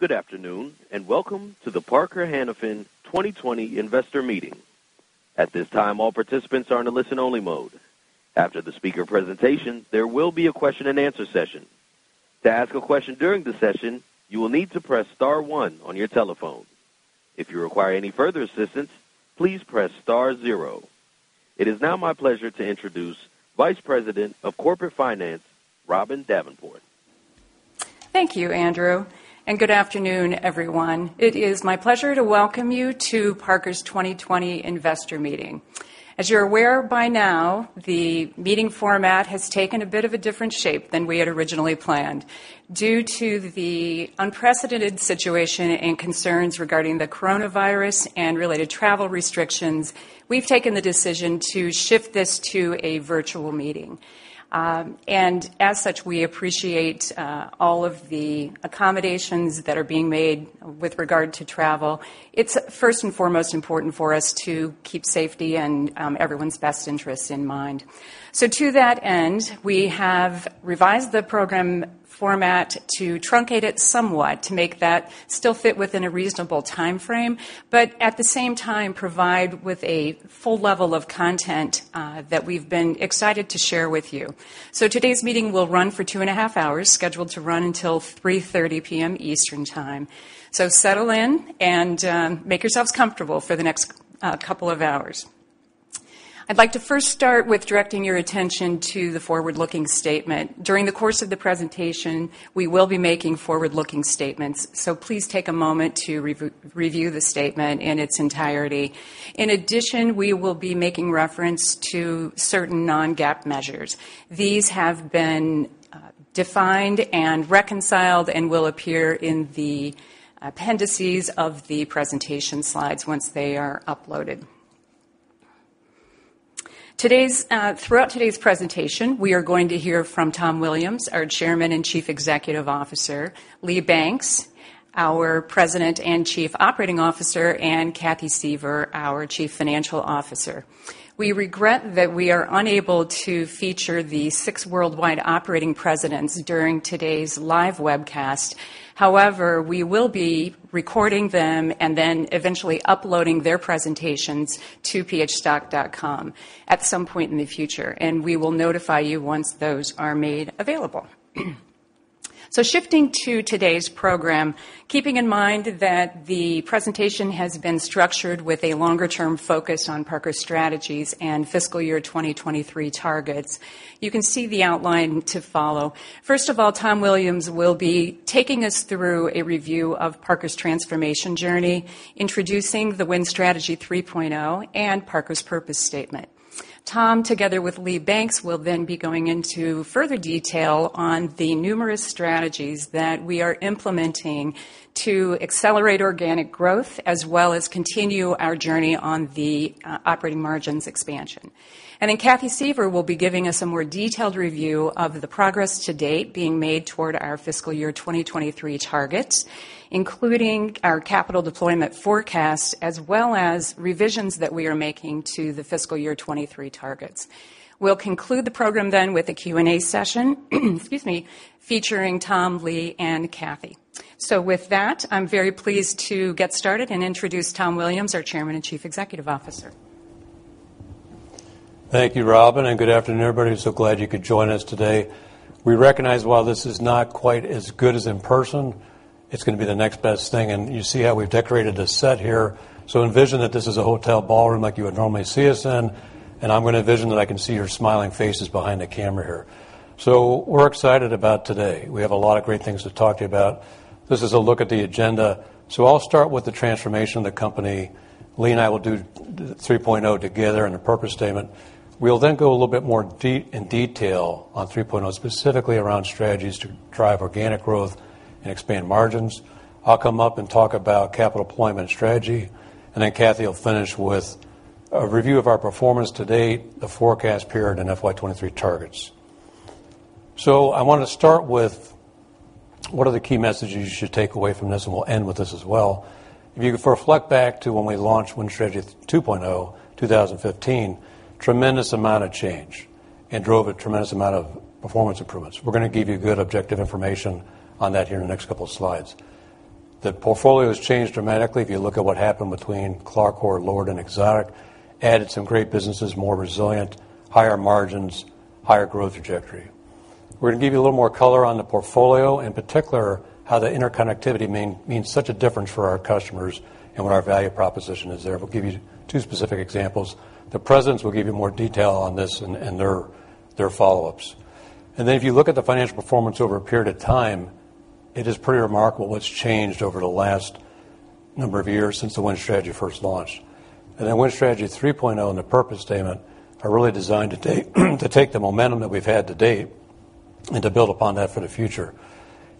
Good afternoon, and welcome to the Parker-Hannifin 2020 Investor Meeting. At this time, all participants are in a listen-only mode. After the speaker presentation, there will be a question and answer session. To ask a question during the session, you will need to press star one on your telephone. If you require a ny further assistance, please press star zero. It is now my pleasure to introduce Vice President of Corporate Finance, Robin Davenport. Thank you, Andrew. Good afternoon, everyone. It is my pleasure to welcome you to Parker's 2020 Investor Meeting. As you're aware by now, the meeting format has taken a bit of a different shape than we had originally planned. Due to the unprecedented situation and concerns regarding the coronavirus and related travel restrictions, we've taken the decision to shift this to a virtual meeting. As such, we appreciate all of the accommodations that are being made with regard to travel. It's first and foremost important for us to keep safety and everyone's best interests in mind. To that end, we have revised the program format to truncate it somewhat to make that still fit within a reasonable timeframe, but at the same time, provide with a full level of content that we've been excited to share with you. Today's meeting will run for two and a half hours, scheduled to run till 3:30 P.M. Eastern Time. Settle in and make yourselves comfortable for the next couple of hours. I'd like to first start with directing your attention to the forward-looking statement. During the course of the presentation, we will be making forward-looking statements. Please take a moment to review the statement in its entirety. In addition, we will be making reference to certain non-GAAP measures. These have been defined and reconciled and will appear in the appendices of the presentation slides once they are uploaded. Throughout today's presentation, we are going to hear from Tom Williams, our Chairman and Chief Executive Officer, Lee Banks, our President and Chief Operating Officer, and Cathy Suever, our Chief Financial Officer. We regret that we are unable to feature the six worldwide operating presidents during today's live webcast. We will be recording them and then eventually uploading their presentations to phstock.com at some point in the future. We will notify you once those are made available. Shifting to today's program, keeping in mind that the presentation has been structured with a longer-term focus on Parker strategies and fiscal year 2023 targets, you can see the outline to follow. First of all, Tom Williams will be taking us through a review of Parker's transformation journey, introducing The Win Strategy 3.0 and Parker's purpose statement. Tom, together with Lee Banks, will then be going into further detail on the numerous strategies that we are implementing to accelerate organic growth, as well as continue our journey on the operating margins expansion. Then Cathy Suever will be giving us a more detailed review of the progress to date being made toward our fiscal year 2023 targets, including our capital deployment forecast, as well as revisions that we are making to the fiscal year 2023 targets. We'll conclude the program then with a Q&A session, excuse me, featuring Tom, Lee, and Cathy. With that, I'm very pleased to get started and introduce Tom Williams, our Chairman and Chief Executive Officer. Thank you, Robin, and good afternoon, everybody. Glad you could join us today. We recognize while this is not quite as good as in person, it's going to be the next best thing, and you see how we've decorated the set here. Envision that this is a hotel ballroom like you would normally see us in, and I'm going to vision that I can see your smiling faces behind the camera here. We're excited about today. We have a lot of great things to talk to you about. This is a look at the agenda. I'll start with the transformation of the company. Lee and I will do 3.0 together and the purpose statement. We'll then go a little bit more in detail on 3.0, specifically around strategies to drive organic growth and expand margins. I'll come up and talk about capital deployment strategy. Then Cathy will finish with a review of our performance to date, the forecast period, and FY 2023 targets. I want to start with what are the key messages you should take away from this, and we'll end with this as well. If you could reflect back to when we launched The Win Strategy 2.0, 2015, tremendous amount of change and drove a tremendous amount of performance improvements. We're going to give you good, objective information on that here in the next couple of slides. The portfolio has changed dramatically if you look at what happened between CLARCOR, LORD and Exotic. Added some great businesses, more resilient, higher margins, higher growth trajectory. We're going to give you a little more color on the portfolio, in particular, how the interconnectivity means such a difference for our customers and what our value proposition is there. We'll give you two specific examples. The presidents will give you more detail on this in their follow-ups. If you look at the financial performance over a period of time, it is pretty remarkable what's changed over the last number of years since The Win Strategy first launched. The Win Strategy 3.0 and the purpose statement are really designed to take the momentum that we've had to date and to build upon that for the future.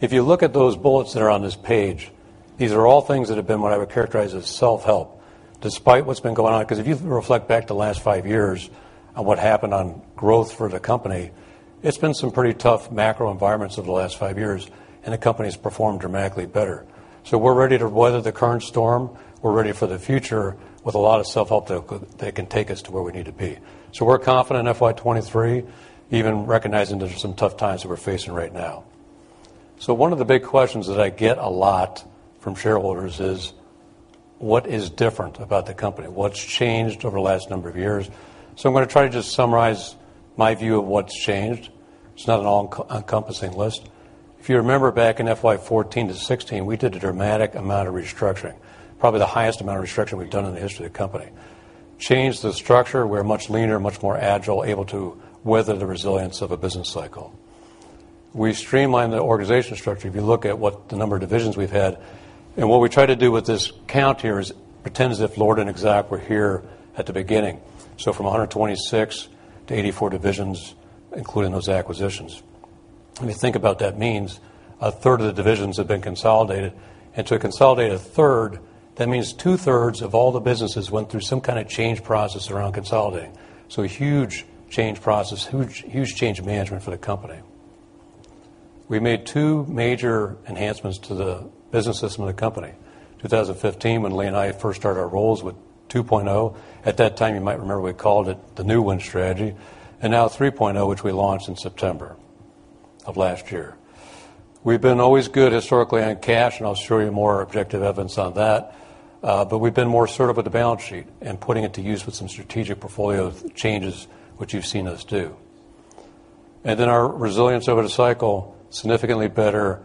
If you look at those bullets that are on this page, these are all things that have been what I would characterize as self-help, despite what's been going on, because if you reflect back to the last five years on what happened on growth for the company, it's been some pretty tough macro environments over the last five years, and the company's performed dramatically better. We're ready to weather the current storm. We're ready for the future with a lot of self-help that can take us to where we need to be. We're confident in FY 2023, even recognizing there's some tough times that we're facing right now. One of the big questions that I get a lot from shareholders is: What is different about the company? What's changed over the last number of years? I'm going to try to just summarize my view of what's changed. It's not an all-encompassing list. If you remember back in FY 2014 to 2016, we did a dramatic amount of restructuring, probably the highest amount of restructuring we've done in the history of the company. Changed the structure. We're much leaner, much more agile, able to weather the resilience of a business cycle. We streamlined the organizational structure, if you look at the number of divisions we've had. What we try to do with this count here is pretend as if LORD and Exotic were here at the beginning. From 126 to 84 divisions, including those acquisitions. When you think about that, means a third of the divisions have been consolidated. To consolidate a third, that means two-thirds of all the businesses went through some kind of change process around consolidating. A huge change process, huge change management for the company. We made two major enhancements to the business system of the company. In 2015, when Lee and I first started our roles with 2.0. At that time, you might remember, we called it the new ONE Strategy, and now 3.0, which we launched in September of last year. We've been always good historically on cash. I'll show you more objective evidence on that. We've been more assertive with the balance sheet and putting it to use with some strategic portfolio changes, which you've seen us do. Our resilience over the cycle, significantly better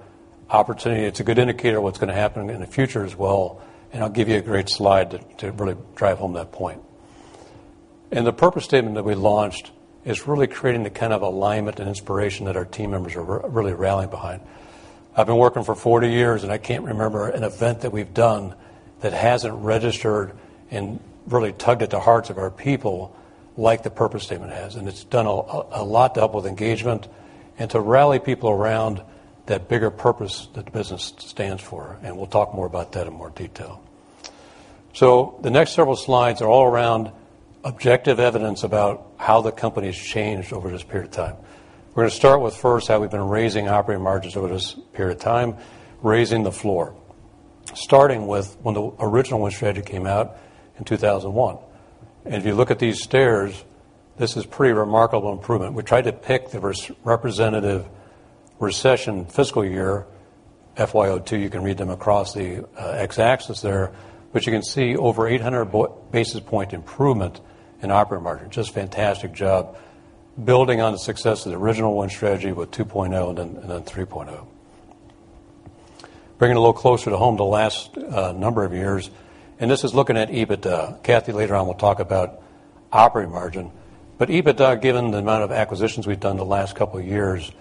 opportunity. It's a good indicator of what's going to happen in the future as well, and I'll give you a great slide to really drive home that point. The purpose statement that we launched is really creating the kind of alignment and inspiration that our team members are really rallying behind. I've been working for 40 years, I can't remember an event that we've done that hasn't registered and really tugged at the hearts of our people like the purpose statement has. It's done a lot to help with engagement and to rally people around that bigger purpose that the business stands for, and we'll talk more about that in more detail. The next several slides are all around objective evidence about how the company's changed over this period of time. We're going to start with first how we've been raising operating margins over this period of time, raising the floor. Starting with when the original Win Strategy came out in 2001. If you look at these stairs, this is pretty remarkable improvement. We tried to pick the representative recession fiscal year, FY 2002, you can read them across the x-axis there. You can see over 800 basis point improvement in operating margin. Just fantastic job building on the success of the original The Win Strategy with 2.0 and then 3.0. Bringing it a little closer to home, the last number of years, this is looking at EBITDA. Cathy, later on, will talk about operating margin. EBITDA, given the amount of acquisitions we've done the last couple of years,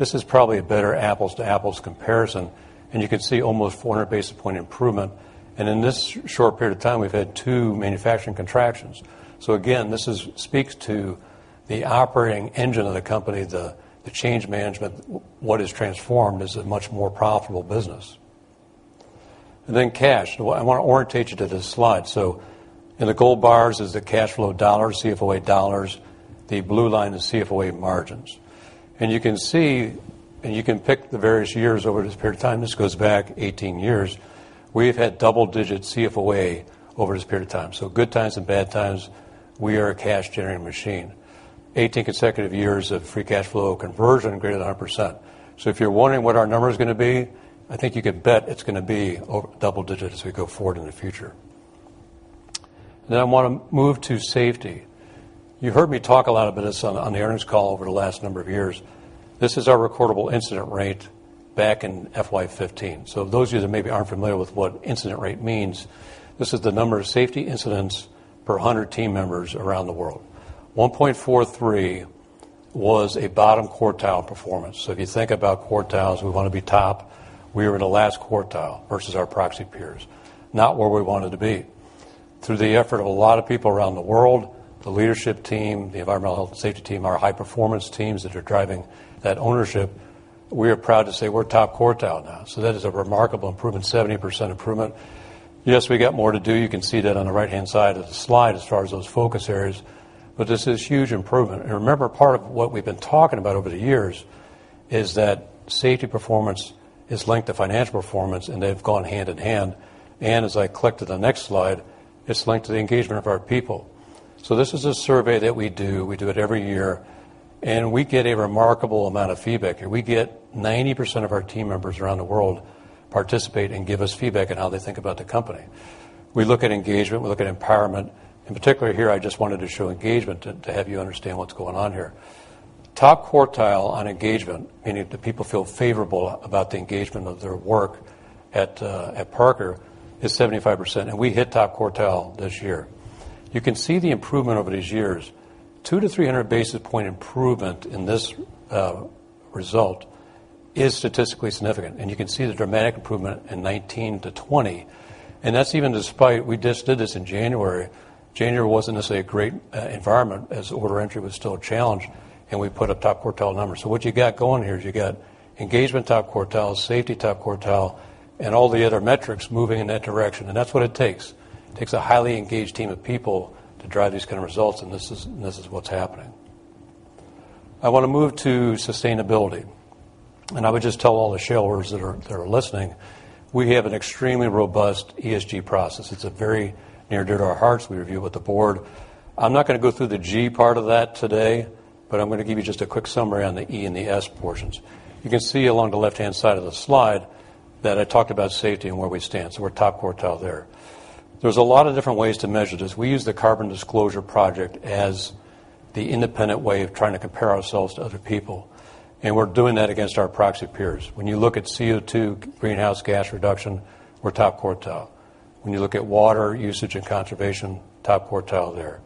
this is probably a better apples to apples comparison, and you can see almost 400 basis point improvement. In this short period of time, we've had two manufacturing contractions. Again, this speaks to the operating engine of the company, the change management. What is transformed is a much more profitable business. Then cash. I want to orientate you to this slide. In the gold bars is the cash flow dollars, CFOA dollars. The blue line is CFOA margins. You can see, you can pick the various years over this period of time. This goes back 18 years. We've had double-digit CFOA over this period of time. Good times and bad times, we are a cash-generating machine. 18 consecutive years of free cash flow conversion greater than 100%. If you're wondering what our number's going to be, I think you could bet it's going to be double-digit as we go forward in the future. I want to move to safety. You heard me talk a lot about this on the earnings call over the last number of years. This is our recordable incident rate back in FY 2015. Those of you that maybe aren't familiar with what incident rate means, this is the number of safety incidents per 100 team members around the world. 1.43 was a bottom quartile performance. If you think about quartiles, we want to be top. We were in the last quartile versus our proxy peers, not where we wanted to be. Through the effort of a lot of people around the world, the leadership team, the environmental health and safety team, our high-performance teams that are driving that ownership, we are proud to say we're top quartile now. That is a remarkable improvement, 70% improvement. Yes, we got more to do. You can see that on the right-hand side of the slide as far as those focus areas. This is huge improvement. Remember, part of what we've been talking about over the years is that safety performance is linked to financial performance, and they've gone hand in hand. As I click to the next slide, it's linked to the engagement of our people. This is a survey that we do. We do it every year, we get a remarkable amount of feedback. We get 90% of our team members around the world participate and give us feedback on how they think about the company. We look at engagement. We look at empowerment. In particular here, I just wanted to show engagement to have you understand what's going on here. Top quartile on engagement, meaning do people feel favorable about the engagement of their work at Parker, is 75%, we hit top quartile this year. You can see the improvement over these years. Two to 300 basis point improvement in this result is statistically significant, you can see the dramatic improvement in 2019 to 2020. That's even despite, we just did this in January. January wasn't necessarily a great environment as order entry was still a challenge, and we put up top quartile numbers. What you got going here is you got engagement top quartile, safety top quartile, and all the other metrics moving in that direction, and that's what it takes. It takes a highly engaged team of people to drive these kind of results, and this is what's happening. I want to move to sustainability, and I would just tell all the shareholders that are listening, we have an extremely robust ESG process. It's very near and dear to our hearts. We review it with the board. I'm not going to go through the G part of that today, but I'm going to give you just a quick summary on the E and the S portions. You can see along the left-hand side of the slide that I talked about safety and where we stand. We're top quartile there. There's a lot of different ways to measure this. We use the Carbon Disclosure Project as the independent way of trying to compare ourselves to other people, and we're doing that against our proxy peers. When you look at CO2 greenhouse gas reduction, we're top quartile. When you look at water usage and conservation, top quartile there.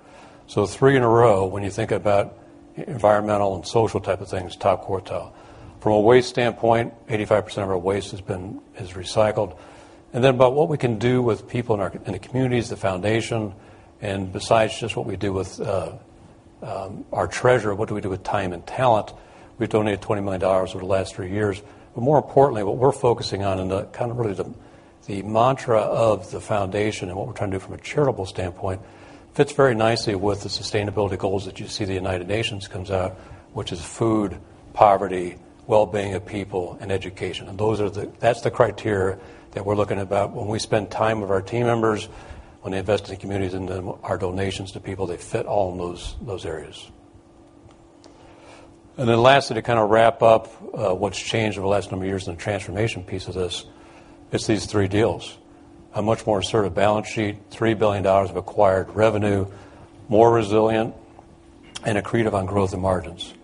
Three in a row when you think about environmental and social type of things, top quartile. From a waste standpoint, 85% of our waste is recycled. About what we can do with people in the communities, the foundation, and besides just what we do with our treasure, what do we do with time and talent? We've donated $20 million over the last three years. More importantly, what we're focusing on, and kind of really the mantra of the foundation and what we're trying to do from a charitable standpoint, fits very nicely with the sustainability goals that you see the United Nations comes out, which is food, poverty, wellbeing of people, and education. That's the criteria that we're looking about when we spend time with our team members, when they invest in the communities and our donations to people, they fit all in those areas. Lastly, to kind of wrap up what's changed over the last number of years and the transformation piece of this, it's these three deals. A much more assertive balance sheet, $3 billion of acquired revenue, more resilient, and accretive on growth and margins.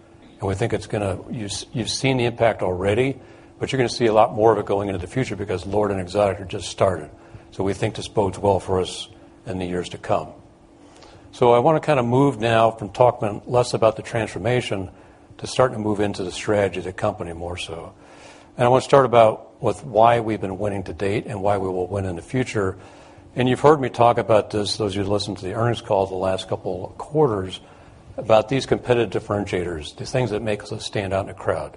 You've seen the impact already, but you're going to see a lot more of it going into the future because LORD and Exotic just started. We think this bodes well for us in the years to come. I want to move now from talking less about the transformation to starting to move into the strategy of the company more so. I want to start about with why we've been winning to date and why we will win in the future. You've heard me talk about this, those of you who've listened to the earnings call the last couple of quarters, about these competitive differentiators, the things that make us stand out in a crowd.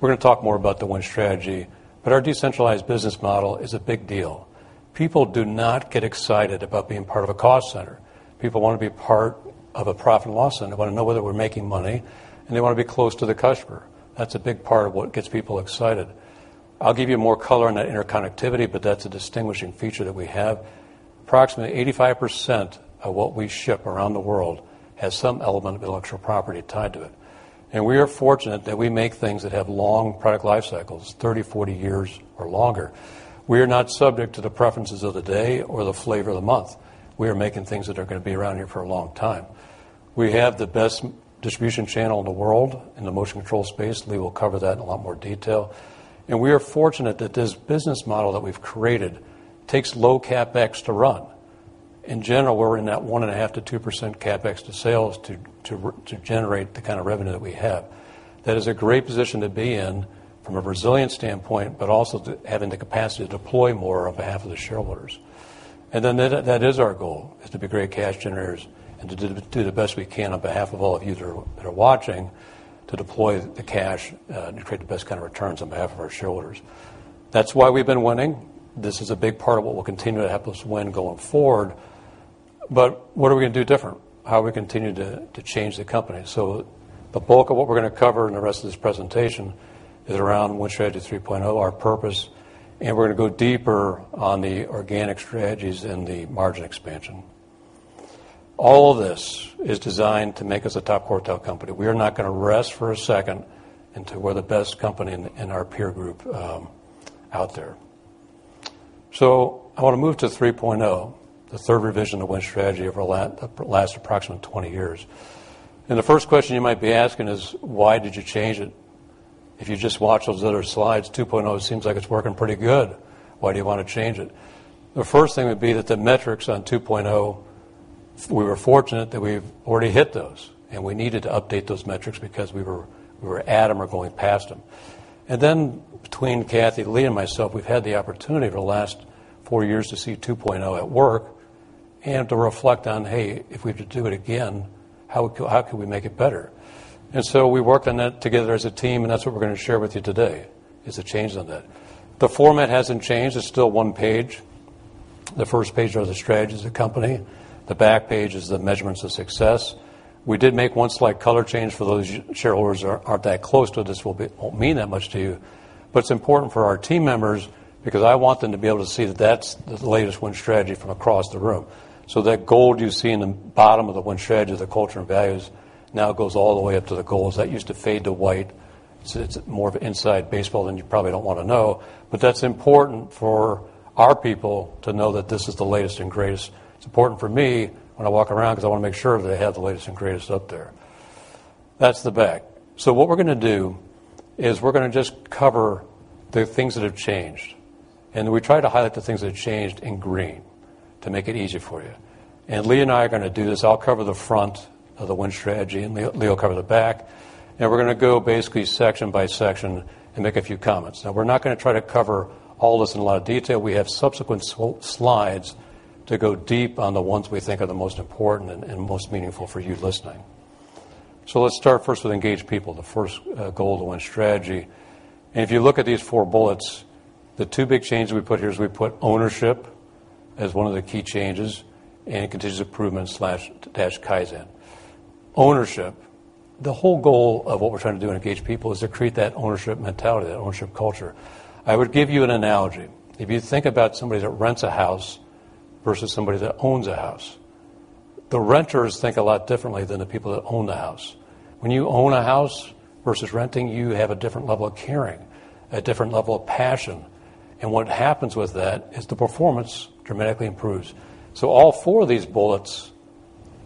We're going to talk more about The Win Strategy, but our decentralized business model is a big deal. People do not get excited about being part of a cost center. People want to be part of a profit and loss center. They want to know whether we're making money, and they want to be close to the customer. That's a big part of what gets people excited. I'll give you more color on that interconnectivity, but that's a distinguishing feature that we have. Approximately 85% of what we ship around the world has some element of intellectual property tied to it. We are fortunate that we make things that have long product life cycles, 30, 40 years or longer. We are not subject to the preferences of the day or the flavor of the month. We are making things that are going to be around here for a long time. We have the best distribution channel in the world in the motion control space. Lee will cover that in a lot more detail. We are fortunate that this business model that we've created takes low CapEx to run. In general, we're in that 1.5%-2% CapEx to sales to generate the kind of revenue that we have. That is a great position to be in from a resilience standpoint, but also having the capacity to deploy more on behalf of the shareholders. That is our goal, is to be great cash generators and to do the best we can on behalf of all of you that are watching to deploy the cash and create the best kind of returns on behalf of our shareholders. That's why we've been winning. This is a big part of what will continue to help us win going forward. What are we going to do different? How are we continue to change the company? The bulk of what we're going to cover in the rest of this presentation is around The Win Strategy 3.0, our purpose, and we're going to go deeper on the organic strategies and the margin expansion. All of this is designed to make us a top quartile company. We are not going to rest for a second until we're the best company in our peer group out there. I want to move to 3.0, the third revision of The Win Strategy over the last approximate 20 years. The first question you might be asking is, why did you change it? If you just watch those other slides, 2.0 seems like it's working pretty good. Why do you want to change it? The first thing would be that the metrics on 2.0, we were fortunate that we've already hit those, and we needed to update those metrics because we were at them or going past them. Between Cathy, Lee, and myself, we've had the opportunity over the last four years to see 2.0 at work and to reflect on, hey, if we have to do it again, how could we make it better? We worked on that together as a team, and that's what we're going to share with you today, is the changes on that. The format hasn't changed. It's still one page. The first page are the strategies of the company. The back page is the measurements of success. We did make one slight color change. For those shareholders who aren't that close to this, it won't mean that much to you. It's important for our team members because I want them to be able to see that that's the latest Win Strategy from across the room. That gold you see in the bottom of the Win Strategy, the culture and values, now goes all the way up to the goals. That used to fade to white. It's more of inside baseball than you probably don't want to know. That's important for our people to know that this is the latest and greatest. It's important for me when I walk around because I want to make sure they have the latest and greatest up there. That's the back. What we're going to do is we're going to just cover the things that have changed, and we try to highlight the things that have changed in green to make it easier for you. Lee and I are going to do this. I'll cover the front of the ONE Strategy, and Lee will cover the back. We're going to go basically section by section and make a few comments. We're not going to try to cover all this in a lot of detail. We have subsequent slides to go deep on the ones we think are the most important and most meaningful for you listening. Let's start first with engage people, the first goal of the ONE Strategy. If you look at these four bullets, the two big changes we put here is we put ownership as one of the key changes and continuous improvement-slash-Kaizen. Ownership, the whole goal of what we're trying to do in engage people is to create that ownership mentality, that ownership culture. I would give you an analogy. If you think about somebody that rents a house versus somebody that owns a house. The renters think a lot differently than the people that own the house. When you own a house versus renting, you have a different level of caring, a different level of passion. What happens with that is the performance dramatically improves. All four of these bullets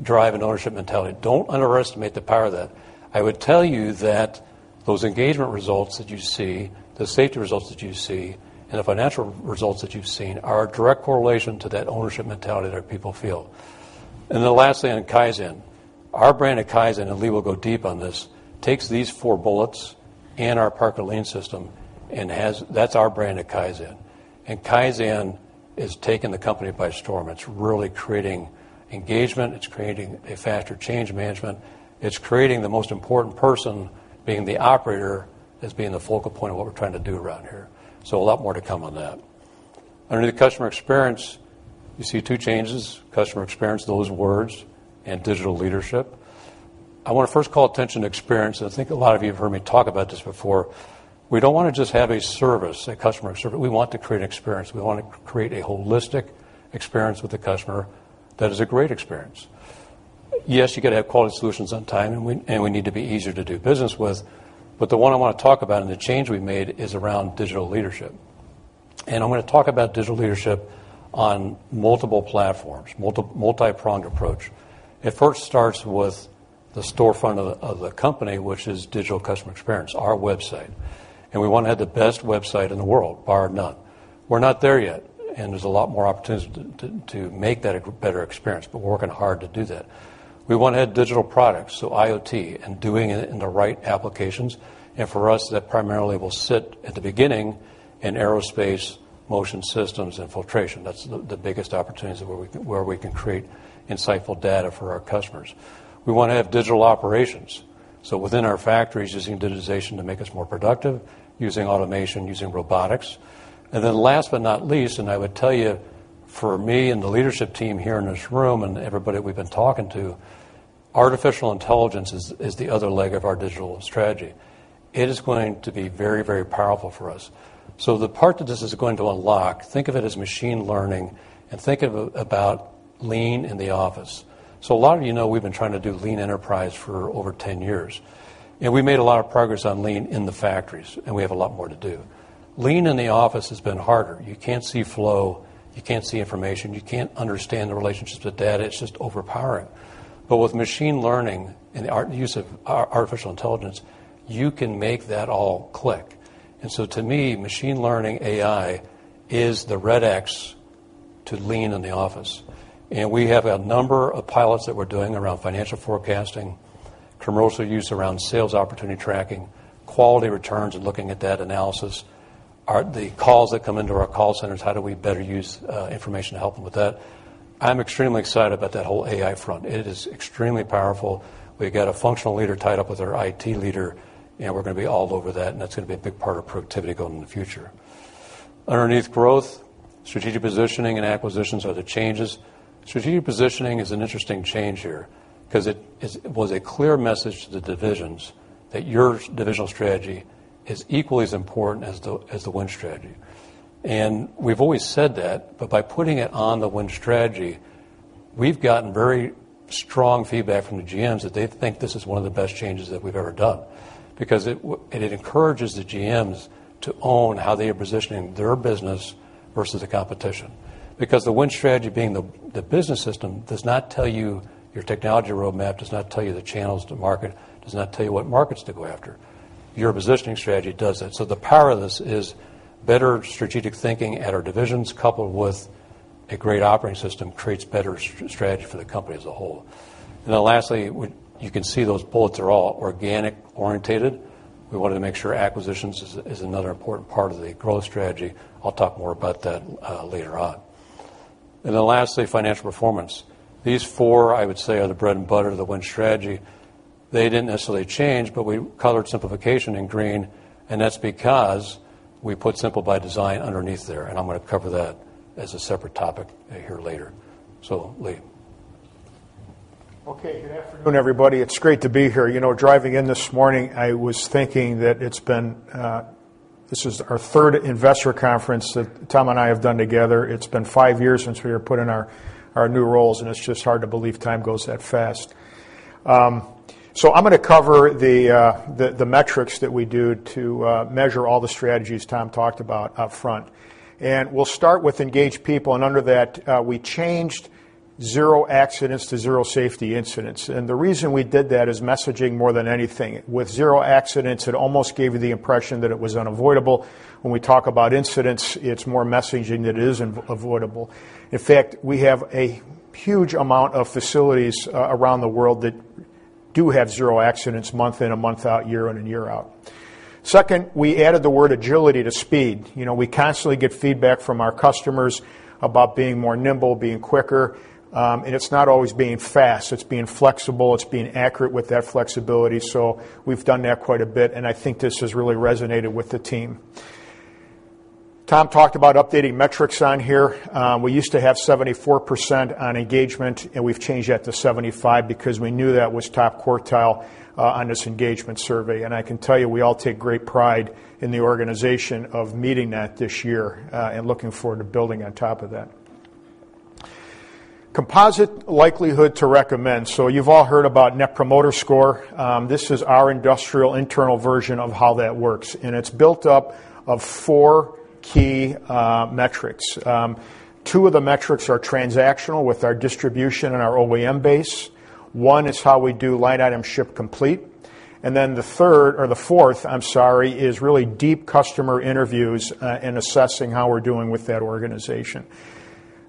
drive an ownership mentality. Don't underestimate the power of that. I would tell you that those engagement results that you see, the safety results that you see, and the financial results that you've seen are a direct correlation to that ownership mentality that our people feel. The last thing on Kaizen. Our brand of Kaizen, and Lee will go deep on this, takes these four bullets and our Parker Lean System, that's our brand of Kaizen. Kaizen is taking the company by storm. It's really creating engagement. It's creating a faster change management. It's creating the most important person, being the operator as being the focal point of what we're trying to do around here. A lot more to come on that. Under the customer experience, you see two changes, customer experience, those words, and digital leadership. I want to first call attention to experience, and I think a lot of you have heard me talk about this before. We don't want to just have a service, a customer service. We want to create an experience. We want to create a holistic experience with the customer that is a great experience. Yes, you got to have quality solutions on time, and we need to be easier to do business with, but the one I want to talk about and the change we've made is around digital leadership. I'm going to talk about digital leadership on multiple platforms, multi-pronged approach. It first starts with the storefront of the company, which is digital customer experience, our website, and we want to have the best website in the world, bar none. We're not there yet, and there's a lot more opportunities to make that a better experience, but we're working hard to do that. We want to have digital products, so IoT, and doing it in the right applications. For us, that primarily will sit at the beginning in Aerospace, Motion Systems, and Filtration. That's the biggest opportunities where we can create insightful data for our customers. We want to have digital operations, so within our factories, using digitization to make us more productive, using automation, using robotics. Last but not least, and I would tell you for me and the leadership team here in this room and everybody we've been talking to, artificial intelligence is the other leg of our digital strategy. It is going to be very, very powerful for us. The part that this is going to unlock, think of it as machine learning and think about Lean in the office. A lot of you know we've been trying to do Lean Enterprise for over 10 years, and we made a lot of progress on Lean in the factories, and we have a lot more to do. Lean in the office has been harder. You can't see flow. You can't see information. You can't understand the relationships with data. It's just overpowering. With machine learning and the use of artificial intelligence, you can make that all click. To me, machine learning, AI, is the Red X to Lean in the office. We have a number of pilots that we're doing around financial forecasting, commercial use around sales opportunity tracking, quality returns, and looking at data analysis. The calls that come into our call centers, how do we better use information to help them with that? I'm extremely excited about that whole AI front. It is extremely powerful. We've got a functional leader tied up with our IT leader, and we're going to be all over that, and that's going to be a big part of productivity going in the future. Underneath growth, strategic positioning, and acquisitions are the changes. Strategic positioning is an interesting change here because it was a clear message to the divisions that your divisional strategy is equally as important as The Win Strategy. We've always said that, but by putting it on The Win Strategy, we've gotten very strong feedback from the GMs that they think this is one of the best changes that we've ever done because it encourages the GMs to own how they are positioning their business versus the competition. The Win Strategy being the business system does not tell you your technology roadmap, does not tell you the channels to market, does not tell you what markets to go after. Your positioning strategy does that. The power of this is better strategic thinking at our divisions, coupled with a great operating system, creates better strategy for the company as a whole. Lastly, you can see those bullets are all organic oriented. We wanted to make sure acquisitions is another important part of the growth strategy. I'll talk more about that later on. Lastly, financial performance. These four, I would say, are the bread and butter of The Win Strategy. They didn't necessarily change, but we colored simplification in green, and that's because we put Simple by Design underneath there, and I'm going to cover that as a separate topic here later. Lee. Okay. Good afternoon, everybody. It's great to be here. Driving in this morning, I was thinking that this is our third investor conference that Tom and I have done together. It's been five years since we were put in our new roles. It's just hard to believe time goes that fast. I'm going to cover the metrics that we do to measure all the strategies Tom talked about up front. We'll start with Engage People, and under that, we changed zero accidents to zero safety incidents. The reason we did that is messaging more than anything. With zero accidents, it almost gave you the impression that it was unavoidable. When we talk about incidents, it's more messaging that it is avoidable. In fact, we have a huge amount of facilities around the world that do have zero accidents month in and month out, year in and year out. We added the word agility to speed. We constantly get feedback from our customers about being more nimble, being quicker, and it's not always being fast, it's being flexible, it's being accurate with that flexibility. We've done that quite a bit, and I think this has really resonated with the team. Tom talked about updating metrics on here. We used to have 74% on engagement, and we've changed that to 75 because we knew that was top quartile on this engagement survey. I can tell you, we all take great pride in the organization of meeting that this year, and looking forward to building on top of that. Composite likelihood to recommend. You've all heard about Net Promoter Score. This is our industrial internal version of how that works, and it's built up of four key metrics. Two of the metrics are transactional with our distribution and our OEM base. One is how we do line item ship complete. The third or the fourth, I'm sorry, is really deep customer interviews, in assessing how we're doing with that organization.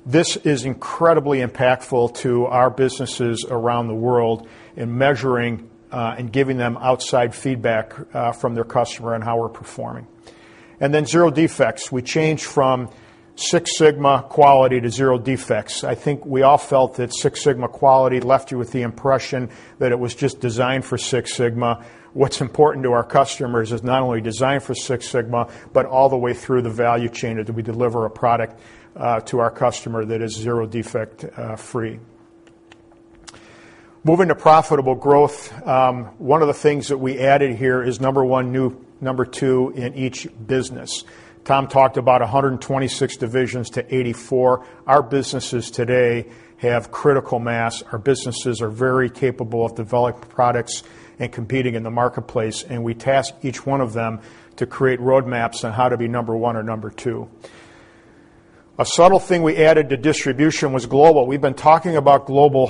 This is incredibly impactful to our businesses around the world in measuring, and giving them outside feedback, from their customer on how we're performing. Zero defects. We changed from Six Sigma quality to zero defects. I think we all felt that Six Sigma quality left you with the impression that it was just designed for Six Sigma. What's important to our customers is not only designed for Six Sigma, but all the way through the value chain, that we deliver a product to our customer that is zero defect free. Moving to profitable growth, one of the things that we added here is number one, new number two in each business. Tom talked about 126 divisions to 84. Our businesses today have critical mass. Our businesses are very capable of developing products and competing in the marketplace. We task each one of them to create roadmaps on how to be number one or number two. A subtle thing we added to distribution was global. We've been talking about global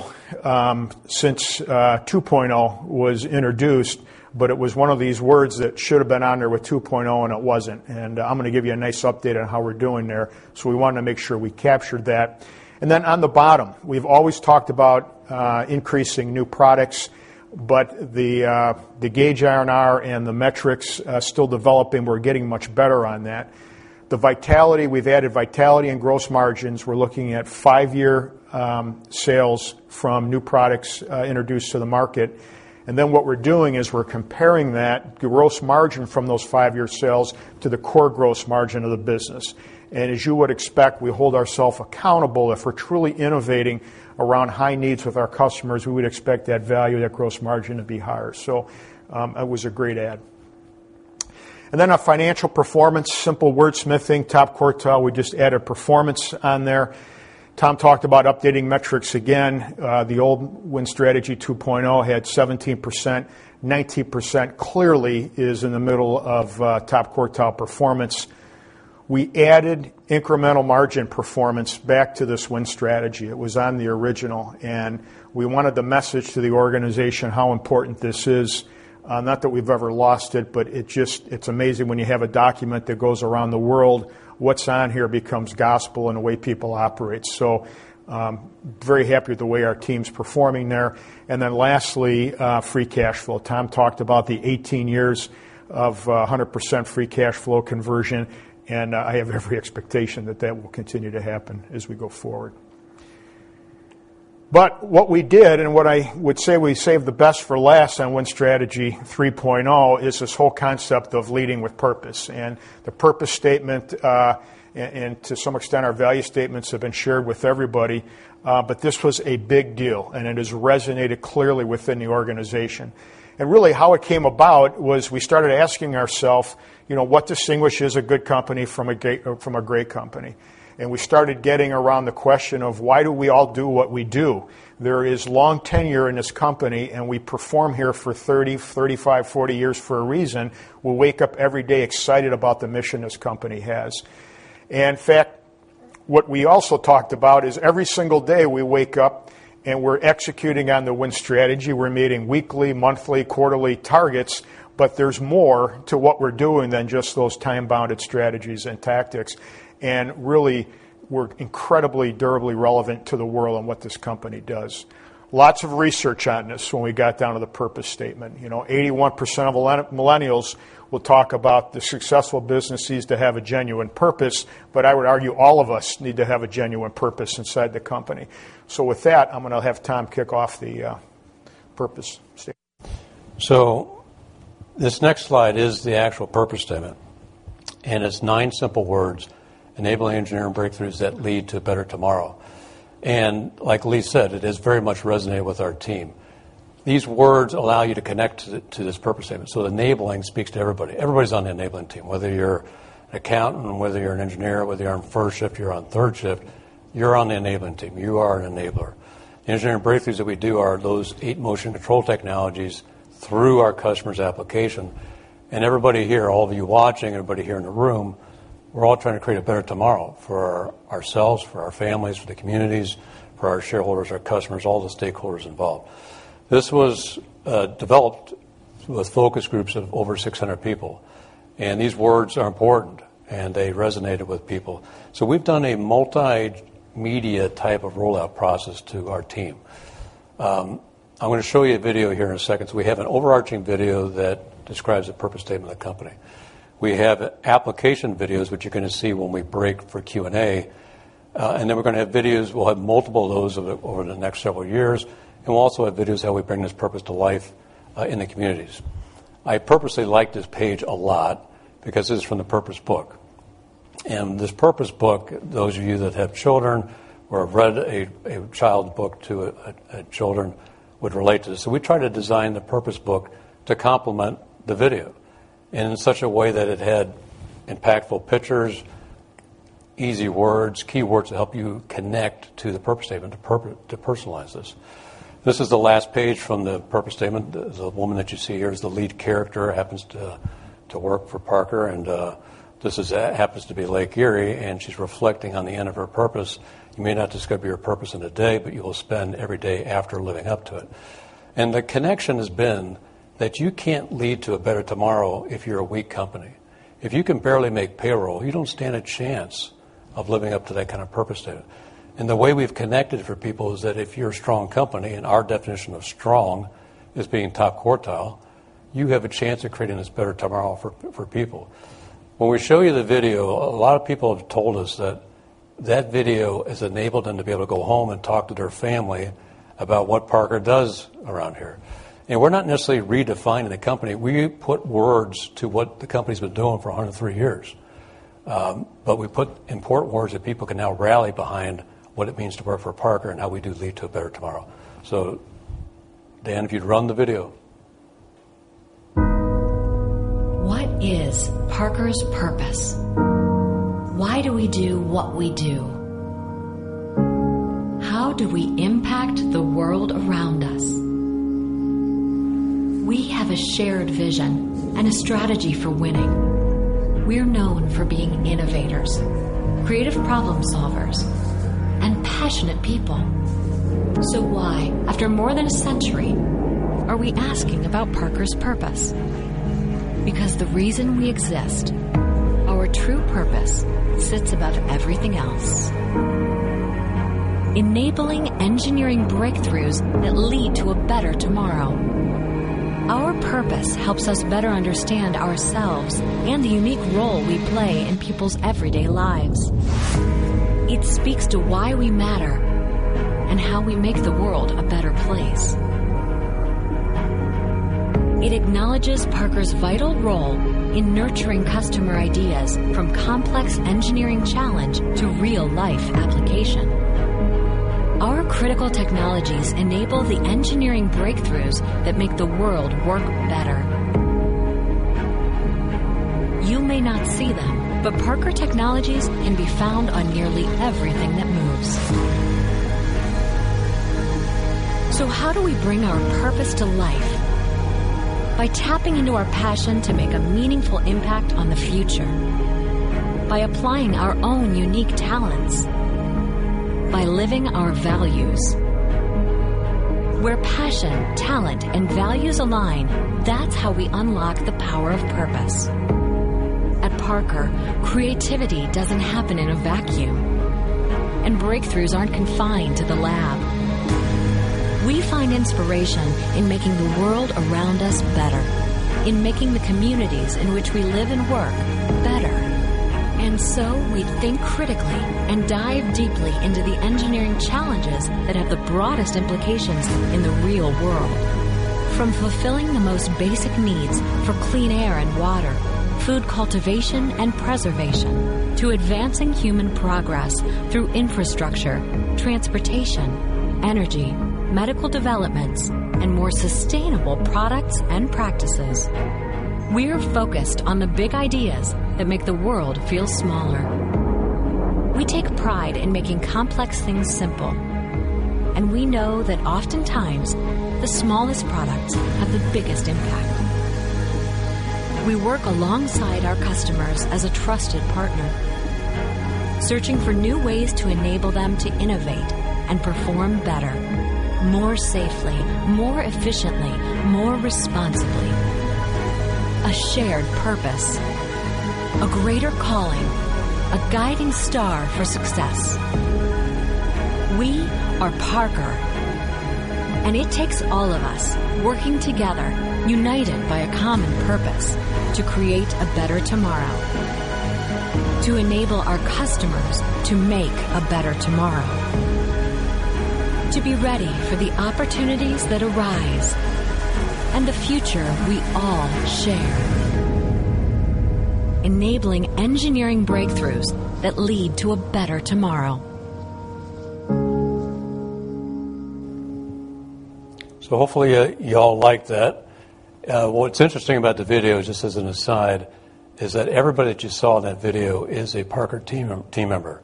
since 2.0 was introduced. It was one of these words that should have been on there with 2.0, and it wasn't. I'm gonna give you a nice update on how we're doing there. We wanted to make sure we captured that. On the bottom, we've always talked about increasing new products, but the Gage R&R and the metrics are still developing. We're getting much better on that. The vitality, we've added vitality and gross margins. We're looking at five-year sales from new products introduced to the market. What we're doing is we're comparing that gross margin from those five-year sales to the core gross margin of the business. As you would expect, we hold ourself accountable if we're truly innovating around high needs with our customers, we would expect that value, that gross margin, to be higher. It was a great add. Our financial performance, simple wordsmithing, top quartile. We just added performance on there. Tom talked about updating metrics again. The old The Win Strategy 2.0 had 17%. 19% clearly is in the middle of top quartile performance. We added incremental margin performance back to this Win Strategy. We wanted the message to the organization, how important this is. Not that we've ever lost it's amazing when you have a document that goes around the world, what's on here becomes gospel and the way people operate. Very happy with the way our team's performing there. Lastly, free cash flow. Tom talked about the 18 years of 100% free cash flow conversion, I have every expectation that that will continue to happen as we go forward. What we did, and what I would say, we saved the best for last on Win Strategy 3.0, is this whole concept of leading with purpose. The purpose statement, and to some extent, our value statements, have been shared with everybody. This was a big deal, and it has resonated clearly within the organization. Really, how it came about was we started asking ourselves, what distinguishes a good company from a great company? We started getting around the question of, why do we all do what we do? There is long tenure in this company, and we perform here for 30, 35, 40 years for a reason. We wake up every day excited about the mission this company has. In fact, what we also talked about is every single day we wake up and we're executing on The Win Strategy. We're meeting weekly, monthly, quarterly targets, but there's more to what we're doing than just those time-bounded strategies and tactics. Really, we're incredibly durably relevant to the world and what this company does. Lots of research on this when we got down to the purpose statement. 81% of millennials will talk about the successful businesses to have a genuine purpose, but I would argue all of us need to have a genuine purpose inside the company. With that, I'm going to have Tom kick off the purpose statement. This next slide is the actual purpose statement, it's nine simple words, enabling engineering breakthroughs that lead to a better tomorrow. Like Lee said, it has very much resonated with our team. These words allow you to connect to this purpose statement. Enabling speaks to everybody. Everybody's on the enabling team, whether you're an accountant, whether you're an engineer, whether you're on first shift, you're on third shift, you're on the enabling team. You are an enabler. The engineering breakthroughs that we do are those eight motion control technologies through our customer's application. Everybody here, all of you watching, everybody here in the room, we're all trying to create a better tomorrow for ourselves, for our families, for the communities, for our shareholders, our customers, all the stakeholders involved. This was developed with focus groups of over 600 people, and these words are important, and they resonated with people. We've done a multimedia type of rollout process to our team. I'm gonna show you a video here in a second. We have an overarching video that describes the purpose statement of the company. We have application videos, which you're gonna see when we break for Q&A. Then we're gonna have videos, we'll have multiple of those over the next several years, and we'll also have videos how we bring this purpose to life, in the communities. I purposely like this page a lot because this is from the purpose book. This purpose book, those of you that have children or have read a children's book to children would relate to this. We try to design the purpose book to complement the video. In such a way that it had impactful pictures, easy words, keywords to help you connect to the purpose statement, to personalize this. This is the last page from the purpose statement. The woman that you see here is the lead character, happens to work for Parker, and this happens to be Lake Erie, and she's reflecting on the end of her purpose. "You may not discover your purpose in a day, but you will spend every day after living up to it." The connection has been that you can't lead to a better tomorrow if you're a weak company. If you can barely make payroll, you don't stand a chance of living up to that kind of purpose statement. The way we've connected for people is that if you're a strong company, and our definition of strong is being top quartile, you have a chance of creating this better tomorrow for people. When we show you the video, a lot of people have told us that that video has enabled them to be able to go home and talk to their family about what Parker does around here. We're not necessarily redefining the company. We put words to what the company's been doing for 103 years. We put important words that people can now rally behind what it means to work for Parker and how we do lead to a better tomorrow. Dan, if you'd run the video. What is Parker's purpose? Why do we do what we do? How do we impact the world around us? We have a shared vision and a strategy for winning. We're known for being innovators, creative problem-solvers, and passionate people. Why, after more than a century, are we asking about Parker's purpose? Because the reason we exist, our true purpose, sits above everything else. Enabling engineering breakthroughs that lead to a better tomorrow. Our purpose helps us better understand ourselves and the unique role we play in people's everyday lives. It speaks to why we matter and how we make the world a better place. It acknowledges Parker's vital role in nurturing customer ideas from complex engineering challenge to real-life application. Our critical technologies enable the engineering breakthroughs that make the world work better. You may not see them, but Parker technologies can be found on nearly everything that moves. How do we bring our purpose to life? By tapping into our passion to make a meaningful impact on the future. By applying our own unique talents. By living our values. Where passion, talent, and values align, that's how we unlock the power of purpose. At Parker, creativity doesn't happen in a vacuum, and breakthroughs aren't confined to the lab. We find inspiration in making the world around us better, in making the communities in which we live and work better. We think critically and dive deeply into the engineering challenges that have the broadest implications in the real world. From fulfilling the most basic needs for clean air and water, food cultivation and preservation, to advancing human progress through infrastructure, transportation, energy, medical developments, and more sustainable products and practices. We are focused on the big ideas that make the world feel smaller. We take pride in making complex things simple. We know that oftentimes the smallest products have the biggest impact. We work alongside our customers as a trusted partner, searching for new ways to enable them to innovate and perform better, more safely, more efficiently, more responsibly. A shared purpose, a greater calling, a guiding star for success. We are Parker. It takes all of us working together, united by a common purpose to create a better tomorrow, to enable our customers to make a better tomorrow, to be ready for the opportunities that arise and the future we all share. Enabling engineering breakthroughs that lead to a better tomorrow. Hopefully, you all liked that. What's interesting about the video, just as an aside, is that everybody that you saw in that video is a Parker team member.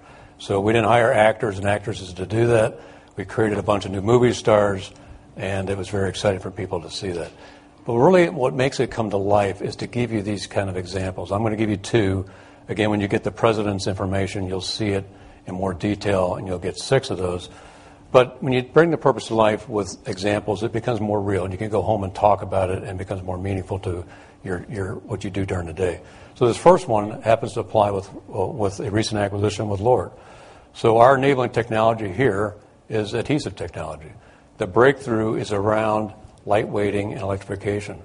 We didn't hire actors and actresses to do that. We created a bunch of new movie stars, and it was very exciting for people to see that. Really, what makes it come to life is to give you these kind of examples. I'm going to give you two. Again, when you get the president's information, you'll see it in more detail, and you'll get six of those. When you bring the purpose to life with examples, it becomes more real, and you can go home and talk about it, and it becomes more meaningful to what you do during the day. This first one happens to apply with a recent acquisition with LORD. Our enabling technology here is adhesive technology. The breakthrough is around lightweighting and electrification.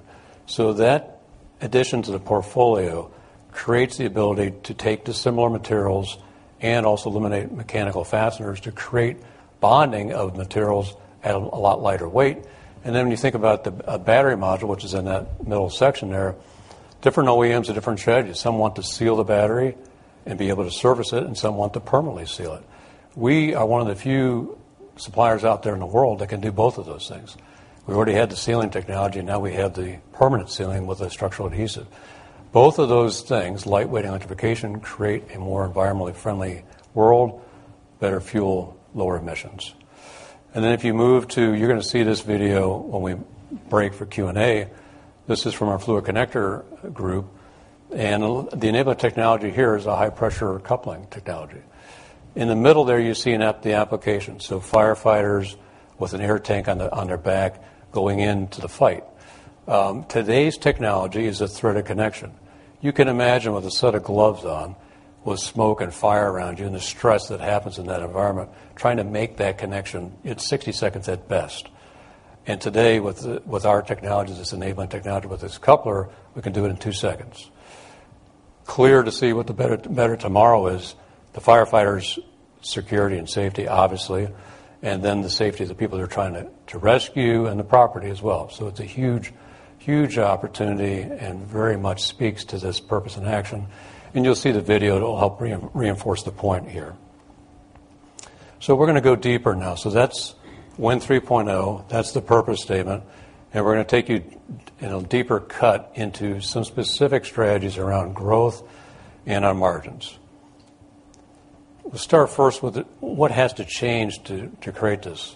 That addition to the portfolio creates the ability to take dissimilar materials and also eliminate mechanical fasteners to create bonding of materials at a lot lighter weight. When you think about a battery module, which is in that middle section there, different OEMs have different strategies. Some want to seal the battery and be able to service it, and some want to permanently seal it. We are one of the few suppliers out there in the world that can do both of those things. We already had the sealing technology, now we have the permanent sealing with a structural adhesive. Both of those things, lightweight and electrification, create a more environmentally friendly world, better fuel, lower emissions. If you move to, you're going to see this video when we break for Q&A. This is from our Fluid Connector Group, and the enabling technology here is a high-pressure coupling technology. In the middle there, you see the application. Firefighters with an air tank on their back going into the fight. Today's technology is a threaded connection. You can imagine with a set of gloves on, with smoke and fire around you, and the stress that happens in that environment, trying to make that connection, it's 60 seconds at best. Today, with our technologies, this enabling technology with this coupler, we can do it in two seconds. Clear to see what the better tomorrow is, the firefighters' security and safety, obviously, and then the safety of the people they're trying to rescue, and the property as well. It's a huge opportunity and very much speaks to this purpose in action. You'll see the video, it'll help reinforce the point here. We're going to go deeper now. That's Win 3.0, that's the purpose statement, and we're going to take you in a deeper cut into some specific strategies around growth and our margins. We'll start first with what has to change to create this.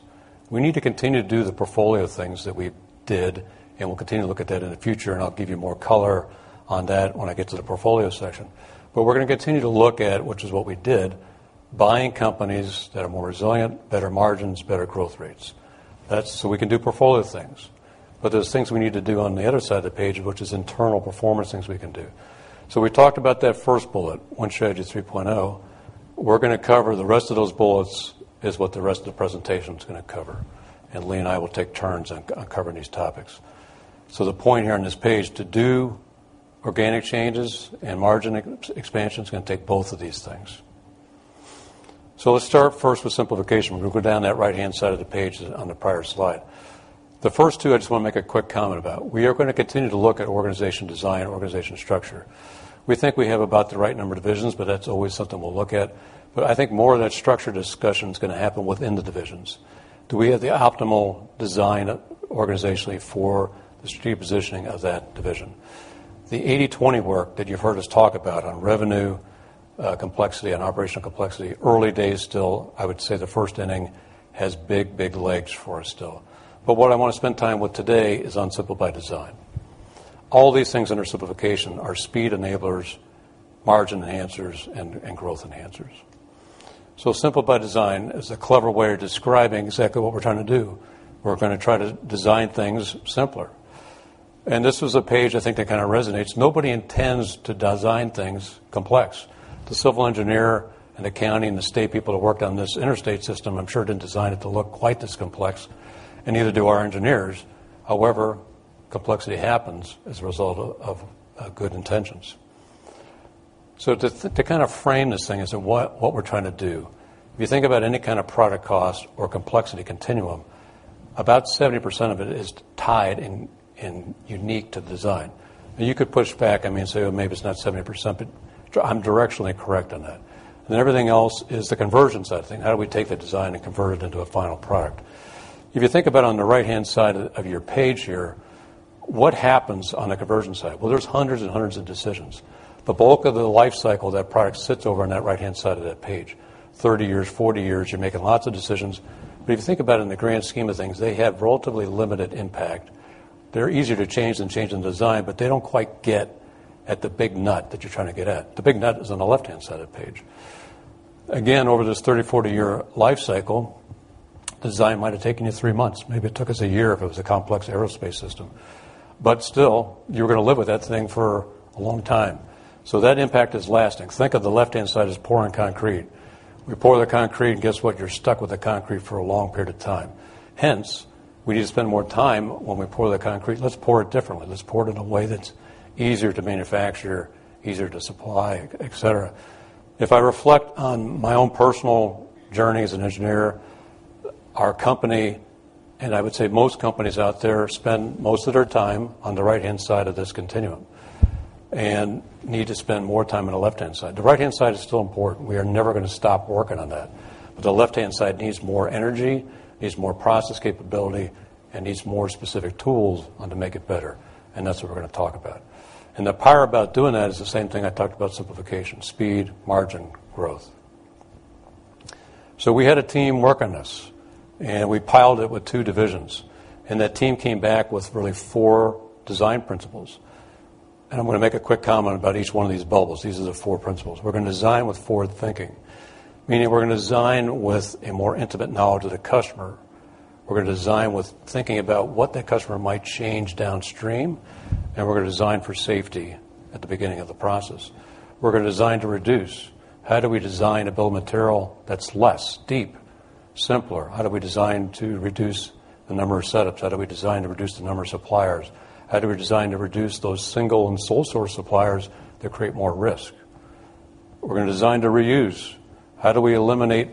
We need to continue to do the portfolio things that we did, and we'll continue to look at that in the future, and I'll give you more color on that when I get to the portfolio section. We're going to continue to look at, which is what we did, buying companies that are more resilient, better margins, better growth rates. That's so we can do portfolio things. There's things we need to do on the other side of the page, which is internal performance things we can do. We talked about that first bullet, Win Strategy 3.0. We're going to cover the rest of those bullets, is what the rest of the presentation is going to cover. Lee and I will take turns on covering these topics. The point here on this page, to do organic changes and margin expansion, is going to take both of these things. Let's start first with simplification. We're going to go down that right-hand side of the page on the prior slide. The first two I just want to make a quick comment about. We are going to continue to look at organization design and organization structure. We think we have about the right number of divisions, but that's always something we'll look at. I think more of that structure discussion is going to happen within the divisions. Do we have the optimal design organizationally for the strategic positioning of that division? The 80/20 work that you've heard us talk about on revenue complexity and operational complexity, early days still, I would say the first inning has big legs for us still. What I want to spend time with today is on Simple by Design. All these things under simplification are speed enablers, margin enhancers, and growth enhancers. Simple by Design is a clever way of describing exactly what we're trying to do. We're going to try to design things simpler. This was a page I think that kind of resonates. Nobody intends to design things complex. The civil engineer and accounting, the state people that worked on this interstate system, I'm sure didn't design it to look quite this complex, and neither do our engineers. Complexity happens as a result of good intentions. To kind of frame this thing as to what we're trying to do, if you think about any kind of product cost or complexity continuum, about 70% of it is tied and unique to design. You could push back, I mean, and say, "Well, maybe it's not 70%," but I'm directionally correct on that. Everything else is the conversion side of the thing. How do we take the design and convert it into a final product? If you think about on the right-hand side of your page here, what happens on the conversion side? Well, there's hundreds and hundreds of decisions. The bulk of the life cycle of that product sits over on that right-hand side of that page. 30 years, 40 years, you're making lots of decisions. If you think about it in the grand scheme of things, they have relatively limited impact. They're easier to change than changing the design, but they don't quite get at the big nut that you're trying to get at. The big nut is on the left-hand side of the page. Again, over this 30, 40-year life cycle, design might have taken you three months. Maybe it took us a year if it was a complex aerospace system. Still, you're going to live with that thing for a long time. That impact is lasting. Think of the left-hand side as pouring concrete. We pour the concrete, and guess what? You're stuck with the concrete for a long period of time. We need to spend more time when we pour the concrete. Let's pour it differently. Let's pour it in a way that's easier to manufacture, easier to supply, et cetera. If I reflect on my own personal journey as an engineer, our company, and I would say most companies out there, spend most of their time on the right-hand side of this continuum and need to spend more time on the left-hand side. The right-hand side is still important. We are never going to stop working on that. The left-hand side needs more energy, needs more process capability, and needs more specific tools to make it better, and that's what we're going to talk about. The power about doing that is the same thing I talked about simplification: speed, margin, growth. We had a team work on this, and we piloted with two divisions, and that team came back with really four design principles. I'm going to make a quick comment about each one of these bubbles. These are the four principles. We're going to design with forward thinking, meaning we're going to design with a more intimate knowledge of the customer. We're going to design with thinking about what that customer might change downstream, and we're going to design for safety at the beginning of the process. We're going to design to reduce. How do we design to build material that's less, deep, simpler? How do we design to reduce the number of setups? How do we design to reduce the number of suppliers? How do we design to reduce those single and sole source suppliers that create more risk? We're going to design to reuse. How do we eliminate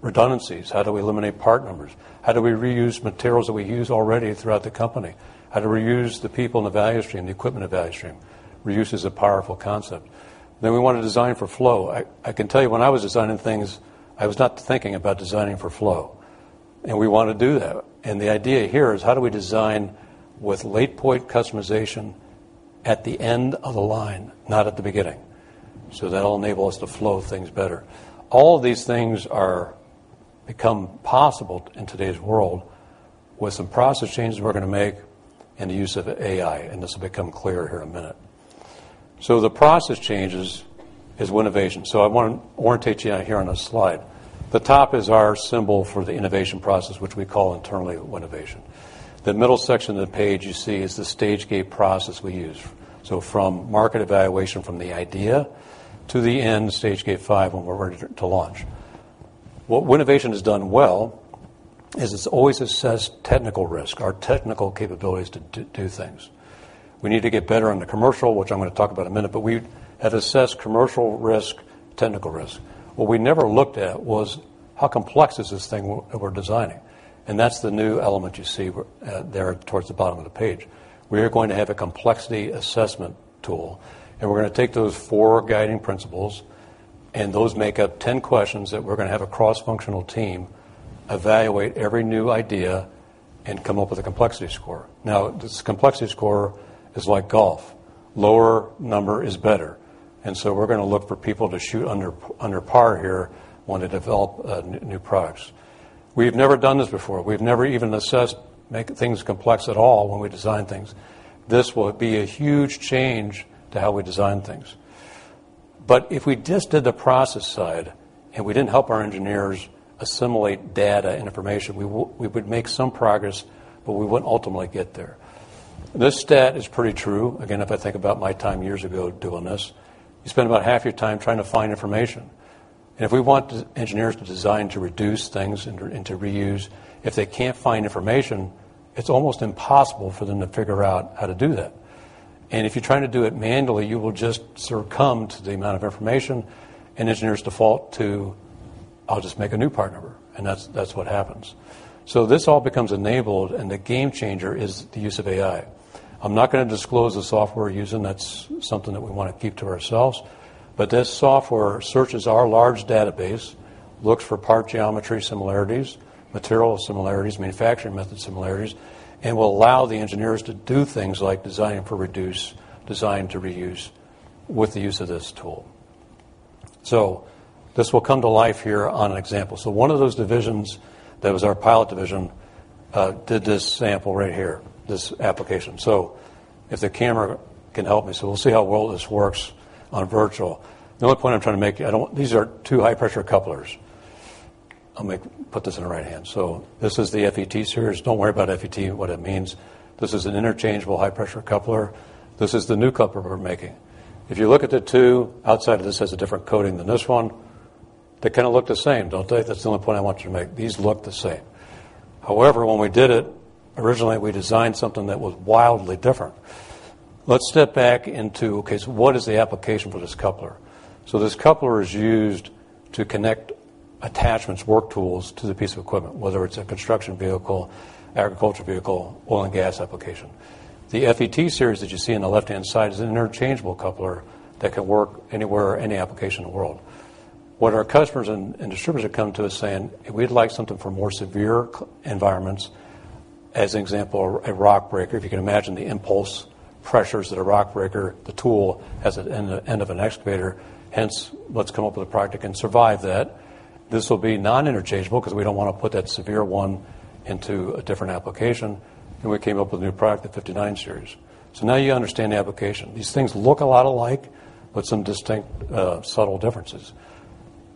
redundancies? How do we eliminate part numbers? How do we reuse materials that we use already throughout the company? How do we reuse the people in the value stream, the equipment in the value stream? Reuse is a powerful concept. We want to design for flow. I can tell you, when I was designing things, I was not thinking about designing for flow. We want to do that. The idea here is how do we design with late-point customization at the end of the line, not at the beginning? That'll enable us to flow things better. All of these things are become possible in today's world with some process changes we're going to make and the use of AI, and this will become clear here in a minute. The process changes is Winovation. I want to orientate you on here on this slide. The top is our symbol for the innovation process, which we call internally Winovation. The middle section of the page you see is the stage gate process we use. From market evaluation from the idea to the end stage gate 5 when we're ready to launch. What Winovation has done well is it's always assessed technical risk, our technical capabilities to do things. We need to get better on the commercial, which I'm going to talk about in a minute, but we have assessed commercial risk, technical risk. What we never looked at was how complex is this thing we're designing, and that's the new element you see there towards the bottom of the page. We are going to have a complexity assessment tool. We're going to take those four guiding principles. Those make up 10 questions that we're going to have a cross-functional team evaluate every new idea and come up with a complexity score. This complexity score is like golf. Lower number is better. We're going to look for people to shoot under par here when to develop new products. We've never done this before. We've never even assessed make things complex at all when we design things. This will be a huge change to how we design things. If we just did the process side and we didn't help our engineers assimilate data and information, we would make some progress, but we wouldn't ultimately get there. This stat is pretty true. If I think about my time years ago doing this, you spend about half your time trying to find information. If we want the engineers to design to reduce things and to reuse, if they can't find information, it's almost impossible for them to figure out how to do that. If you're trying to do it manually, you will just succumb to the amount of information, and engineers default to, "I'll just make a new part number," and that's what happens. This all becomes enabled, and the game changer is the use of AI. I'm not going to disclose the software we're using. That's something that we want to keep to ourselves. This software searches our large database, looks for part geometry similarities, material similarities, manufacturing method similarities, and will allow the engineers to do things like design for reduce, design to reuse, with the use of this tool. This will come to life here on an example. One of those divisions that was our pilot division, did this sample right here, this application. If the camera can help me. We'll see how well this works on virtual. The only point I'm trying to make, these are two high-pressure couplers. I'll put this in the right hand. This is the FET Series. Don't worry about FET, what it means. This is an interchangeable high-pressure coupler. This is the new coupler we're making. If you look at the two, outside of this has a different coating than this one. They kind of look the same, don't they? That's the only point I want you to make. These look the same. However, when we did it, originally, we designed something that was wildly different. Let's step back into, okay, so what is the application for this coupler? This coupler is used to connect attachments, work tools to the piece of equipment, whether it's a construction vehicle, agriculture vehicle, oil and gas application. The FET Series that you see on the left-hand side is an interchangeable coupler that can work anywhere, any application in the world. What our customers and distributors are coming to us saying, "We'd like something for more severe environments." As an example, a rock breaker. If you can imagine the impulse pressures that a rock breaker, the tool has at the end of an excavator, hence, let's come up with a product that can survive that. This will be non-interchangeable because we don't want to put that severe one into a different application. We came up with a new product, the 59 Series. Now you understand the application. These things look a lot alike with some distinct, subtle differences.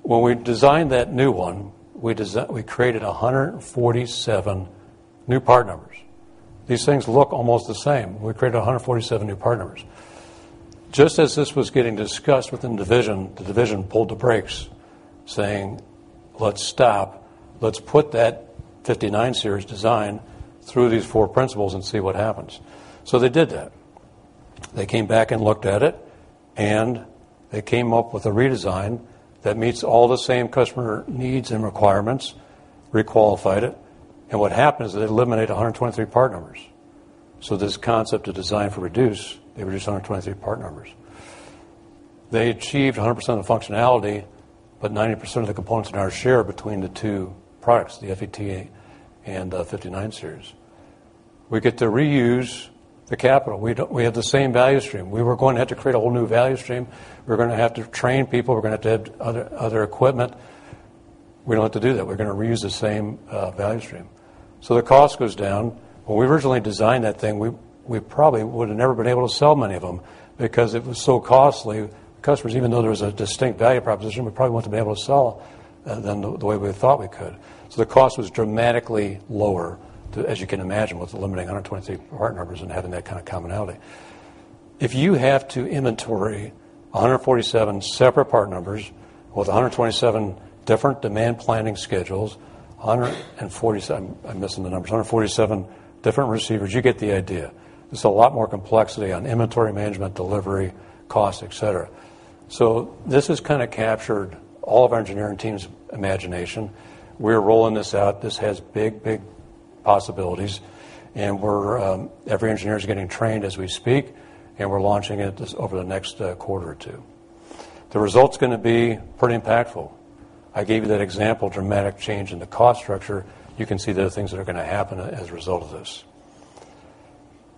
When we designed that new one, we created 147 new part numbers. These things look almost the same. We created 147 new part numbers. Just as this was getting discussed within division, the division pulled the brakes saying, "Let's stop. Let's put that 59 Series design through these four principles and see what happens." They did that. They came back and looked at it, and they came up with a redesign that meets all the same customer needs and requirements, re-qualified it, and what happened is they eliminated 123 part numbers. This concept of design for reduce, they reduced 123 part numbers. They achieved 100% of the functionality, but 90% of the components in our share between the two products, the FET and 59 Series. We get to reuse the capital. We have the same value stream. We were going to have to create a whole new value stream. We were going to have to train people. We were going to have to add other equipment. We don't have to do that. We're going to reuse the same value stream. The cost goes down. When we originally designed that thing, we probably would have never been able to sell many of them because it was so costly. Customers, even though there was a distinct value proposition, we probably wouldn't be able to sell them the way we thought we could. The cost was dramatically lower, as you can imagine, with eliminating 123 part numbers and having that kind of commonality. If you have to inventory 147 separate part numbers with 127 different demand planning schedules, 147, I'm missing the numbers, 147 different receivers, you get the idea. There's a lot more complexity on inventory management, delivery, cost, et cetera. This has kind of captured all of our engineering team's imagination. We're rolling this out. This has big possibilities. Every engineer is getting trained as we speak, and we're launching it over the next quarter or two. The result's going to be pretty impactful. I gave you that example, dramatic change in the cost structure. You can see there are things that are going to happen as a result of this.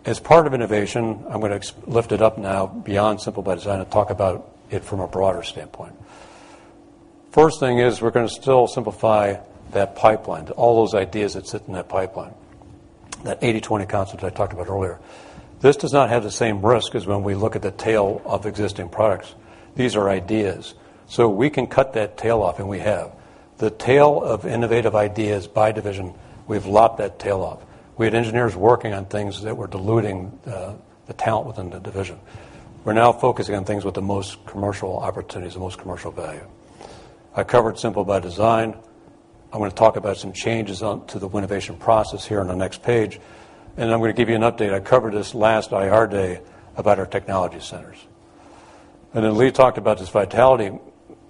As part of innovation, I'm going to lift it up now beyond Simple by Design and talk about it from a broader standpoint. First thing is we're going to still simplify that pipeline, all those ideas that sit in that pipeline, that 80/20 concept I talked about earlier. This does not have the same risk as when we look at the tail of existing products. These are ideas. We can cut that tail off, and we have. The tail of innovative ideas by division, we've lopped that tail off. We had engineers working on things that were diluting the talent within the division. We're now focusing on things with the most commercial opportunities, the most commercial value. I covered Simple by Design. I'm going to talk about some changes to the Winovation process here on the next page, I'm going to give you an update, I covered this last IR Day, about our technology centers. Lee talked about this vitality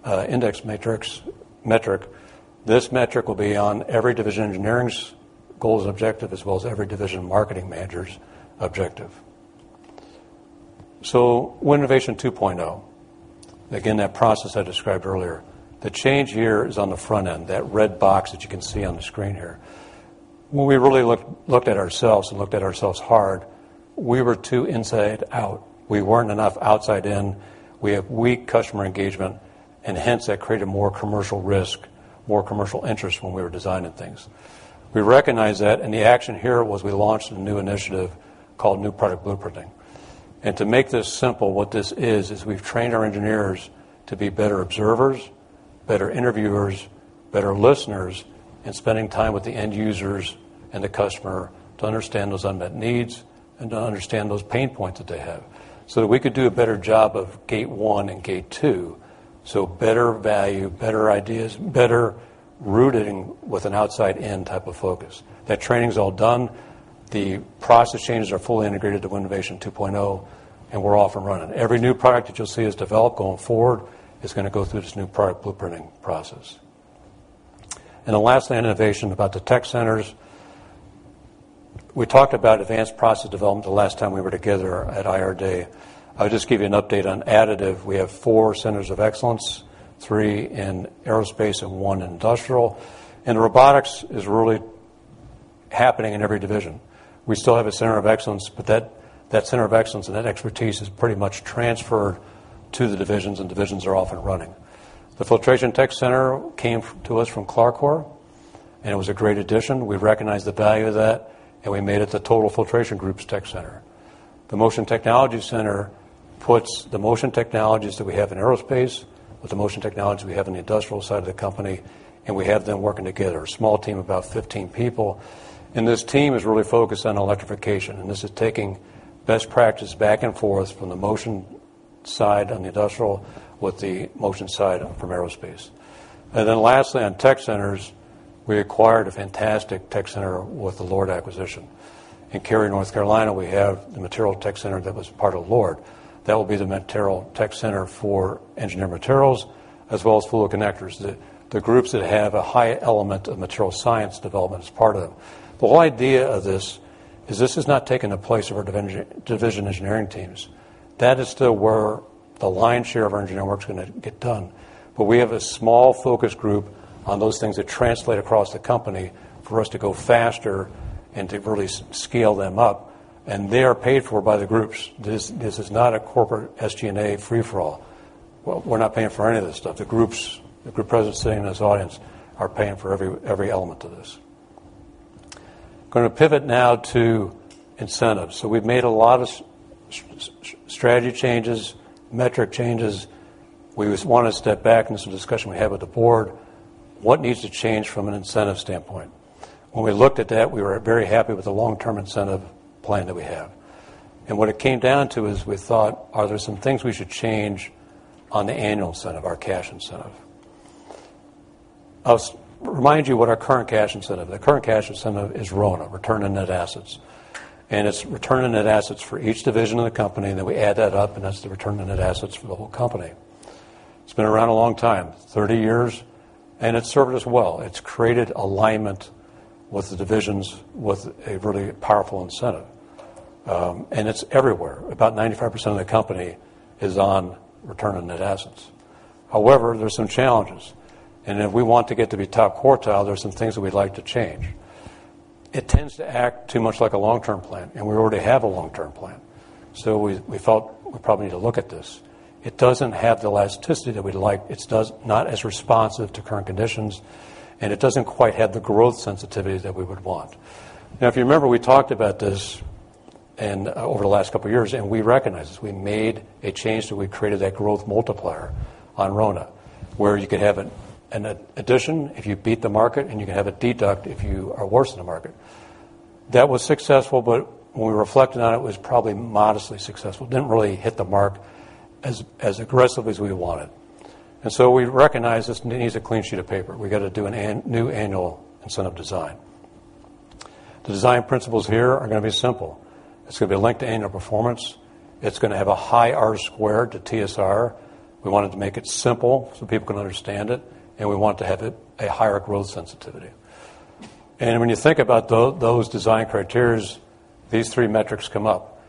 index metric. This metric will be on every division engineering's goals and objective as well as every division marketing manager's objective. Winovation 2.0. Again, that process I described earlier. The change here is on the front end, that red box that you can see on the screen here. When we really looked at ourselves and looked at ourselves hard, we were too inside out. We weren't enough outside in. We have weak customer engagement, and hence, that created more commercial risk, more commercial interest when we were designing things. We recognized that, and the action here was we launched a new initiative called New Product Blueprinting. To make this simple, what this is we've trained our engineers to be better observers, better interviewers, better listeners, and spending time with the end users and the customer to understand those unmet needs and to understand those pain points that they have so that we could do a better job of gate 1 and gate 2, so better value, better ideas, better rooting with an outside-in type of focus. That training's all done. The process changes are fully integrated to Winovation 2.0, and we're off and running. Every new product that you'll see us develop going forward is going to go through this New Product Blueprinting process. Lastly on innovation about the tech centers, we talked about advanced process development the last time we were together at IR Day. I'll just give you an update on additive. We have four centers of excellence, three in aerospace and one in industrial. Robotics is really happening in every division. We still have a center of excellence, but that center of excellence and that expertise is pretty much transferred to the divisions, and divisions are off and running. The Filtration Tech Center came to us from Clarcor, and it was a great addition. We've recognized the value of that, and we made it the Total Filtration Group's tech center. The Motion Technology Center puts the motion technologies that we have in aerospace with the motion technology we have in the industrial side of the company, and we have them working together, a small team of about 15 people. This team is really focused on electrification, and this is taking best practice back and forth from the motion side on the industrial with the motion side from aerospace. Lastly, on tech centers, we acquired a fantastic tech center with the LORD acquisition. In Cary, North Carolina, we have the Material Tech Center that was part of LORD. That will be the Material Tech Center for engineered materials as well as fluid connectors. The groups that have a high element of material science development as part of them. The whole idea of this is this has not taken the place of our division engineering teams. That is still where the lion's share of our engineering work is going to get done. We have a small focus group on those things that translate across the company for us to go faster and to really scale them up, and they are paid for by the groups. This is not a corporate SG&A free-for-all. We're not paying for any of this stuff. The group presidents sitting in this audience are paying for every element of this. Going to pivot now to incentives. We've made a lot of strategy changes, metric changes. We just want to step back, and this is a discussion we had with the board, what needs to change from an incentive standpoint? When we looked at that, we were very happy with the long-term incentive plan that we have. What it came down to is we thought, are there some things we should change on the annual incentive, our cash incentive? I'll remind you what our current cash incentive. The current cash incentive is RONA, return on net assets. It's return on net assets for each division of the company, and then we add that up, and that's the return on net assets for the whole company. It's been around a long time, 30 years. It's served us well. It's created alignment with the divisions with a really powerful incentive. It's everywhere. About 95% of the company is on return on net assets. However, there's some challenges, and if we want to get to be top quartile, there's some things that we'd like to change. It tends to act too much like a long-term plan, and we already have a long-term plan. We felt we probably need to look at this. It doesn't have the elasticity that we'd like. It's not as responsive to current conditions, and it doesn't quite have the growth sensitivity that we would want. Now, if you remember, we talked about this over the last couple of years, and we recognized this. We made a change that we created that growth multiplier on RONA, where you could have an addition if you beat the market, and you could have a deduct if you are worse than the market. That was successful, but when we reflected on it was probably modestly successful. Didn't really hit the mark as aggressively as we wanted. We recognized this needs a clean sheet of paper. We got to do a new annual incentive design. The design principles here are going to be simple. It's going to be linked to annual performance. It's going to have a high R squared to TSR. We wanted to make it simple so people can understand it, and we want to have a higher growth sensitivity. When you think about those design criteria, these three metrics come up.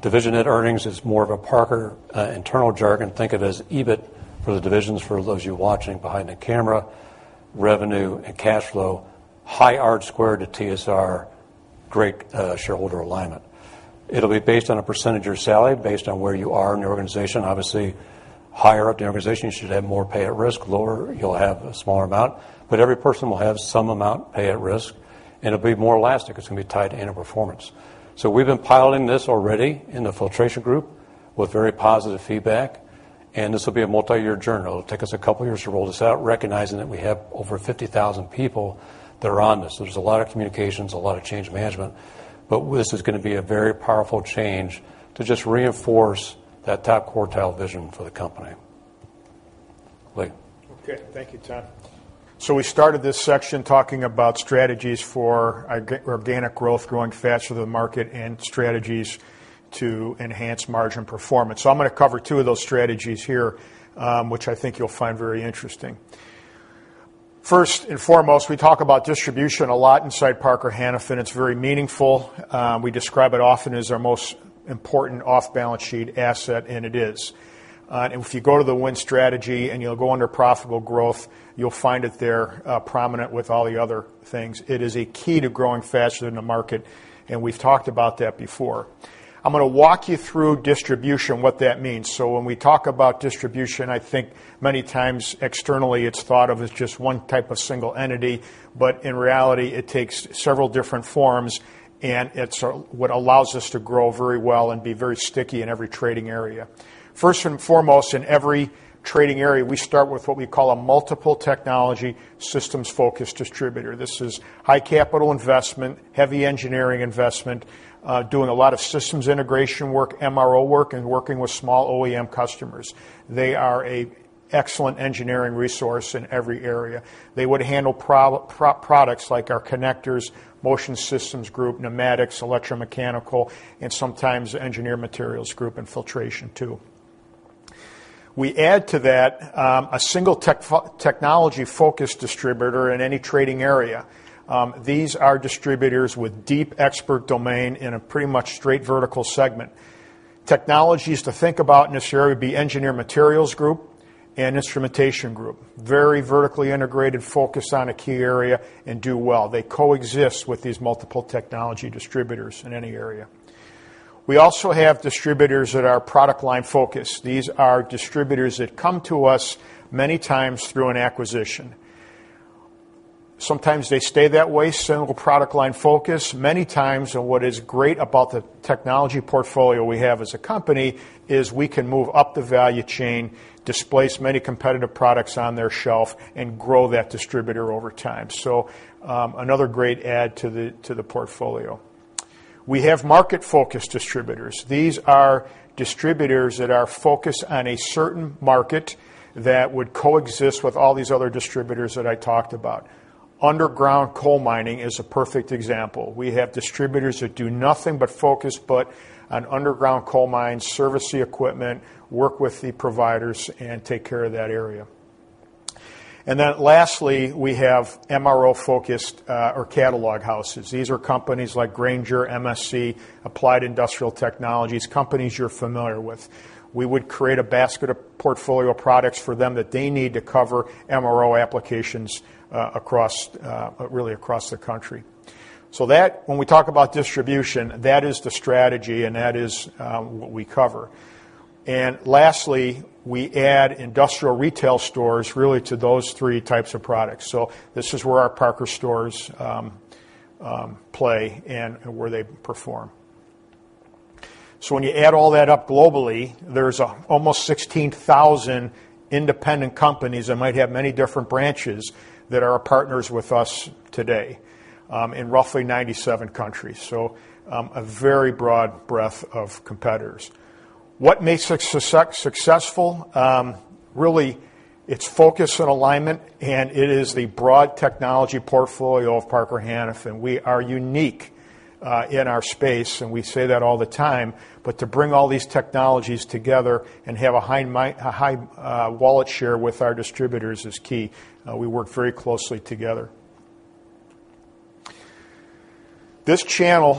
Division net earnings is more of a Parker internal jargon. Think of as EBIT for the divisions for those of you watching behind the camera, revenue and cash flow, high R-squared to TSR, great shareholder alignment. It'll be based on a percentage or salary based on where you are in the organization. Obviously, higher up the organization, you should have more pay at risk. Lower, you'll have a smaller amount. Every person will have some amount pay at risk, and it'll be more elastic. It's going to be tied to annual performance. We've been piloting this already in the Filtration Group with very positive feedback, and this will be a multi-year journey. It'll take us a couple of years to roll this out, recognizing that we have over 50,000 people that are on this. There's a lot of communications, a lot of change management. This is going to be a very powerful change to just reinforce that top quartile vision for the company. Lee. Thank you, Tom. We started this section talking about strategies for organic growth, growing faster than the market and strategies to enhance margin performance. I'm going to cover two of those strategies here, which I think you'll find very interesting. First and foremost, we talk about distribution a lot inside Parker-Hannifin. It's very meaningful. We describe it often as our most important off-balance sheet asset, and it is. If you go to The Win Strategy and you'll go under profitable growth, you'll find it there prominent with all the other things. It is a key to growing faster than the market, we've talked about that before. I'm going to walk you through distribution, what that means. When we talk about distribution, I think many times externally it's thought of as just one type of single entity, but in reality it takes several different forms and it's what allows us to grow very well and be very sticky in every trading area. First and foremost, in every trading area, we start with what we call a multiple technology systems-focused distributor. This is high capital investment, heavy engineering investment, doing a lot of systems integration work, MRO work, and working with small OEM customers. They are an excellent engineering resource in every area. They would handle products like our connectors, Motion Systems Group, pneumatics, electromechanical, and sometimes Engineered Materials Group and filtration too. We add to that a single technology-focused distributor in any trading area. These are distributors with deep expert domain in a pretty much straight vertical segment. Technologies to think about in this area would be Engineered Materials Group and Instrumentation Group. Very vertically integrated, focused on a key area and do well. They coexist with these multiple technology distributors in any area. We also have distributors that are product line-focused. These are distributors that come to us many times through an acquisition. Sometimes they stay that way, single product line focus. Many times and what is great about the technology portfolio we have as a company is we can move up the value chain, displace many competitive products on their shelf, and grow that distributor over time. Another great add to the portfolio. We have market-focused distributors. These are distributors that are focused on a certain market that would coexist with all these other distributors that I talked about. Underground coal mining is a perfect example. We have distributors that do nothing but focus but on underground coal mines, service the equipment, work with the providers and take care of that area. Then lastly, we have MRO-focused or catalog houses. These are companies like Grainger, MSC, Applied Industrial Technologies, companies you're familiar with. We would create a basket of portfolio products for them that they need to cover MRO applications really across the country. That, when we talk about distribution, that is the strategy and that is what we cover. Lastly, we add industrial retail stores really to those 3 types of products. This is where our ParkerStores play and where they perform. When you add all that up globally, there's almost 16,000 independent companies that might have many different branches that are partners with us today in roughly 97 countries. A very broad breadth of competitors. What makes us successful? Really, it's focus and alignment, and it is the broad technology portfolio of Parker-Hannifin. We are unique in our space, and we say that all the time, but to bring all these technologies together and have a high wallet share with our distributors is key. We work very closely together. This channel,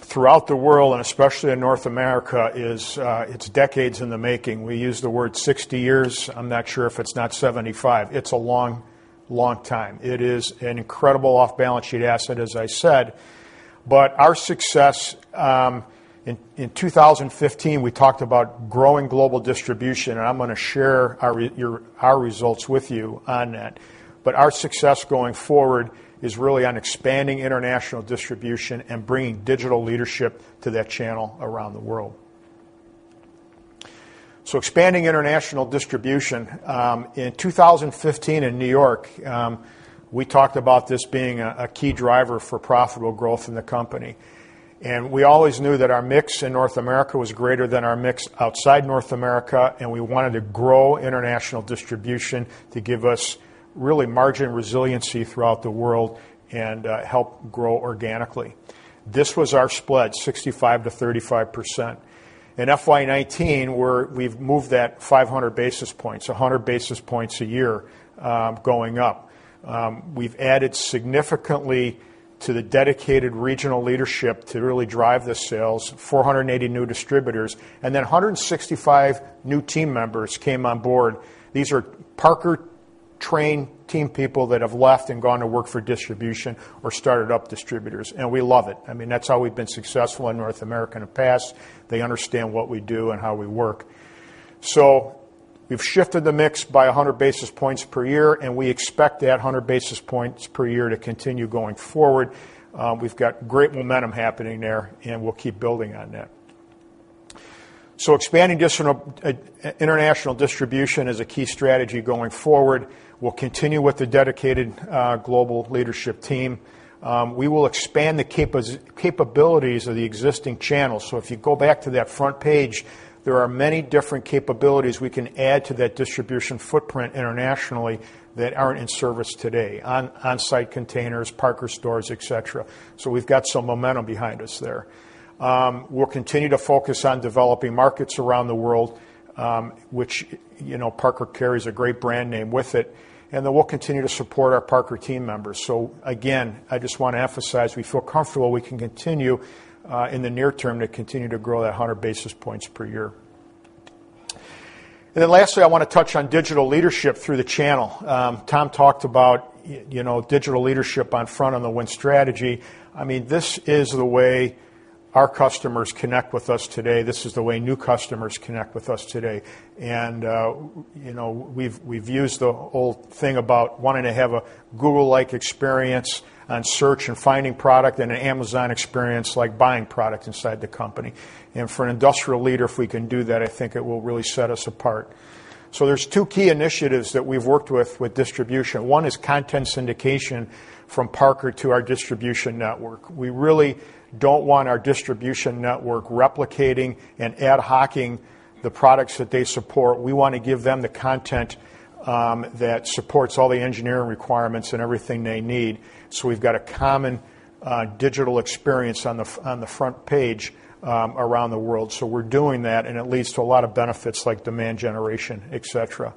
throughout the world and especially in North America, it's decades in the making. We use the word 60 years. I'm not sure if it's not 75. It's a long time. It is an incredible off-balance sheet asset, as I said. Our success, in 2015, we talked about growing global distribution. I'm going to share our results with you on that. Our success going forward is really on expanding international distribution and bringing digital leadership to that channel around the world. Expanding international distribution. In 2015 in New York, we talked about this being a key driver for profitable growth in the company, and we always knew that our mix in North America was greater than our mix outside North America, and we wanted to grow international distribution to give us really margin resiliency throughout the world and help grow organically. This was our split, 65%-35%. In FY 2019, we've moved that 500 basis points, 100 basis points a year, going up. We've added significantly to the dedicated regional leadership to really drive the sales, 480 new distributors, and then 165 new team members came on board. These are Parker-trained team people that have left and gone to work for distribution or started up distributors, and we love it. That's how we've been successful in North America in the past. They understand what we do and how we work. We've shifted the mix by 100 basis points per year, and we expect that 100 basis points per year to continue going forward. We've got great momentum happening there, and we'll keep building on that. Expanding international distribution is a key strategy going forward. We'll continue with the dedicated global leadership team. We will expand the capabilities of the existing channels. If you go back to that front page, there are many different capabilities we can add to that distribution footprint internationally that aren't in service today, onsite containers, ParkerStores, et cetera. We've got some momentum behind us there. We'll continue to focus on developing markets around the world, which Parker carries a great brand name with it, and then we'll continue to support our Parker team members. Again, I just want to emphasize, we feel comfortable we can continue, in the near term, to continue to grow that 100 basis points per year. Lastly, I want to touch on digital leadership through the channel. Tom talked about digital leadership on front on The Win Strategy. This is the way our customers connect with us today. This is the way new customers connect with us today. We've used the whole thing about wanting to have a Google-like experience on search and finding product and an Amazon experience, like buying product inside the company. For an industrial leader, if we can do that, I think it will really set us apart. There's two key initiatives that we've worked with distribution. One is content syndication from Parker to our distribution network. We really don't want our distribution network replicating and ad hocking the products that they support. We want to give them the content that supports all the engineering requirements and everything they need. We've got a common digital experience on the front page around the world. We're doing that, and it leads to a lot of benefits like demand generation, et cetera.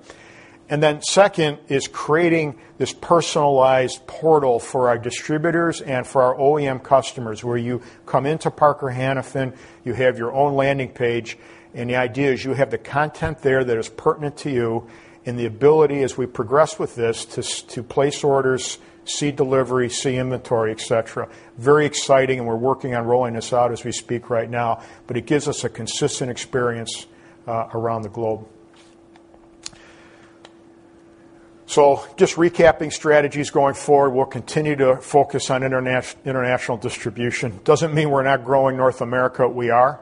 Second is creating this personalized portal for our distributors and for our OEM customers, where you come into Parker-Hannifin, you have your own landing page, and the idea is you have the content there that is pertinent to you and the ability, as we progress with this, to place orders, see delivery, see inventory, et cetera. Very exciting, and we're working on rolling this out as we speak right now, but it gives us a consistent experience around the globe. Just recapping strategies going forward. We'll continue to focus on international distribution. Doesn't mean we're not growing North America. We are,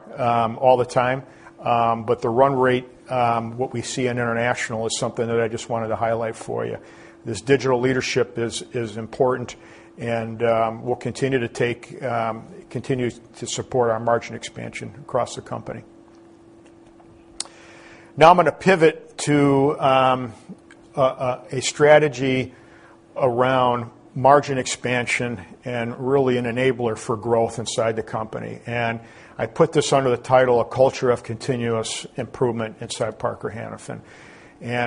all the time. The run rate, what we see in international, is something that I just wanted to highlight for you. This digital leadership is important and will continue to support our margin expansion across the company. Now I'm going to pivot to a strategy around margin expansion and really an enabler for growth inside the company. I put this under the title, A Culture of Continuous Improvement inside Parker-Hannifin.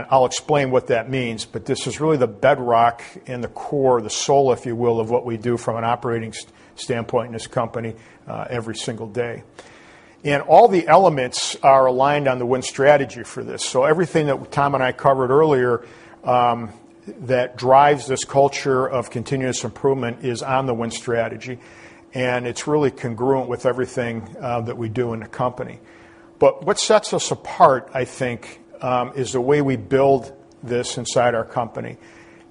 I'll explain what that means, but this is really the bedrock and the core, the soul, if you will, of what we do from an operating standpoint in this company every single day. All the elements are aligned on The Win Strategy for this. Everything that Tom and I covered earlier that drives this culture of continuous improvement is on The Win Strategy, and it's really congruent with everything that we do in the company. What sets us apart, I think, is the way we build this inside our company.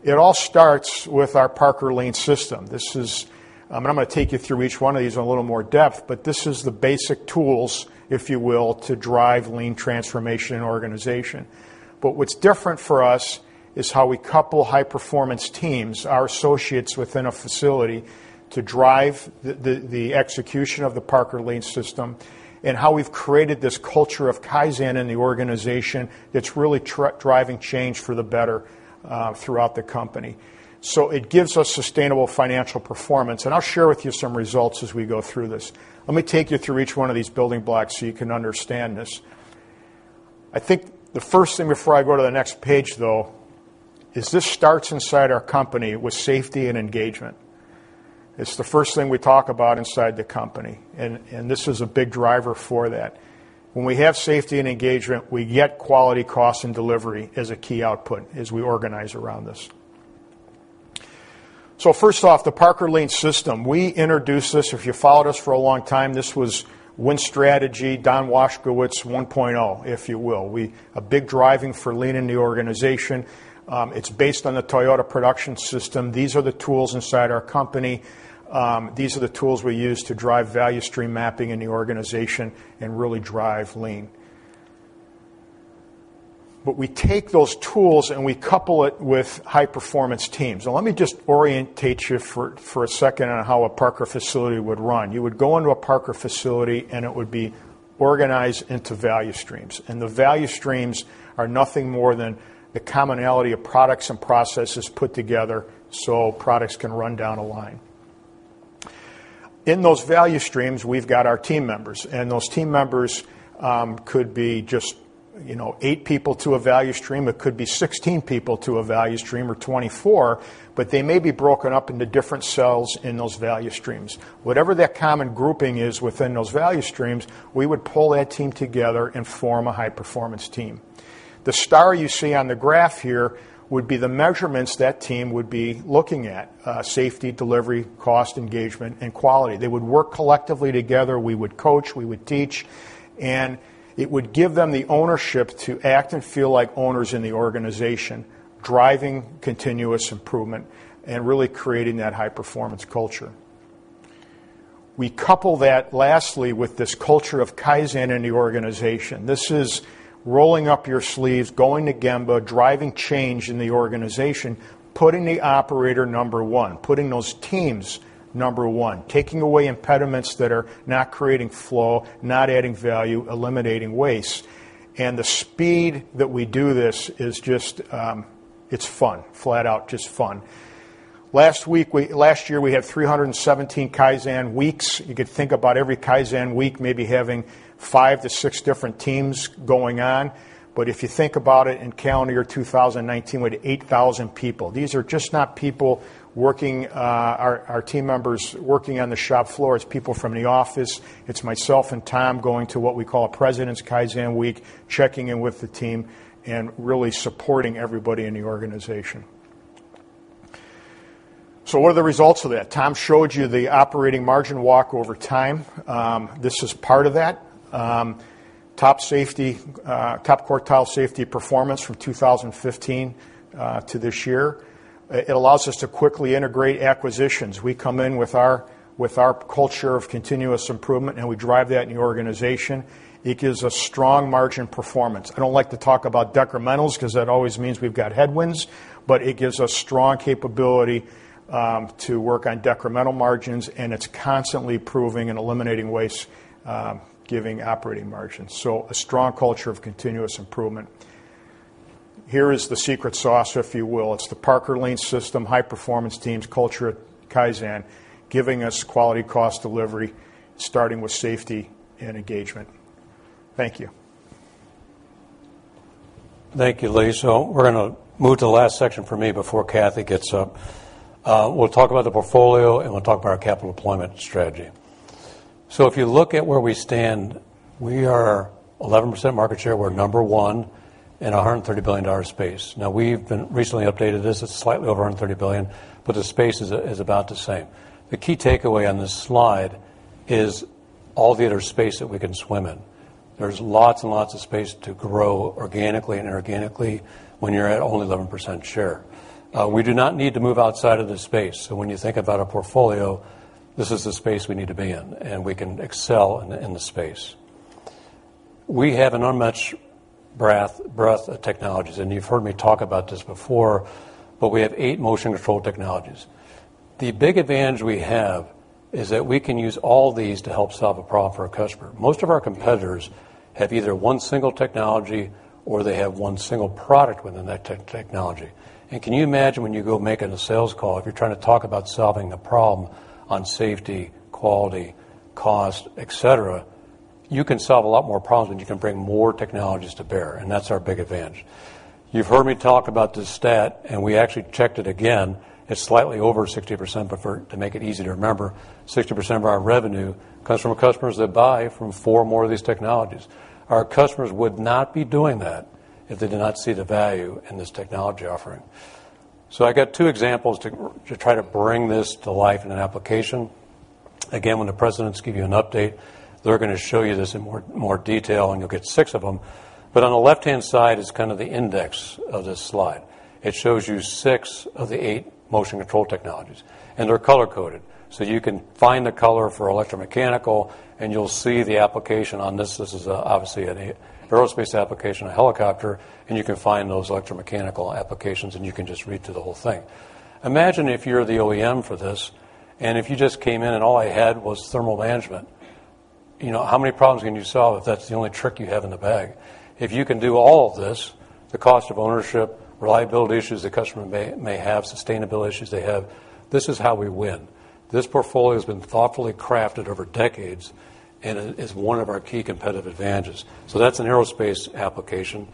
It all starts with our Parker Lean System. I'm going to take you through each one of these in a little more depth, but this is the basic tools, if you will, to drive lean transformation in organization. What's different for us is how we couple high-performance teams, our associates within a facility, to drive the execution of the Parker Lean System and how we've created this culture of Kaizen in the organization that's really driving change for the better throughout the company. It gives us sustainable financial performance, and I'll share with you some results as we go through this. Let me take you through each one of these building blocks so you can understand this. I think the first thing before I go to the next page, though, is this starts inside our company with safety and engagement. It's the first thing we talk about inside the company, and this is a big driver for that. When we have safety and engagement, we get quality, cost, and delivery as a key output as we organize around this. First off, the Parker Lean System. We introduced this, if you followed us for a long time, this was Win Strategy, Don Washkewicz 1.0, if you will. A big driving for Lean in the organization. It's based on the Toyota Production System. These are the tools inside our company. These are the tools we use to drive value stream mapping in the organization and really drive lean. We take those tools and we couple it with high-performance teams. Now let me just orientate you for a second on how a Parker facility would run. You would go into a Parker facility and it would be organized into value streams, and the value streams are nothing more than the commonality of products and processes put together so products can run down a line. In those value streams, we've got our team members, and those team members could be just eight people to a value stream, it could be 16 people to a value stream, or 24, but they may be broken up into different cells in those value streams. Whatever that common grouping is within those value streams, we would pull that team together and form a high-performance team. The star you see on the graph here would be the measurements that team would be looking at, safety, delivery, cost, engagement, and quality. They would work collectively together. We would coach, we would teach, and it would give them the ownership to act and feel like owners in the organization, driving continuous improvement and really creating that high-performance culture. We couple that, lastly, with this culture of Kaizen in the organization. This is rolling up your sleeves, going to Gemba, driving change in the organization, putting the operator number one, putting those teams number one, taking away impediments that are not creating flow, not adding value, eliminating waste. The speed that we do this is just fun. Flat out, just fun. Last year, we had 317 Kaizen weeks. You could think about every Kaizen week maybe having five to six different teams going on. If you think about it in calendar year 2019 with 8,000 people, these are just not people, our team members, working on the shop floor. It's people from the office. It's myself and Tom going to what we call a President's Kaizen Week, checking in with the team, and really supporting everybody in the organization. What are the results of that? Tom showed you the operating margin walk over time. This is part of that. Top quartile safety performance from 2015 to this year. It allows us to quickly integrate acquisitions. We come in with our culture of continuous improvement, and we drive that in the organization. It gives a strong margin performance. I don't like to talk about decrementals because that always means we've got headwinds, but it gives us strong capability to work on decremental margins, and it's constantly improving and eliminating waste, giving operating margins. A strong culture of continuous improvement. Here is the secret sauce, if you will. It's the Parker Lean System, high-performance teams, culture Kaizen, giving us quality cost delivery, starting with safety and engagement. Thank you. Thank you, Lee. We're going to move to the last section for me before Cathy gets up. We'll talk about the portfolio, and we'll talk about our capital deployment strategy. If you look at where we stand, we are 11% market share. We're number one in $130 billion space. Now, we've recently updated this. It's slightly over $130 billion, the space is about the same. The key takeaway on this slide is all the other space that we can swim in. There's lots and lots of space to grow organically and inorganically when you're at only 11% share. We do not need to move outside of this space. When you think about a portfolio, this is the space we need to be in, and we can excel in the space. We have an unmatched breadth of technologies. You've heard me talk about this before, but we have eight motion control technologies. The big advantage we have is that we can use all these to help solve a problem for a customer. Most of our competitors have either one single technology or they have one single product within that technology. Can you imagine when you go make a sales call, if you're trying to talk about solving a problem on safety, quality, cost, et cetera, you can solve a lot more problems when you can bring more technologies to bear, and that's our big advantage. You've heard me talk about this stat. We actually checked it again. It's slightly over 60%, but to make it easy to remember, 60% of our revenue comes from customers that buy from four or more of these technologies. Our customers would not be doing that if they did not see the value in this technology offering. I got two examples to try to bring this to life in an application. Again, when the presidents give you an update, they're going to show you this in more detail, and you'll get six of them. On the left-hand side is the index of this slide. It shows you six of the eight motion control technologies, and they're color-coded. You can find the color for electromechanical, and you'll see the application on this. This is obviously an aerospace application, a helicopter, and you can find those electromechanical applications, and you can just read through the whole thing. Imagine if you're the OEM for this, and if you just came in and all I had was thermal management. How many problems can you solve if that's the only trick you have in the bag? If you can do all of this, the cost of ownership, reliability issues the customer may have, sustainability issues they have, this is how we win. This portfolio has been thoughtfully crafted over decades and is one of our key competitive advantages. That's an aerospace application.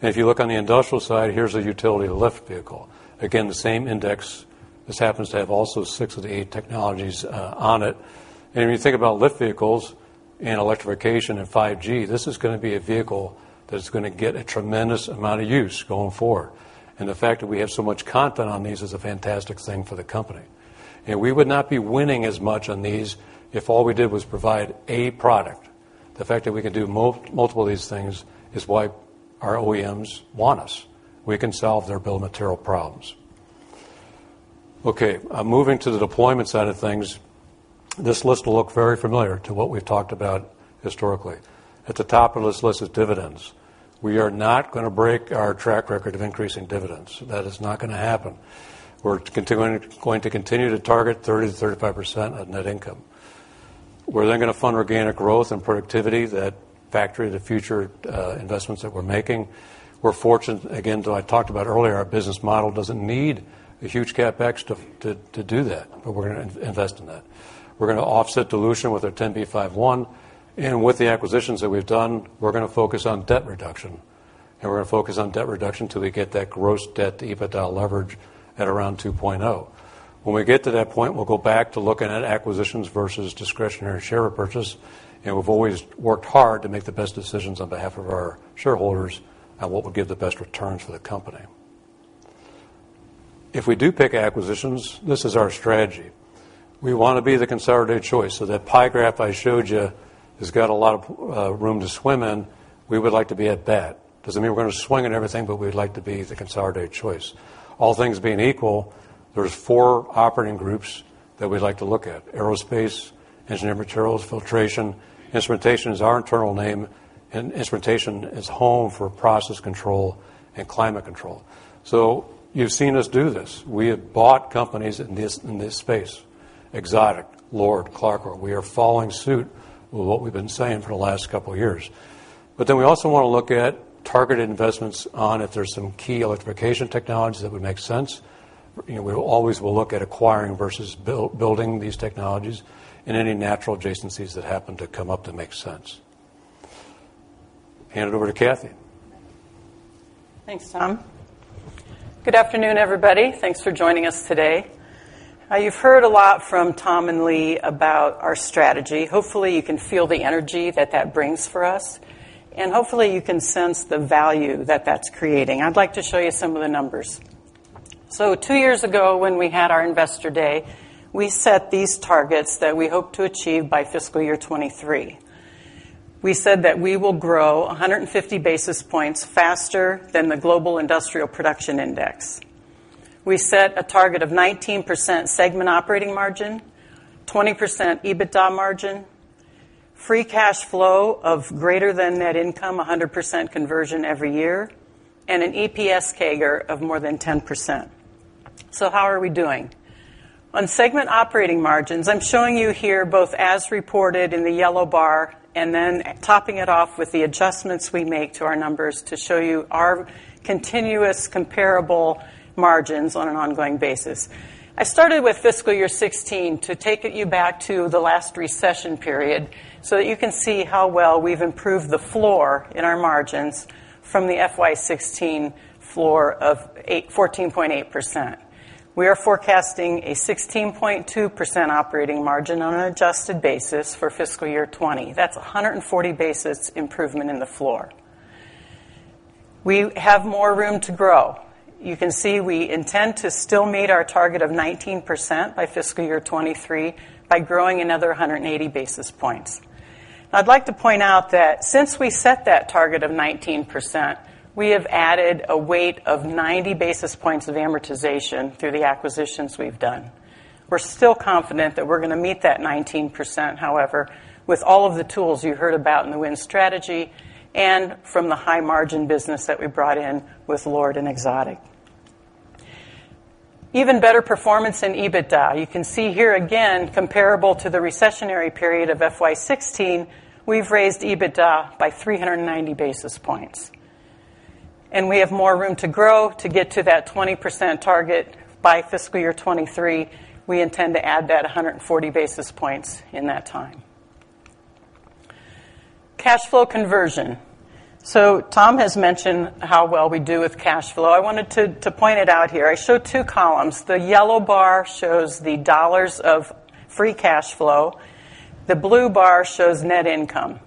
If you look on the industrial side, here's a utility lift vehicle. Again, the same index. This happens to have also six of the eight technologies on it. When you think about lift vehicles and electrification and 5G, this is gonna be a vehicle that's gonna get a tremendous amount of use going forward. The fact that we have so much content on these is a fantastic thing for the company. We would not be winning as much on these if all we did was provide a product. The fact that we can do multiple of these things is why our OEMs want us. We can solve their bill of material problems. Okay, moving to the deployment side of things, this list will look very familiar to what we've talked about historically. At the top of this list is dividends. We are not gonna break our track record of increasing dividends. That is not gonna happen. We're going to continue to target 30%-35% of net income. We're going to fund organic growth and productivity, that factory, the future investments that we're making. We're fortunate, again, though I talked about earlier, our business model doesn't need a huge CapEx to do that, but we're going to invest in that. We're going to offset dilution with our 10b5-1, with the acquisitions that we've done, we're going to focus on debt reduction. We're going to focus on debt reduction till we get that gross debt to EBITDA leverage at around 2.0. When we get to that point, we'll go back to looking at acquisitions versus discretionary share repurchase, and we've always worked hard to make the best decisions on behalf of our shareholders on what would give the best returns for the company. If we do pick acquisitions, this is our strategy. We want to be the consolidated choice. That pie graph I showed you has got a lot of room to swim in. We would like to be at that. Doesn't mean we're going to swing at everything, but we'd like to be the consolidated choice. All things being equal, there's four operating groups that we'd like to look at. Aerospace, Engineered Materials, Filtration. Instrumentation is our internal name, and Instrumentation is home for process control and climate control. You've seen us do this. We have bought companies in this space, Exotic, LORD, Clarcor. We are following suit with what we've been saying for the last couple of years. We also want to look at targeted investments on if there's some key electrification technologies that would make sense. We always will look at acquiring versus building these technologies and any natural adjacencies that happen to come up that make sense. Hand it over to Cathy. Thanks, Tom. Good afternoon, everybody. Thanks for joining us today. You've heard a lot from Tom and Lee about our strategy. Hopefully, you can feel the energy that that brings for us, and hopefully, you can sense the value that that's creating. I'd like to show you some of the numbers. Two years ago, when we had our investor day, we set these targets that we hoped to achieve by FY 2023. We said that we will grow 150 basis points faster than the global industrial production index. We set a target of 19% segment operating margin, 20% EBITDA margin, free cash flow of greater than net income, 100% conversion every year, and an EPS CAGR of more than 10%. How are we doing? On segment operating margins, I'm showing you here both as reported in the yellow bar and then topping it off with the adjustments we make to our numbers to show you our continuous comparable margins on an ongoing basis. I started with fiscal year 2016 to take you back to the last recession period so that you can see how well we've improved the floor in our margins from the FY 2016 floor of 14.8%. We are forecasting a 16.2% operating margin on an adjusted basis for fiscal year 2020. That's 140 basis improvement in the floor. We have more room to grow. You can see we intend to still meet our target of 19% by fiscal year 2023 by growing another 180 basis points. I'd like to point out that since we set that target of 19%, we have added a weight of 90 basis points of amortization through the acquisitions we've done. We're still confident that we're going to meet that 19%, however, with all of the tools you heard about in the WIN Strategy and from the high margin business that we brought in with LORD and Exotic. Even better performance in EBITDA. You can see here again, comparable to the recessionary period of FY 2016, we've raised EBITDA by 390 basis points. We have more room to grow to get to that 20% target by fiscal year 2023. We intend to add that 140 basis points in that time. Cash flow conversion. Tom has mentioned how well we do with cash flow. I wanted to point it out here. I show two columns. The yellow bar shows the dollars of free cash flow. The blue bar shows net income.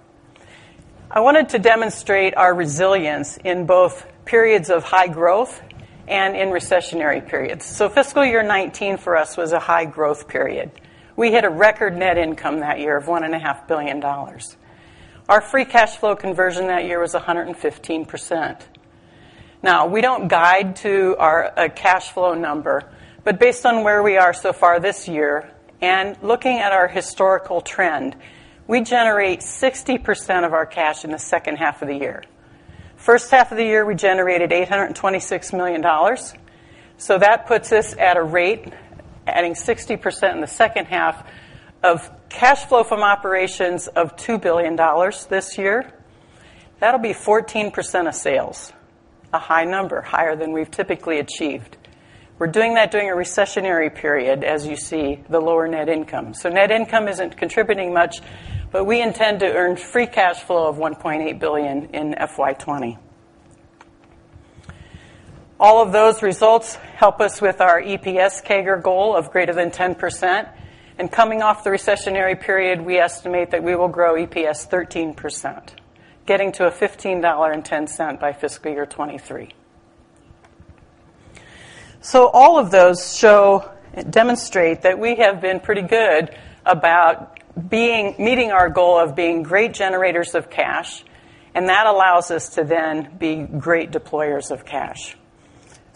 I wanted to demonstrate our resilience in both periods of high growth and in recessionary periods. Fiscal year 2019 for us was a high growth period. We hit a record net income that year of $1.5 billion. Our free cash flow conversion that year was 115%. We don't guide to our cash flow number, but based on where we are so far this year and looking at our historical trend, we generate 60% of our cash in the second half of the year. First half of the year, we generated $826 million. That puts us at a rate adding 60% in the second half of cash flow from operations of $2 billion this year. That'll be 14% of sales, a high number, higher than we've typically achieved. We're doing that during a recessionary period, as you see, the lower net income. Net income isn't contributing much, but we intend to earn free cash flow of $1.8 billion in FY 2020. All of those results help us with our EPS CAGR goal of greater than 10%, and coming off the recessionary period we estimate that we will grow EPS 13%, getting to a $15.10 by fiscal year 2023. All of those demonstrate that we have been pretty good about meeting our goal of being great generators of cash, and that allows us to then be great deployers of cash.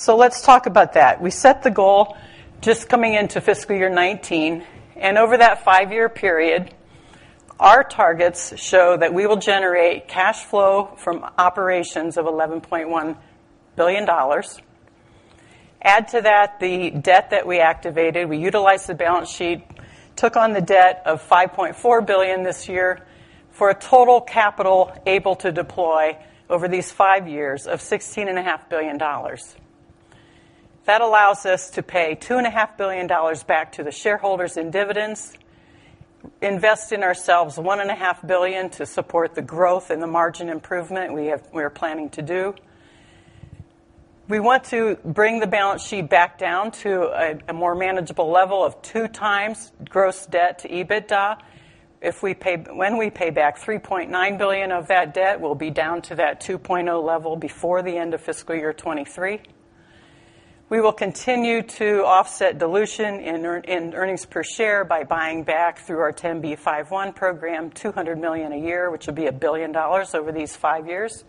Let's talk about that. We set the goal just coming into fiscal year 2019, and over that five-year period, our targets show that we will generate cash flow from operations of $11.1 billion. Add to that the debt that we activated. We utilized the balance sheet, took on the debt of $5.4 billion this year for a total capital able to deploy over these five years of $16.5 billion. That allows us to pay $2.5 billion back to the shareholders in dividends, invest in ourselves $1.5 billion to support the growth and the margin improvement we are planning to do. We want to bring the balance sheet back down to a more manageable level of two times gross debt to EBITDA. When we pay back $3.9 billion of that debt, we'll be down to that 2.0 level before the end of fiscal year 2023. We will continue to offset dilution in earnings per share by buying back through our 10b5-1 program, $200 million a year, which will be $1 billion over these five years.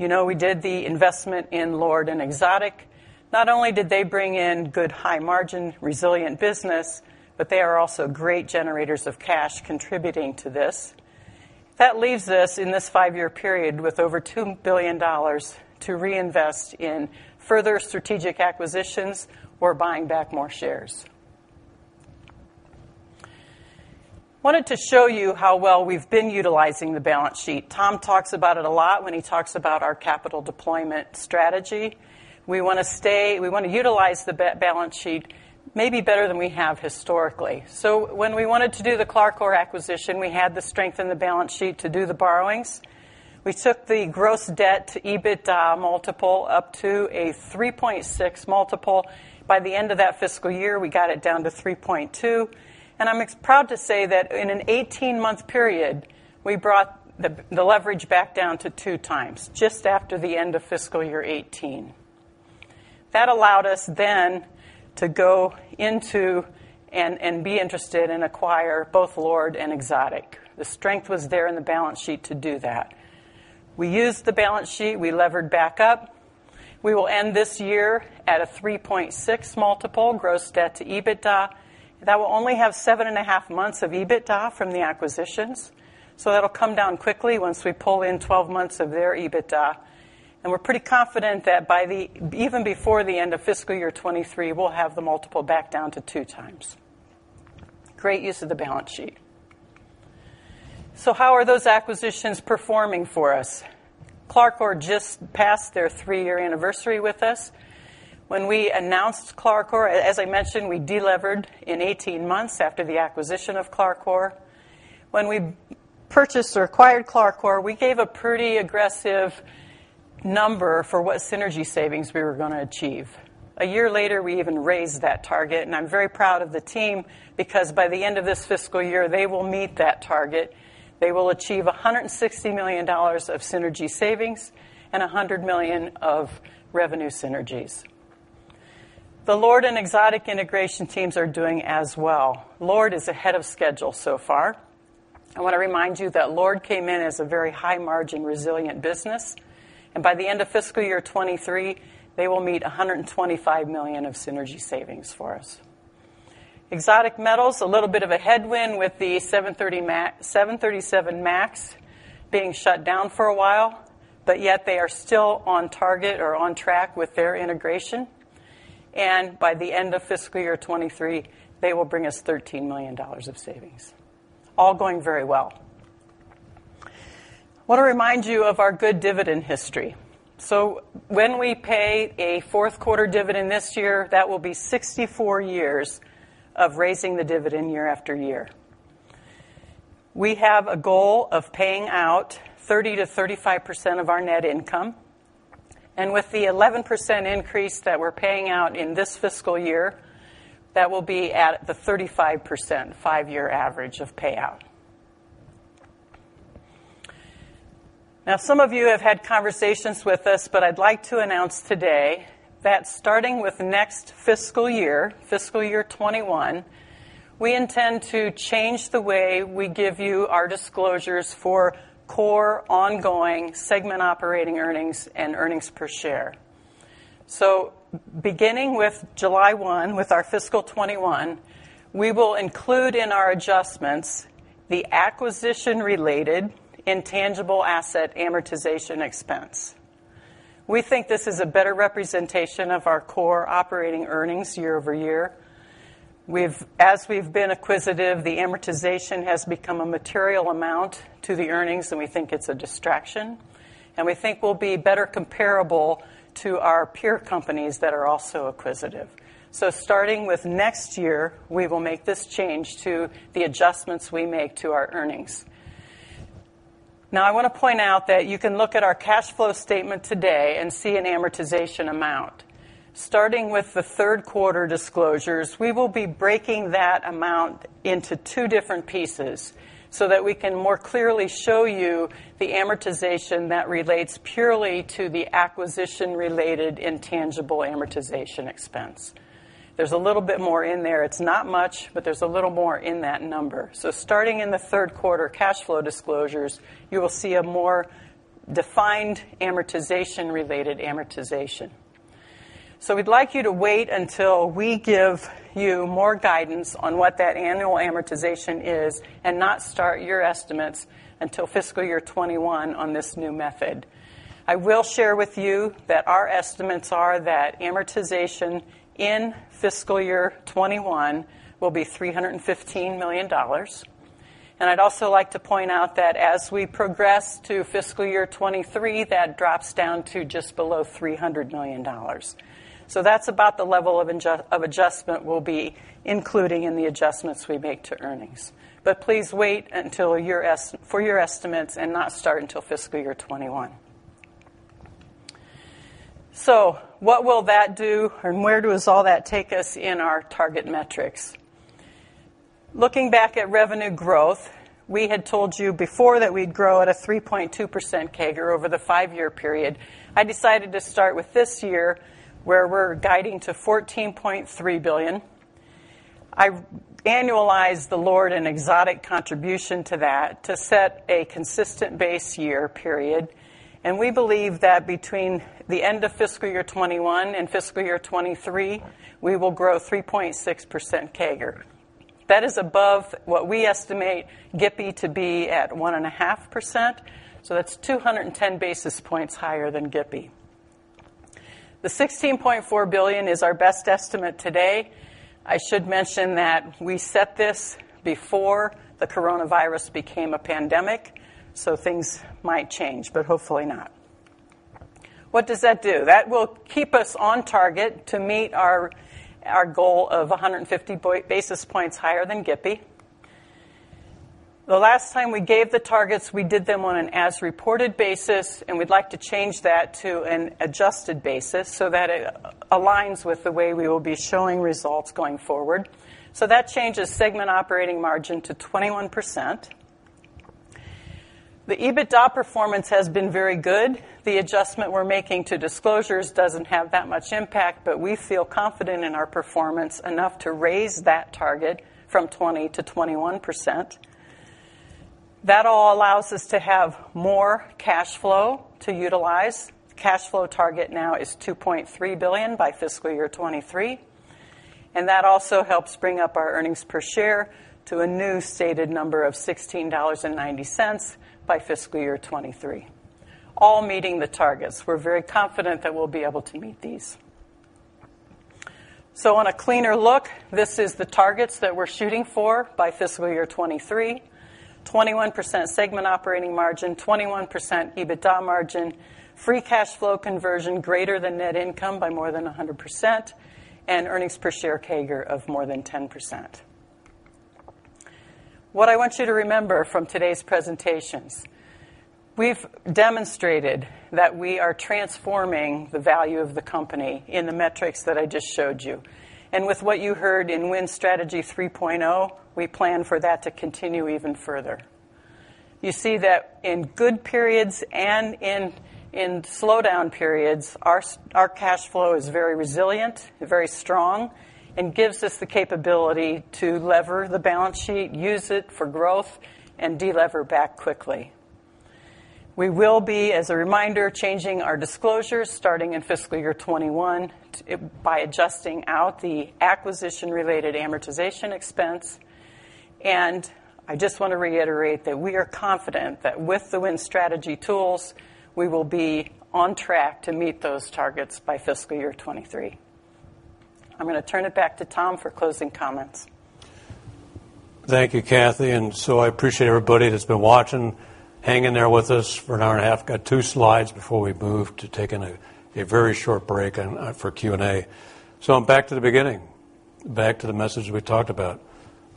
You know we did the investment in LORD and Exotic. Not only did they bring in good high-margin, resilient business, they are also great generators of cash contributing to this. That leaves us in this five-year period with over $2 billion to reinvest in further strategic acquisitions or buying back more shares. Wanted to show you how well we've been utilizing the balance sheet. Tom talks about it a lot when he talks about our capital deployment strategy. We want to utilize the balance sheet maybe better than we have historically. When we wanted to do the Clarcor acquisition, we had the strength in the balance sheet to do the borrowings. We took the gross debt to EBITDA multiple up to a 3.6 multiple. By the end of that fiscal year, we got it down to 3.2. I'm proud to say that in an 18-month period, we brought the leverage back down to two times, just after the end of fiscal year 2018. That allowed us then to go into and be interested and acquire both LORD and Exotic. The strength was there in the balance sheet to do that. We used the balance sheet. We levered back up. We will end this year at a 3.6 multiple gross debt to EBITDA. That will only have seven and a half months of EBITDA from the acquisitions. That will come down quickly once we pull in 12 months of their EBITDA. We're pretty confident that even before the end of fiscal year 2023, we'll have the multiple back down to two times. Great use of the balance sheet. How are those acquisitions performing for us? Clarcor just passed their three-year anniversary with us. When we announced Clarcor, as I mentioned, we delevered in 18 months after the acquisition of Clarcor. When we purchased or acquired Clarcor, we gave a pretty aggressive number for what synergy savings we were going to achieve. A year later, we even raised that target, and I'm very proud of the team because by the end of this fiscal year, they will meet that target. They will achieve $160 million of synergy savings and $100 million of revenue synergies. The LORD and Exotic integration teams are doing as well. LORD is ahead of schedule so far. I want to remind you that LORD came in as a very high-margin, resilient business, and by the end of fiscal year 2023, they will meet $125 million of synergy savings for us. Exotic Metals, a little bit of a headwind with the 737 MAX being shut down for a while, but yet they are still on target or on track with their integration. By the end of fiscal year 2023, they will bring us $13 million of savings. All going very well. We want to remind you of our good dividend history. When we pay a fourth quarter dividend this year, that will be 64 years of raising the dividend year-after-year. We have a goal of paying out 30%-35% of our net income. With the 11% increase that we're paying out in this fiscal year, that will be at the 35% five-year average of payout. Some of you have had conversations with us, but I'd like to announce today that starting with next fiscal year, fiscal year 2021, we intend to change the way we give you our disclosures for core ongoing segment operating earnings and earnings per share. Beginning with July 1, with our fiscal 2021, we will include in our adjustments the acquisition-related intangible asset amortization expense. We think this is a better representation of our core operating earnings year-over-year. As we've been acquisitive, the amortization has become a material amount to the earnings, and we think it's a distraction. We think we'll be better comparable to our peer companies that are also acquisitive. Starting with next year, we will make this change to the adjustments we make to our earnings. I want to point out that you can look at our cash flow statement today and see an amortization amount. Starting with the third quarter disclosures, we will be breaking that amount into two different pieces so that we can more clearly show you the amortization that relates purely to the acquisition-related intangible amortization expense. There's a little bit more in there. It's not much, but there's a little more in that number. Starting in the third quarter cash flow disclosures, you will see a more defined amortization-related amortization. We'd like you to wait until we give you more guidance on what that annual amortization is and not start your estimates until fiscal year 2021 on this new method. I will share with you that our estimates are that amortization in fiscal year 2021 will be $315 million. I'd also like to point out that as we progress to fiscal year 2023, that drops down to just below $300 million. That's about the level of adjustment we'll be including in the adjustments we make to earnings. Please wait for your estimates and not start until fiscal year 2021. What will that do, and where does all that take us in our target metrics? Looking back at revenue growth, we had told you before that we'd grow at a 3.2% CAGR over the five-year period. I decided to start with this year, where we're guiding to $14.3 billion. I've annualized the LORD and Exotic contribution to that to set a consistent base year period, and we believe that between the end of fiscal year 2021 and fiscal year 2023, we will grow 3.6% CAGR. That is above what we estimate GIPI to be at 1.5%, so that's 210 basis points higher than GIPI. The $16.4 billion is our best estimate today. I should mention that we set this before the coronavirus became a pandemic, so things might change, but hopefully not. What does that do? That will keep us on target to meet our goal of 150 basis points higher than GIPI. The last time we gave the targets, we did them on an as-reported basis, and we'd like to change that to an adjusted basis so that it aligns with the way we will be showing results going forward. That changes segment operating margin to 21%. The EBITDA performance has been very good. The adjustment we're making to disclosures doesn't have that much impact, but we feel confident in our performance enough to raise that target from 20% to 21%. That all allows us to have more cash flow to utilize. Cash flow target now is $2.3 billion by FY 2023. That also helps bring up our earnings per share to a new stated number of $16.90 by FY 2023, all meeting the targets. We're very confident that we'll be able to meet these. On a cleaner look, this is the targets that we're shooting for by FY 2023, 21% segment operating margin, 21% EBITDA margin, free cash flow conversion greater than net income by more than 100%, and earnings per share CAGR of more than 10%. What I want you to remember from today's presentations, we've demonstrated that we are transforming the value of the company in the metrics that I just showed you. With what you heard in Win Strategy 3.0, we plan for that to continue even further. You see that in good periods and in slowdown periods, our cash flow is very resilient, very strong, and gives us the capability to lever the balance sheet, use it for growth, and de-lever back quickly. We will be, as a reminder, changing our disclosures starting in fiscal year 2021 by adjusting out the acquisition-related amortization expense. I just want to reiterate that we are confident that with The Win Strategy tools, we will be on track to meet those targets by fiscal year 2023. I'm going to turn it back to Tom for closing comments. Thank you, Cathy. I appreciate everybody that's been watching. Hang in there with us for an hour and a half. Got two slides before we move to taking a very short break for Q&A. I'm back to the beginning, back to the message we talked about.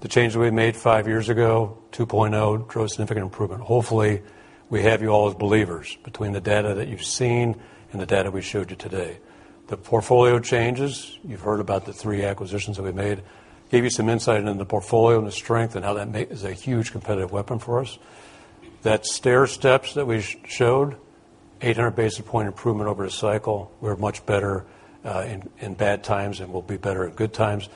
The change that we made five years ago, The Win Strategy 2.0, drove significant improvement. Hopefully, we have you all as believers between the data that you've seen and the data we showed you today. The portfolio changes, you've heard about the three acquisitions that we made, gave you some insight into the portfolio and the strength and how that is a huge competitive weapon for us. That stairsteps that we showed, 800 basis point improvement over a cycle. We're much better in bad times, and we'll be better at good times.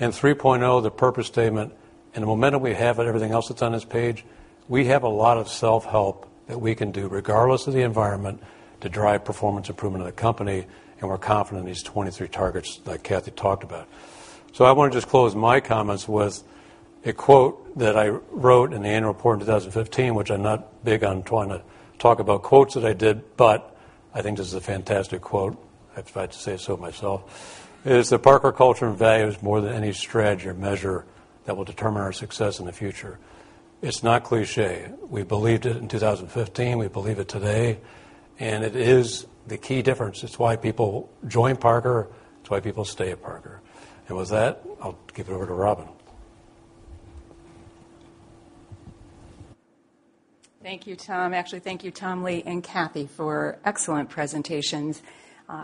3.0, the purpose statement, and the momentum we have and everything else that's on this page, we have a lot of self-help that we can do, regardless of the environment, to drive performance improvement of the company, and we're confident in these 2023 targets that Cathy talked about. I want to just close my comments with a quote that I wrote in the annual report in 2015, which I'm not big on trying to talk about quotes that I did, but I think this is a fantastic quote. If I had to say so myself. It is, "The Parker culture and values more than any strategy or measure that will determine our success in the future." It's not cliché. We believed it in 2015, we believe it today, and it is the key difference. It's why people join Parker. It's why people stay at Parker. With that, I'll give it over to Robin. Thank you, Tom. Thank you, Tom, Lee, and Cathy for excellent presentations.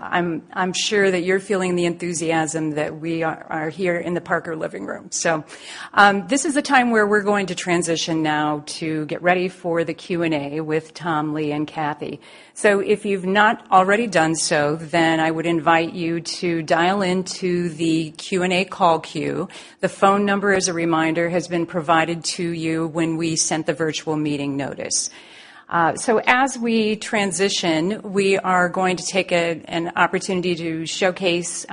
I'm sure that you're feeling the enthusiasm that we are here in the Parker living room. This is the time where we're going to transition now to get ready for the Q&A with Tom, Lee, and Cathy. If you've not already done so, then I would invite you to dial into the Q&A call queue. The phone number, as a reminder, has been provided to you when we sent the virtual meeting notice. As we transition, we are going to take an opportunity to showcase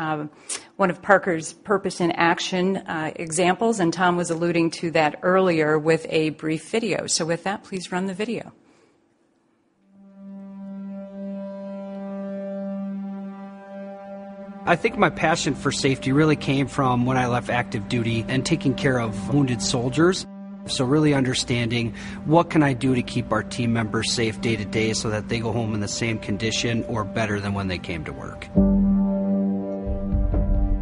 one of Parker's Purpose in Action examples, and Tom was alluding to that earlier with a brief video. With that, please run the video. I think my passion for safety really came from when I left active duty and taking care of wounded soldiers. Really understanding what can I do to keep our team members safe day to day so that they go home in the same condition or better than when they came to work.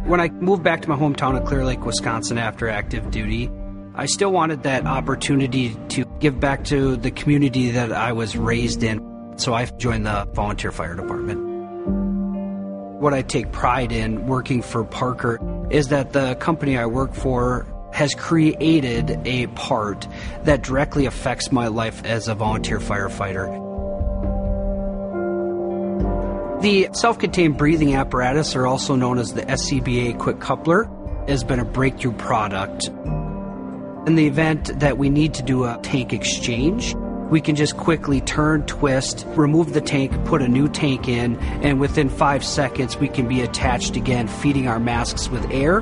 When I moved back to my hometown of Clear Lake, Wisconsin after active duty, I still wanted that opportunity to give back to the community that I was raised in. I joined the volunteer fire department. What I take pride in working for Parker is that the company I work for has created a part that directly affects my life as a volunteer firefighter. The self-contained breathing apparatus, or also known as the SCBA Quick Coupler, has been a breakthrough product. In the event that we need to do a tank exchange, we can just quickly turn, twist, remove the tank, put a new tank in, and within five seconds, we can be attached again, feeding our masks with air.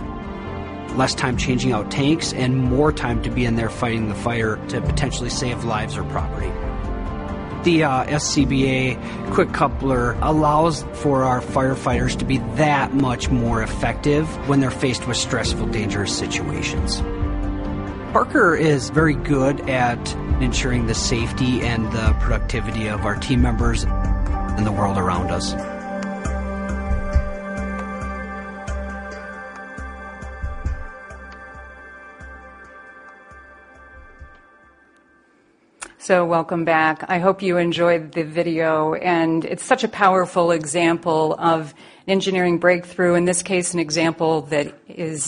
Less time changing out tanks and more time to be in there fighting the fire to potentially save lives or property. The SCBA Quick Coupler allows for our firefighters to be that much more effective when they're faced with stressful, dangerous situations. Parker is very good at ensuring the safety and the productivity of our team members and the world around us. Welcome back. I hope you enjoyed the video, and it's such a powerful example of engineering breakthrough. In this case, an example that is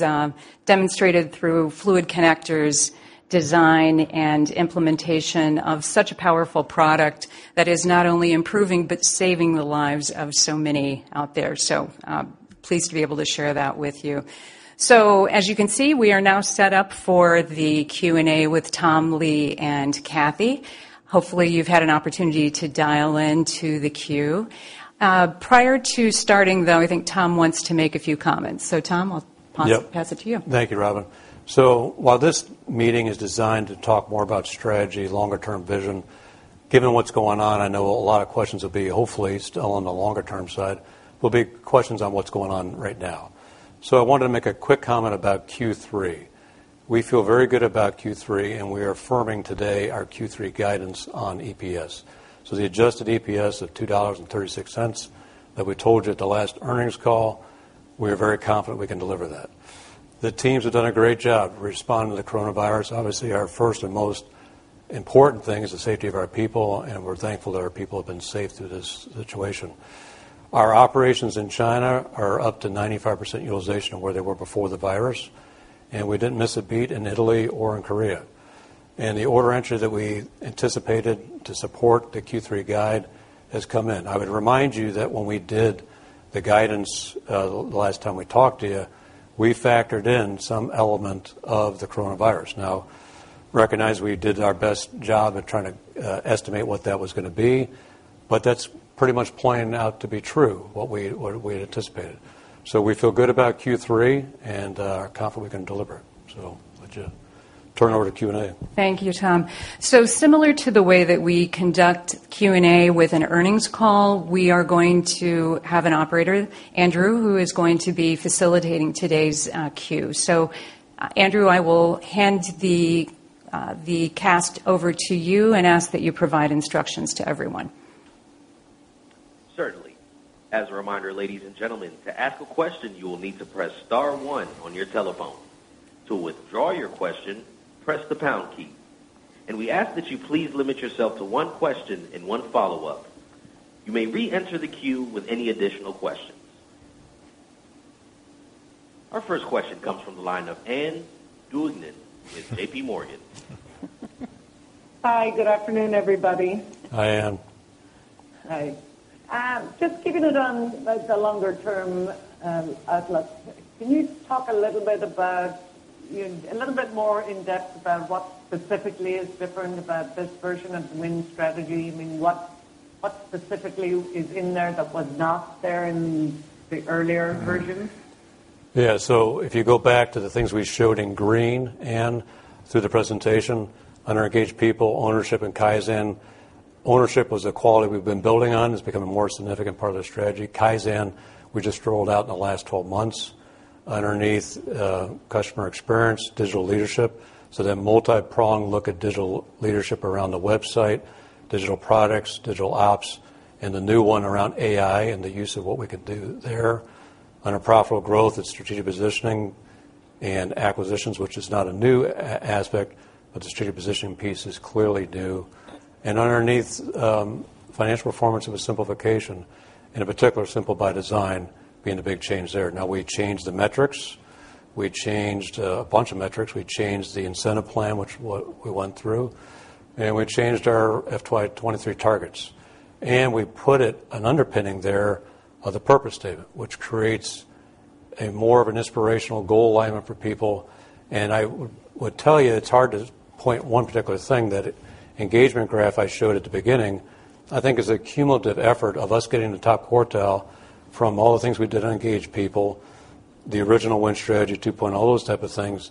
demonstrated through fluid connectors, design, and implementation of such a powerful product that is not only improving but saving the lives of so many out there. Pleased to be able to share that with you. As you can see, we are now set up for the Q&A with Tom, Lee, and Cathy. Hopefully, you've had an opportunity to dial into the queue. Prior to starting, though, I think Tom wants to make a few comments. Tom, I'll pass it to you. Thank you, Robin. While this meeting is designed to talk more about strategy, longer-term vision, given what's going on, I know a lot of questions will be, hopefully, still on the longer-term side, will be questions on what's going on right now. I wanted to make a quick comment about Q3. We feel very good about Q3, and we are affirming today our Q3 guidance on EPS. The adjusted EPS of $2.36 that we told you at the last earnings call, we are very confident we can deliver that. The teams have done a great job responding to the coronavirus. Obviously, our first and most important thing is the safety of our people, and we're thankful that our people have been safe through this situation. Our operations in China are up to 95% utilization of where they were before the virus, and we didn't miss a beat in Italy or in Korea. The order entry that we anticipated to support the Q3 guide has come in. I would remind you that when we did the guidance the last time we talked to you, we factored in some element of the coronavirus. Now, recognize we did our best job at trying to estimate what that was going to be, but that's pretty much playing out to be true, what we had anticipated. We feel good about Q3 and are confident we can deliver it. Let you turn over to Q&A. Thank you, Tom. Similar to the way that we conduct Q&A with an earnings call, we are going to have an operator, Andrew, who is going to be facilitating today's queue. Andrew, I will hand the cast over to you and ask that you provide instructions to everyone. Certainly. As a reminder, ladies and gentlemen, to ask a question, you will need to press star one on your telephone. To withdraw your question, press the pound key. We ask that you please limit yourself to one question and one follow-up. You may re-enter the queue with any additional questions. Our first question comes from the line of Ann Duignan with JPMorgan. Hi. Good afternoon, everybody. Hi, Ann. Hi. Just keeping it on the longer-term outlook, can you talk a little bit more in depth about what specifically is different about this version of the Win Strategy? What specifically is in there that was not there in the earlier version? If you go back to the things we showed in green, Ann, through the presentation, under engage people, ownership, and Kaizen. Ownership was a quality we've been building on. It's become a more significant part of the strategy. Kaizen, we just rolled out in the last 12 months. Underneath customer experience, digital leadership. That multi-pronged look at digital leadership around the website, digital products, digital ops, and the new one around AI and the use of what we can do there. Under profitable growth and strategic positioning and acquisitions, which is not a new aspect, but the strategic positioning piece is clearly new. Underneath financial performance of a simplification, and in particular Simple by Design being the big change there. We changed the metrics. We changed a bunch of metrics. We changed the incentive plan, which we went through, and we changed our FY 2023 targets. We put an underpinning there of the purpose statement, which creates a more of an inspirational goal alignment for people. I would tell you, it's hard to point one particular thing. That engagement graph I showed at the beginning, I think is a cumulative effort of us getting the top quartile from all the things we did to engage people, the original The Win Strategy 2.0, those type of things.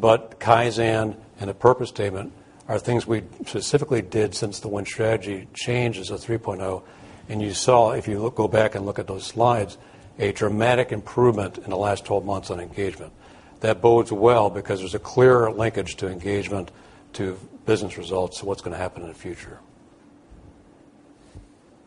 Kaizen and the purpose statement are things we specifically did since The Win Strategy change as of 3.0. You saw, if you go back and look at those slides, a dramatic improvement in the last 12 months on engagement. That bodes well because there's a clear linkage to engagement to business results, so what's going to happen in the future.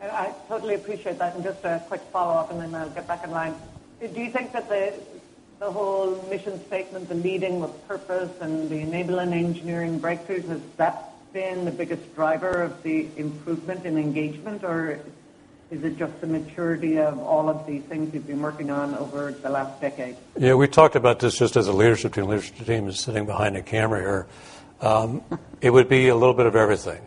I totally appreciate that. Just a quick follow-up, and then I'll get back in line. Do you think that the whole mission statement, the leading with purpose and the enabling engineering breakthroughs, has that been the biggest driver of the improvement in engagement, or is it just the maturity of all of these things you've been working on over the last decade? We talked about this just as a leadership team. Leadership team is sitting behind a camera here. It would be a little bit of everything.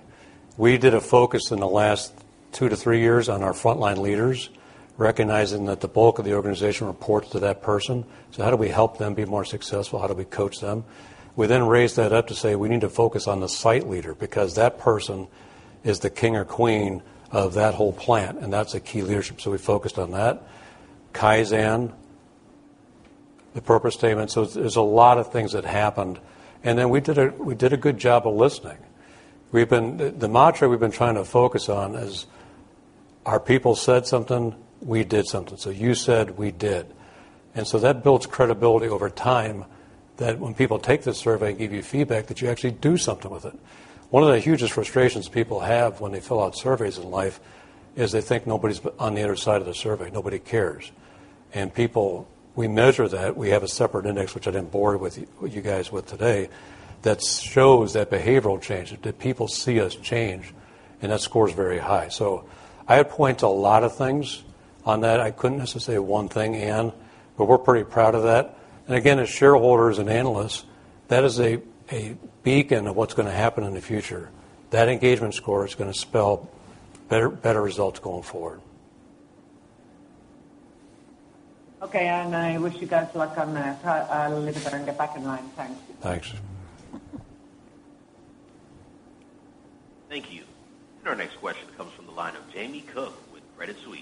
We did a focus in the last two to three years on our frontline leaders, recognizing that the bulk of the organization reports to that person. How do we help them be more successful? How do we coach them? We then raised that up to say we need to focus on the site leader, because that person is the king or queen of that whole plant, and that's a key leadership, so we focused on that. Kaizen, the purpose statement. There's a lot of things that happened. We did a good job of listening. The mantra we've been trying to focus on is, our people said something, we did something. You said, we did. That builds credibility over time, that when people take this survey and give you feedback, that you actually do something with it. One of the hugest frustrations people have when they fill out surveys in life is they think nobody's on the other side of the survey. Nobody cares. We measure that. We have a separate index, which I didn't bore you guys with today, that shows that behavioral change, that people see us change, and that score is very high. I point to a lot of things on that. I couldn't necessarily say one thing, Ann, but we're pretty proud of that. As shareholders and analysts, that is a beacon of what's going to happen in the future. That engagement score is going to spell better results going forward. Okay, I wish you guys luck on that. I'll leave it there and get back in line. Thanks. Thanks. Thank you. Our next question comes from the line of Jamie Cook with Credit Suisse.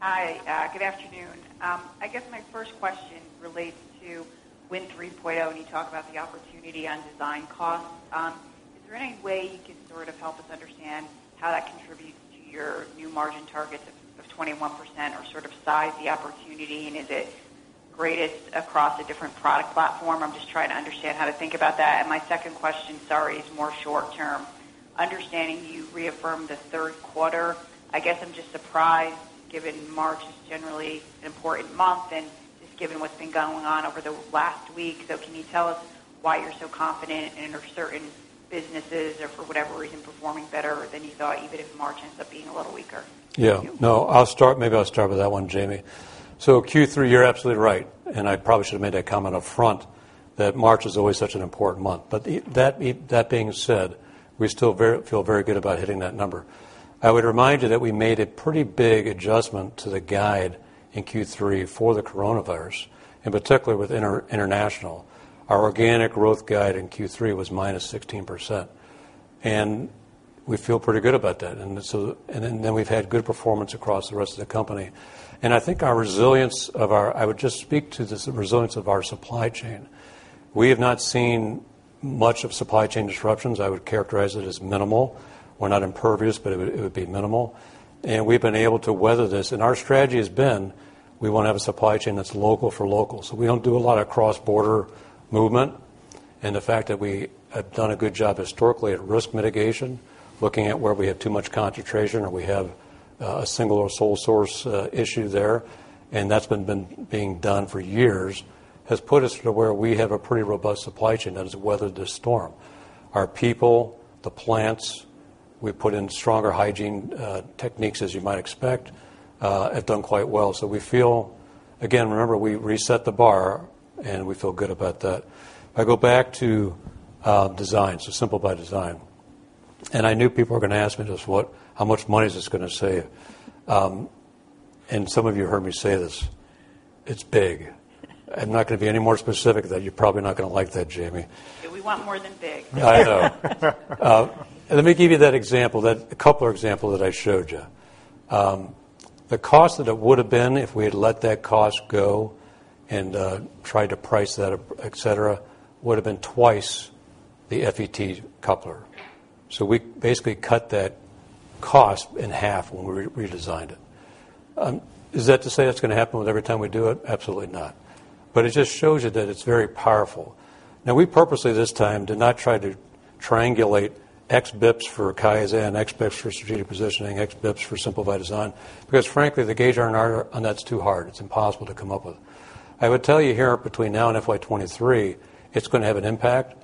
Hi. Good afternoon. I guess my first question relates to Win 3.0, and you talked about the opportunity on design costs. Is there any way you can sort of help us understand how that contributes to your new margin targets of 21%, or sort of size the opportunity, and is it greatest across a different product platform? I'm just trying to understand how to think about that. My second question, sorry, is more short term. Understanding you reaffirmed the third quarter, I guess I'm just surprised given March is generally an important month and just given what's been going on over the last week. Can you tell us why you're so confident and are certain businesses or for whatever reason, performing better than you thought, even if March ends up being a little weaker? Thank you. Yeah. No. Maybe I'll start with that one, Jamie. Q3, you're absolutely right, and I probably should have made that comment up front, that March is always such an important month. That being said, we still feel very good about hitting that number. I would remind you that we made a pretty big adjustment to the guide in Q3 for the coronavirus, and particularly with international. Our organic growth guide in Q3 was -16%, we feel pretty good about that. We've had good performance across the rest of the company. I think I would just speak to the resilience of our supply chain. We have not seen much of supply chain disruptions. I would characterize it as minimal. We're not impervious, but it would be minimal. We've been able to weather this. Our strategy has been, we want to have a supply chain that's local for local. We don't do a lot of cross-border movement. The fact that we have done a good job historically at risk mitigation, looking at where we have too much concentration or we have a single or sole source issue there, and that's been being done for years, has put us to where we have a pretty robust supply chain that has weathered the storm. Our people, the plants, we put in stronger hygiene techniques, as you might expect, have done quite well. We feel, again, remember, we reset the bar, and we feel good about that. If I go back to design, so Simple by Design. I knew people were going to ask me just how much money is this going to save? Some of you heard me say this. It's big. I'm not going to be any more specific than that. You're probably not going to like that, Jamie. Yeah, we want more than big. I know. Let me give you that example, a coupler example that I showed you. The cost that it would've been if we had let that cost go and tried to price that, et cetera, would've been twice the FET coupler. We basically cut that cost in half when we redesigned it. Is that to say that's going to happen with every time we do it? Absolutely not. It just shows you that it's very powerful. Now, we purposely this time did not try to triangulate X BPS for Kaizen, X BPS for strategic positioning, X BPS for Simple by Design, because frankly, the gauge on that's too hard. It's impossible to come up with. I would tell you here between now and FY 2023, it's going to have an impact.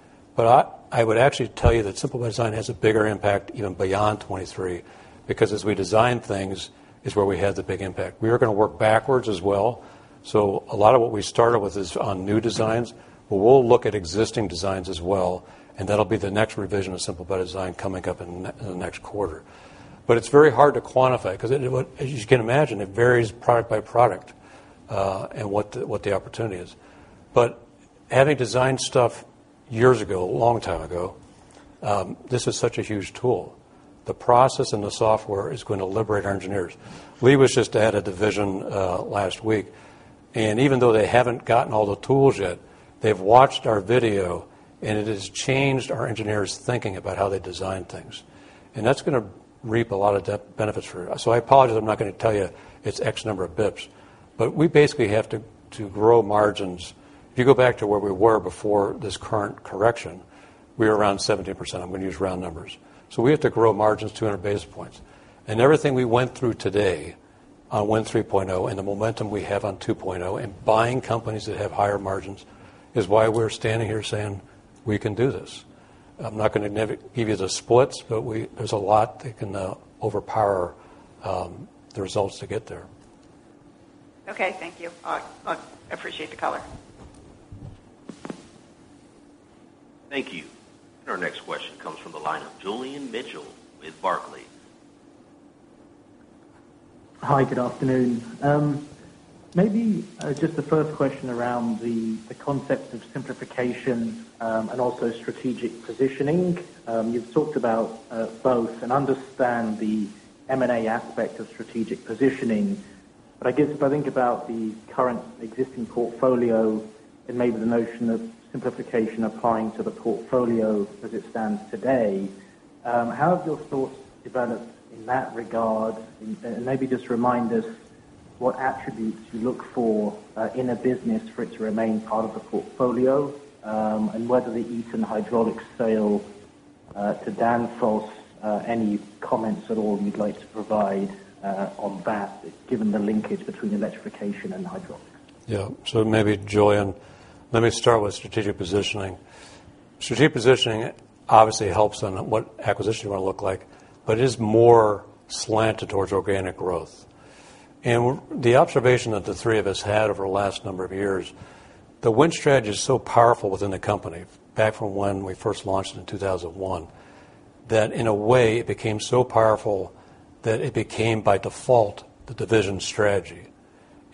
I would actually tell you that Simple by Design has a bigger impact even beyond 2023, because as we design things is where we have the big impact. We are going to work backwards as well. A lot of what we started with is on new designs, but we'll look at existing designs as well, and that'll be the next revision of Simple by Design coming up in the next quarter. It's very hard to quantify, because as you can imagine, it varies product by product, and what the opportunity is. Having designed stuff years ago, a long time ago, this is such a huge tool. The process and the software is going to liberate our engineers. Lee was just at a division last week, and even though they haven't gotten all the tools yet, they've watched our video, and it has changed our engineers' thinking about how they design things. That's going to reap a lot of benefits for us. I apologize, I'm not going to tell you it's X number of bips. We basically have to grow margins. If you go back to where we were before this current correction, we were around 17%. I'm going to use round numbers. We have to grow margins 200 basis points. Everything we went through today on Win 3.0 and the momentum we have on 2.0, and buying companies that have higher margins is why we're standing here saying, "We can do this." I'm not going to give you the splits, but there's a lot that can overpower the results to get there. Okay, thank you. I appreciate the color. Thank you. Our next question comes from the line of Julian Mitchell with Barclays. Hi, good afternoon. Maybe just the first question around the concept of simplification, and also strategic positioning. You've talked about both and understand the M&A aspect of strategic positioning. I guess if I think about the current existing portfolio and maybe the notion of simplification applying to the portfolio as it stands today, how have your thoughts developed in that regard? Maybe just remind us what attributes you look for in a business for it to remain part of the portfolio, and whether the Eaton Hydraulics sale to Danfoss, any comments at all you'd like to provide on that, given the linkage between electrification and hydraulics? Yeah. Maybe Julian, let me start with strategic positioning. Strategic positioning obviously helps on what acquisition will look like, but is more slanted towards organic growth. The observation that the three of us had over the last number of years, The Win Strategy is so powerful within the company, back from when we first launched it in 2001, that in a way, it became so powerful that it became, by default, the division strategy.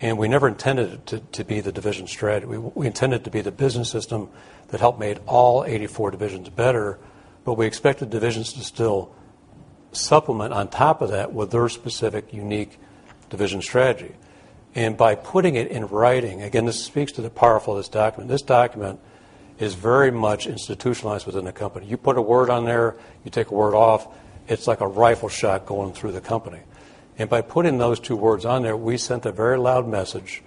We never intended it to be the division strategy. We intended it to be the business system that helped make all 84 divisions better, but we expected divisions to still supplement on top of that with their specific unique division strategy. By putting it in writing, again, this speaks to the power of this document. This document is very much institutionalized within the company. You put a word on there, you take a word off, it's like a rifle shot going through the company. By putting those two words on there, we sent a very loud message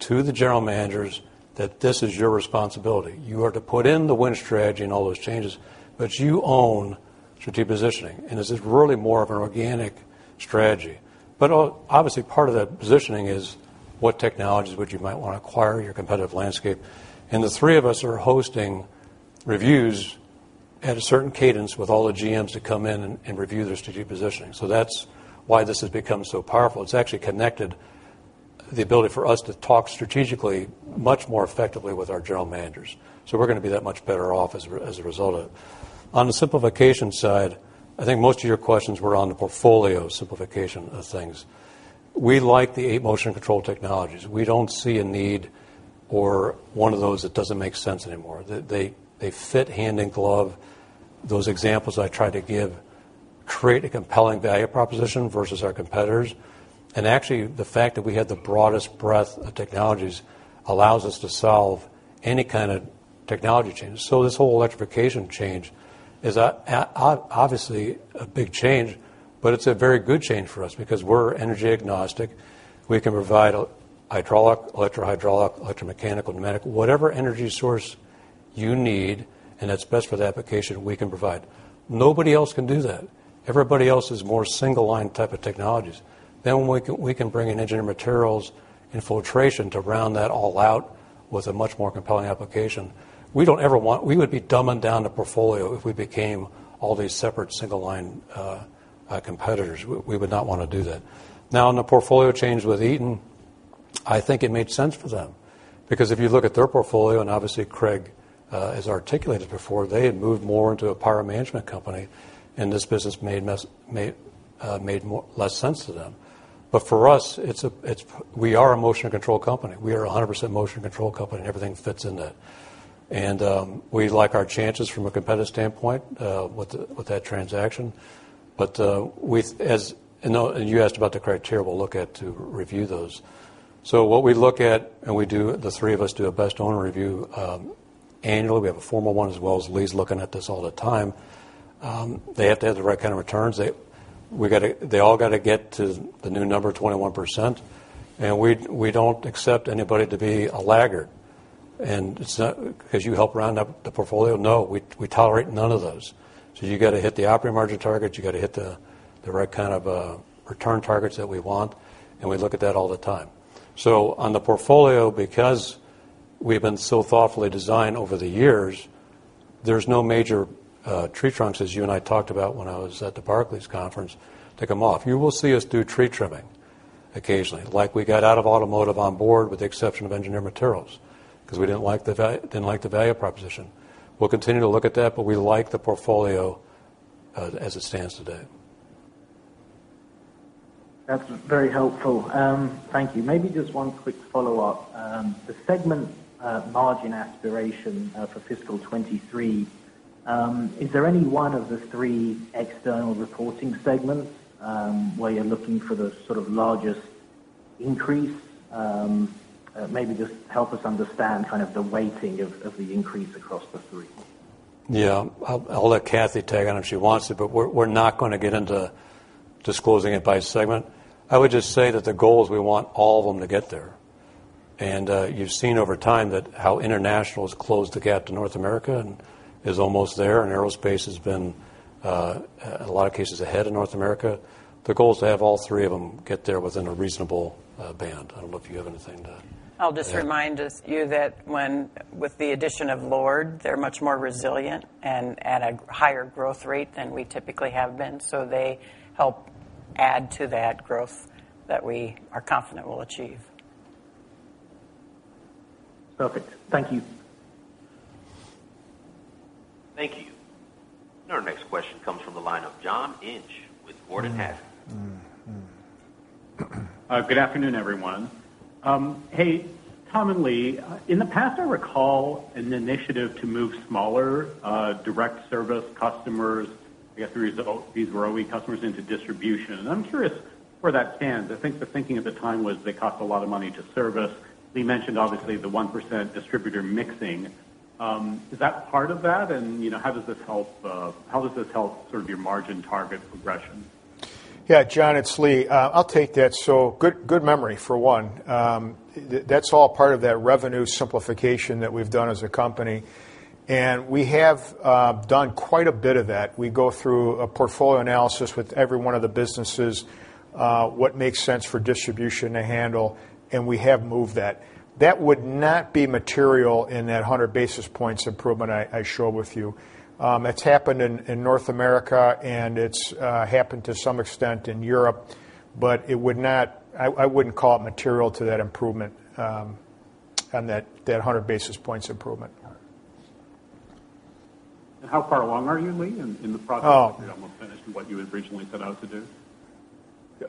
to the General Managers that this is your responsibility. You are to put in The Win Strategy and all those changes, but you own strategic positioning, and this is really more of an organic strategy. Obviously, part of that positioning is what technologies, what you might want to acquire, your competitive landscape. The three of us are hosting reviews at a certain cadence with all the GMs to come in and review the strategic positioning. That's why this has become so powerful. It's actually connected the ability for us to talk strategically much more effectively with our General Managers. We're going to be that much better off as a result of it. On the simplification side, I think most of your questions were on the portfolio simplification of things. We like the eight motion control technologies. We don't see a need or one of those that doesn't make sense anymore. They fit hand in glove. Those examples I tried to give create a compelling value proposition versus our competitors. Actually, the fact that we have the broadest breadth of technologies allows us to solve any kind of technology change. This whole electrification change is obviously a big change, but it's a very good change for us because we're energy agnostic. We can provide a hydraulic, electrohydraulic, electromechanical, pneumatic, whatever energy source you need and that's best for the application, we can provide. Nobody else can do that. Everybody else is more single line type of technologies. We can bring in Engineered Materials and Filtration to round that all out with a much more compelling application. We would be dumbing down the portfolio if we became all these separate single line competitors. We would not want to do that. On the portfolio change with Eaton, I think it made sense for them. If you look at their portfolio, and obviously Craig has articulated it before, they had moved more into a power management company, and this business made less sense to them. For us, we are a motion control company. We are 100% motion control company, and everything fits in that. We like our chances from a competitive standpoint with that transaction. I know you asked about the criteria we'll look at to review those. What we look at, and the three of us do a best owner review annually. We have a formal one, as well as Lee's looking at this all the time. They have to have the right kind of returns. They all got to get to the new number, 21%. We don't accept anybody to be a laggard. Because you help round up the portfolio, no, we tolerate none of those. You got to hit the operating margin targets, you got to hit the right kind of return targets that we want, and we look at that all the time. On the portfolio, because we have been so thoughtfully designed over the years, there's no major tree trunks, as you and I talked about when I was at the Barclays conference, to come off. You will see us do tree trimming. Occasionally, like we got out of automotive onboard with the exception of Engineered Materials, because we didn't like the value proposition. We'll continue to look at that, but we like the portfolio as it stands today. That's very helpful. Thank you. Maybe just one quick follow-up. The segment margin aspiration for fiscal 2023, is there any one of the three external reporting segments where you're looking for the sort of largest increase? Maybe just help us understand kind of the weighting of the increase across the three. Yeah. I'll let Cathy tag on if she wants to, but we're not going to get into disclosing it by segment. I would just say that the goal is we want all of them to get there. You've seen over time how international has closed the gap to North America and is almost there, and aerospace has been, in a lot of cases, ahead of North America. The goal is to have all three of them get there within a reasonable band. I don't know if you have anything to add. I'll just remind you that with the addition of LORD, they're much more resilient and at a higher growth rate than we typically have been. They help add to that growth that we are confident we'll achieve. Perfect. Thank you. Thank you. Our next question comes from the line of John Inch with Gordon Haskett. Good afternoon, everyone. Hey, Tom and Lee. In the past, I recall an initiative to move smaller direct service customers, I guess these were OE customers, into distribution. I'm curious where that stands. I think the thinking at the time was they cost a lot of money to service. Lee mentioned, obviously, the 1% distributor mixing. Is that part of that, and how does this help sort of your margin target progression? Yeah, John, it's Lee. I'll take that. Good memory for one. That's all part of that revenue simplification that we've done as a company, and we have done quite a bit of that. We go through a portfolio analysis with every one of the businesses, what makes sense for distribution to handle, and we have moved that. That would not be material in that 100 basis points improvement I showed with you. It's happened in North America, and it's happened to some extent in Europe, but I wouldn't call it material to that improvement, on that 100 basis points improvement. How far along are you, Lee, in the process? Have you almost finished what you had originally set out to do?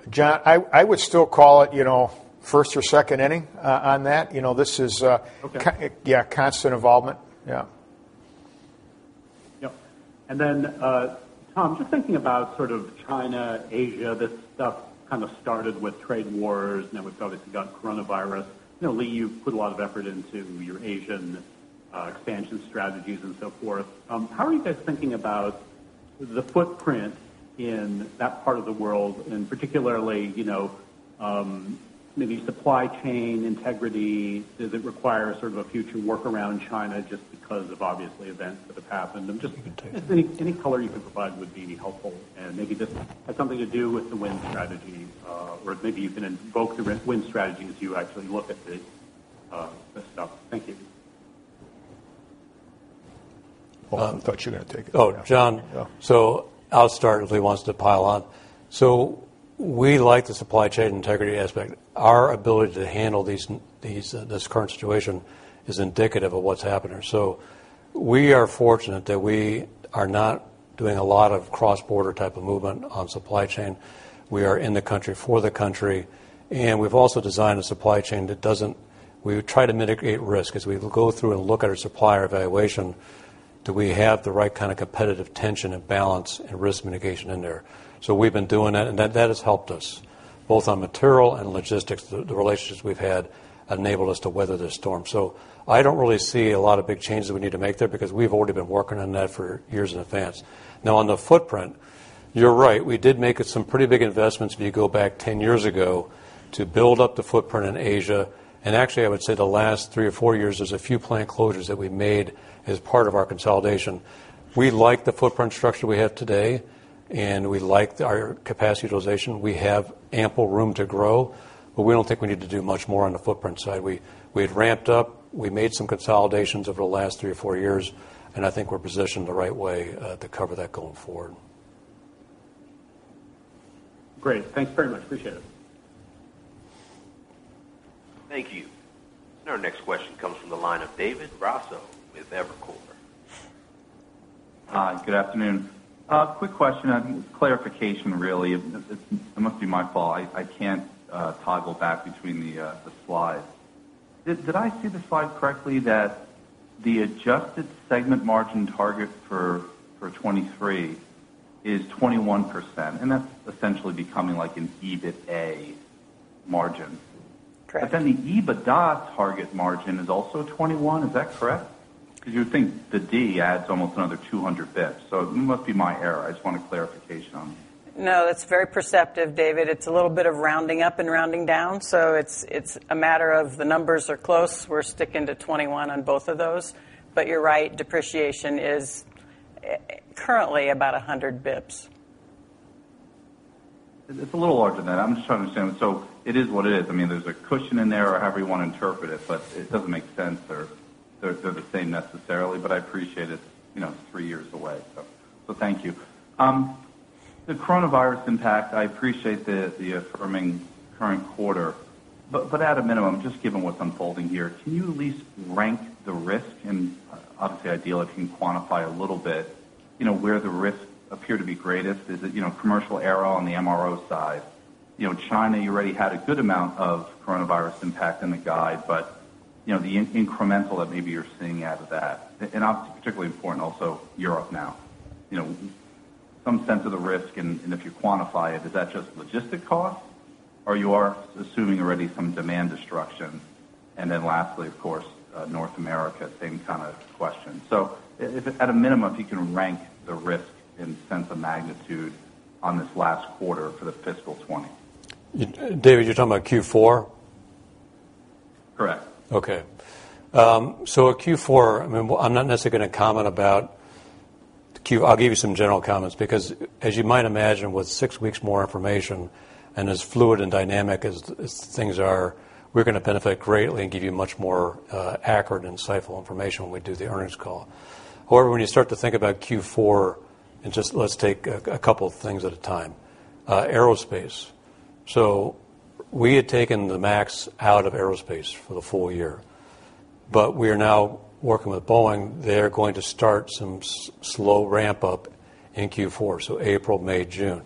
John, I would still call it 1st or 2nd inning on that. Okay. This is constant involvement. Yeah. Yep. Tom, just thinking about sort of China, Asia, this stuff kind of started with trade wars, now we've obviously got coronavirus. Lee, you've put a lot of effort into your Asian expansion strategies and so forth. How are you guys thinking about the footprint in that part of the world, and particularly, maybe supply chain integrity? Does it require sort of a future work around China just because of, obviously, events that have happened? You can take that. Just any color you can provide would be helpful, and maybe this has something to do with The Win Strategy, or maybe you can invoke The Win Strategy as you actually look at this stuff. Thank you. Oh, I thought you were going to take it. Oh, John. I'll start, if Lee wants to pile on. We like the supply chain integrity aspect. Our ability to handle this current situation is indicative of what's happening. We are fortunate that we are not doing a lot of cross-border type of movement on supply chain. We are in the country for the country, and we've also designed a supply chain that doesn't. We try to mitigate risk. As we go through and look at our supplier evaluation, do we have the right kind of competitive tension and balance and risk mitigation in there? We've been doing that, and that has helped us both on material and logistics. The relationships we've had enabled us to weather the storm. I don't really see a lot of big changes we need to make there because we've already been working on that for years in advance. Now, on the footprint, you're right. We did make some pretty big investments, if you go back 10 years ago, to build up the footprint in Asia. Actually, I would say the last three or four years, there's a few plant closures that we made as part of our consolidation. We like the footprint structure we have today, and we like our capacity utilization. We have ample room to grow. We don't think we need to do much more on the footprint side. We've ramped up, we made some consolidations over the last three or four years. I think we're positioned the right way to cover that going forward. Great. Thanks very much. Appreciate it. Thank you. Our next question comes from the line of David Raso with Evercore. Hi. Good afternoon. Quick question, clarification really. It must be my fault. I can't toggle back between the slides. Did I see the slide correctly that the adjusted segment margin target for 2023 is 21%, and that's essentially becoming like an EBITA margin? Correct. The EBITDA target margin is also 21, is that correct? You would think the D adds almost another 200 basis points. It must be my error. I just wanted clarification on that. No, that's very perceptive, David. It's a little bit of rounding up and rounding down. It's a matter of the numbers are close. We're sticking to 21 on both of those. You're right, depreciation is currently about 100 basis points. It's a little larger than that. I'm just trying to understand. It is what it is. I mean, there's a cushion in there, or however you want to interpret it, but it doesn't make sense or they're the same necessarily. I appreciate it, three years away. Thank you. The coronavirus impact, I appreciate the affirming current quarter, but at a minimum, just given what's unfolding here, can you at least rank the risk? Obviously ideal if you can quantify a little bit, where the risks appear to be greatest? Is it commercial aero on the MRO side? China, you already had a good amount of coronavirus impact in the guide, but the incremental that maybe you're seeing out of that, and obviously particularly important also Europe now? Some sense of the risk, if you quantify it, is that just logistic cost or you are assuming already some demand destruction? Lastly, of course, North America, same kind of question. If at a minimum, if you can rank the risk in sense of magnitude on this last quarter for the fiscal 2020. David, you're talking about Q4? Correct. At Q4, I'm not necessarily going to comment about the Q. I'll give you some general comments because, as you might imagine, with six weeks more information and as fluid and dynamic as things are, we're going to benefit greatly and give you much more accurate, insightful information when we do the earnings call. However, when you start to think about Q4, and just let's take a couple of things at a time. Aerospace. We had taken the MAX out of aerospace for the full year. We are now working with Boeing. They're going to start some slow ramp-up in Q4, so April, May, June.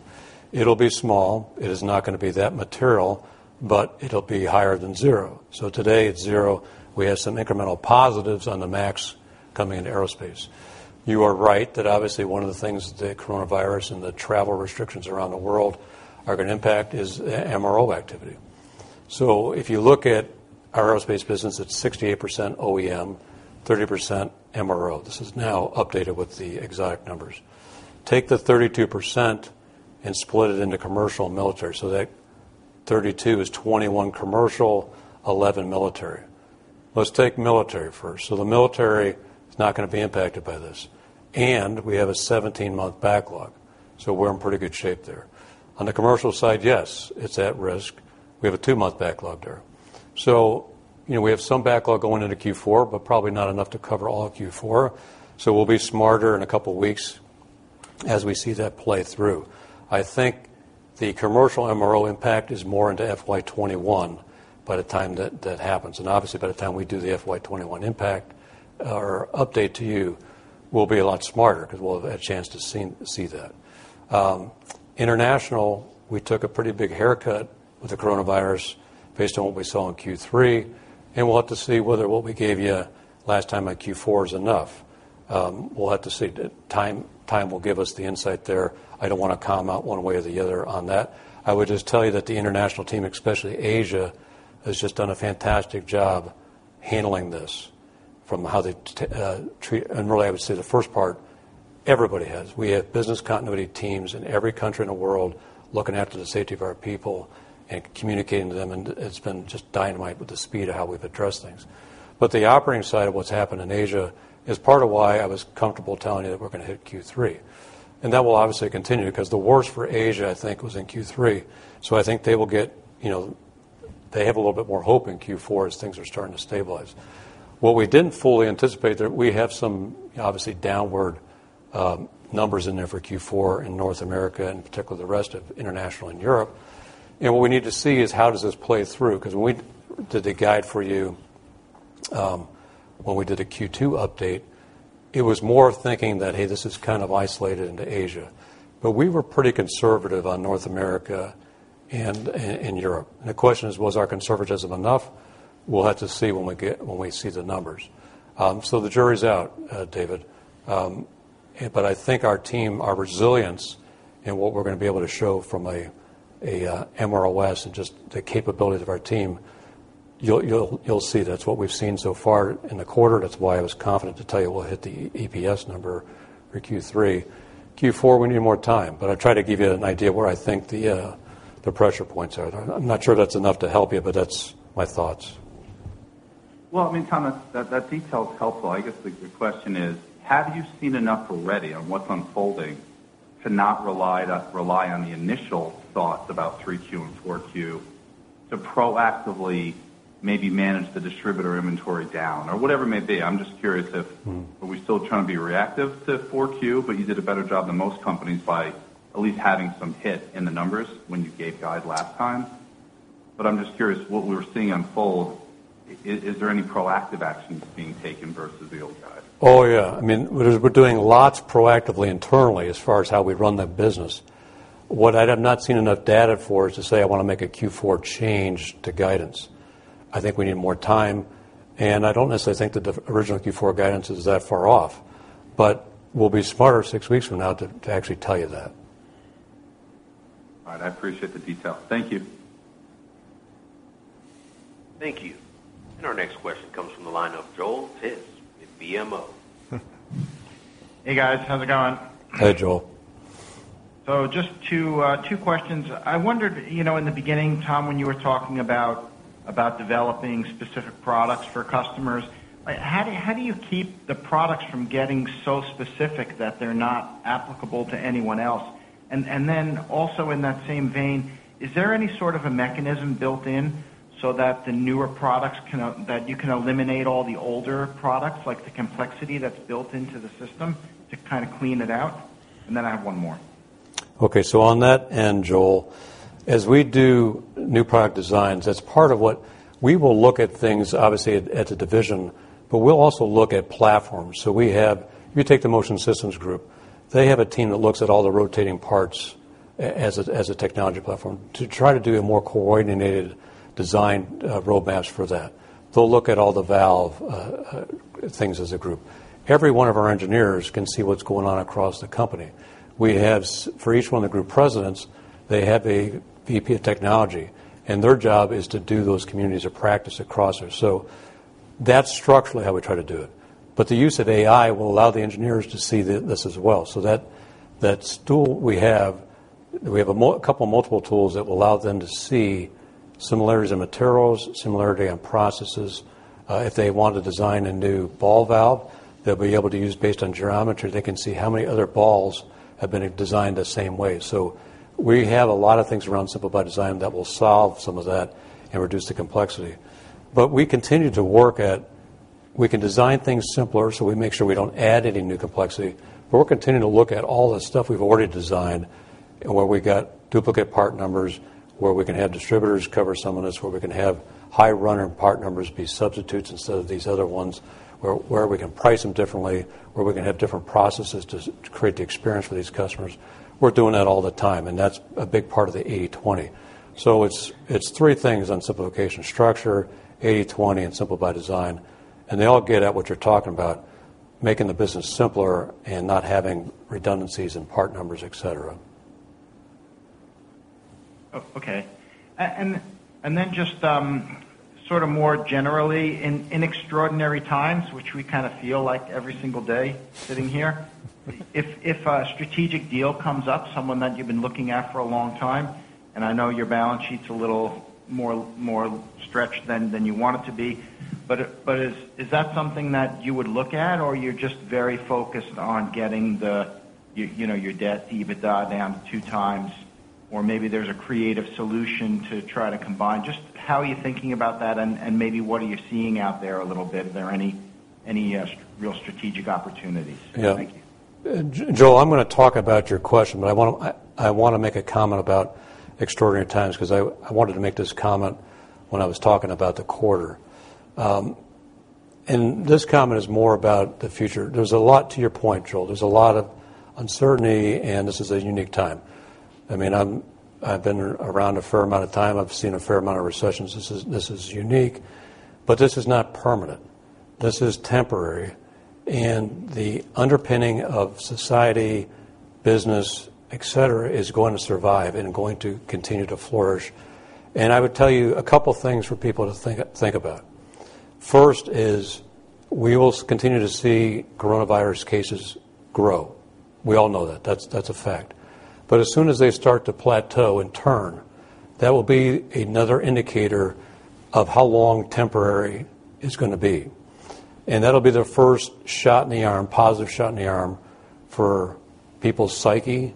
It'll be small. It is not going to be that material, but it'll be higher than zero. Today it's zero. We have some incremental positives on the MAX coming into aerospace. You are right that obviously one of the things the coronavirus and the travel restrictions around the world are going to impact is MRO activity. If you look at our aerospace business, it's 68% OEM, 30% MRO. This is now updated with the exact numbers. Take the 32% and split it into commercial and military. That 32 is 21 commercial, 11 military. Let's take military first. The military is not going to be impacted by this, and we have a 17-month backlog, so we're in pretty good shape there. On the commercial side, yes, it's at risk. We have a two-month backlog there. We have some backlog going into Q4, but probably not enough to cover all of Q4. We'll be smarter in a couple of weeks as we see that play through. I think the commercial MRO impact is more into FY 2021 by the time that that happens. Obviously by the time we do the FY 2021 impact, our update to you will be a lot smarter because we'll have had a chance to see that. International, we took a pretty big haircut with the coronavirus based on what we saw in Q3. We'll have to see whether what we gave you last time at Q4 is enough. We'll have to see. Time will give us the insight there. I don't want to comment one way or the other on that. I would just tell you that the international team, especially Asia, has just done a fantastic job handling this. Really, I would say the first part, everybody has. We have business continuity teams in every country in the world looking after the safety of our people and communicating to them. It's been just dynamite with the speed of how we've addressed things. The operating side of what's happened in Asia is part of why I was comfortable telling you that we're going to hit Q3. That will obviously continue because the worst for Asia, I think, was in Q3. I think they have a little bit more hope in Q4 as things are starting to stabilize. What we didn't fully anticipate, that we have some obviously downward numbers in there for Q4 in North America and particularly the rest of international and Europe. What we need to see is how does this play through? When we did the guide for you, when we did a Q2 update, it was more thinking that, hey, this is kind of isolated into Asia. We were pretty conservative on North America and in Europe. The question is: Was our conservatism enough? We'll have to see when we see the numbers. The jury's out, David. I think our team, our resilience, and what we're going to be able to show from a MRO and just the capabilities of our team, you'll see that's what we've seen so far in the quarter. That's why I was confident to tell you we'll hit the EPS number for Q3. Q4, we need more time, but I try to give you an idea where I think the pressure points are. I'm not sure that's enough to help you, but that's my thoughts. Well, I mean, Tom, that detail's helpful. I guess the question is, have you seen enough already on what's unfolding to not rely on the initial thoughts about 3Q and 4Q to proactively maybe manage the distributor inventory down or whatever it may be? Are we still trying to be reactive to 4Q, but you did a better job than most companies by at least having some hit in the numbers when you gave guide last time? I'm just curious what we're seeing unfold, is there any proactive actions being taken versus the old guide? Oh, yeah. I mean, we're doing lots proactively internally as far as how we run that business. What I have not seen enough data for is to say I want to make a Q4 change to guidance. I think we need more time, and I don't necessarily think that the original Q4 guidance is that far off. We'll be smarter six weeks from now to actually tell you that. All right. I appreciate the detail. Thank you. Thank you. Our next question comes from the line of Joel Tiss with BMO. Hey, guys. How's it going? Hey, Joel. Just two questions. I wondered, in the beginning, Tom, when you were talking about developing specific products for customers, how do you keep the products from getting so specific that they're not applicable to anyone else? Also in that same vein, is there any sort of a mechanism built in so that the newer products can eliminate all the older products, like the complexity that's built into the system to kind of clean it out? I have one more. Okay. On that end, Joel, as we do new product designs, as part of what, we will look at things, obviously, at a division, but we'll also look at platforms. If you take the Motion Systems Group, they have a team that looks at all the rotating parts as a technology platform to try to do a more coordinated design roadmaps for that. They'll look at all the valve things as a group. Every one of our engineers can see what's going on across the company. We have, for each one of the group presidents, they have a VP of technology, and their job is to do those communities of practice across here. That's structurally how we try to do it. The use of AI will allow the engineers to see this as well. That tool we have, we have a couple multiple tools that will allow them to see similarities in materials, similarity in processes. If they want to design a new ball valve, they'll be able to use, based on geometry, they can see how many other balls have been designed the same way. We have a lot of things around Simple by Design that will solve some of that and reduce the complexity. We continue to work at, we can design things simpler, so we make sure we don't add any new complexity. We're continuing to look at all the stuff we've already designed, where we got duplicate part numbers, where we can have distributors cover some of this, where we can have high runner part numbers be substitutes instead of these other ones, where we can price them differently, where we can have different processes to create the experience for these customers. We're doing that all the time, and that's a big part of the 80/20. It's three things on simplification structure: 80/20 and Simple by Design. They all get at what you're talking about, making the business simpler and not having redundancies in part numbers, et cetera. Oh, okay. Just sort of more generally, in extraordinary times, which we kind of feel like every single day sitting here, if a strategic deal comes up, someone that you've been looking at for a long time, I know your balance sheet's a little more stretched than you want it to be, but is that something that you would look at or you're just very focused on getting your debt to EBITDA down to 2x? Maybe there's a creative solution to try to combine. Just how are you thinking about that, and maybe what are you seeing out there a little bit? Are there any real strategic opportunities? Yeah. Thank you. Joel, I'm going to talk about your question, but I want to make a comment about extraordinary times because I wanted to make this comment when I was talking about the quarter. This comment is more about the future. There's a lot to your point, Joel. There's a lot of uncertainty, and this is a unique time. I've been around a fair amount of time. I've seen a fair amount of recessions. This is unique, but this is not permanent. This is temporary. The underpinning of society, business, et cetera, is going to survive and going to continue to flourish. I would tell you a couple things for people to think about. First is we will continue to see coronavirus cases grow. We all know that. That's a fact. As soon as they start to plateau and turn, that will be another indicator of how long temporary is going to be. That'll be the first shot in the arm, positive shot in the arm for people's psyche,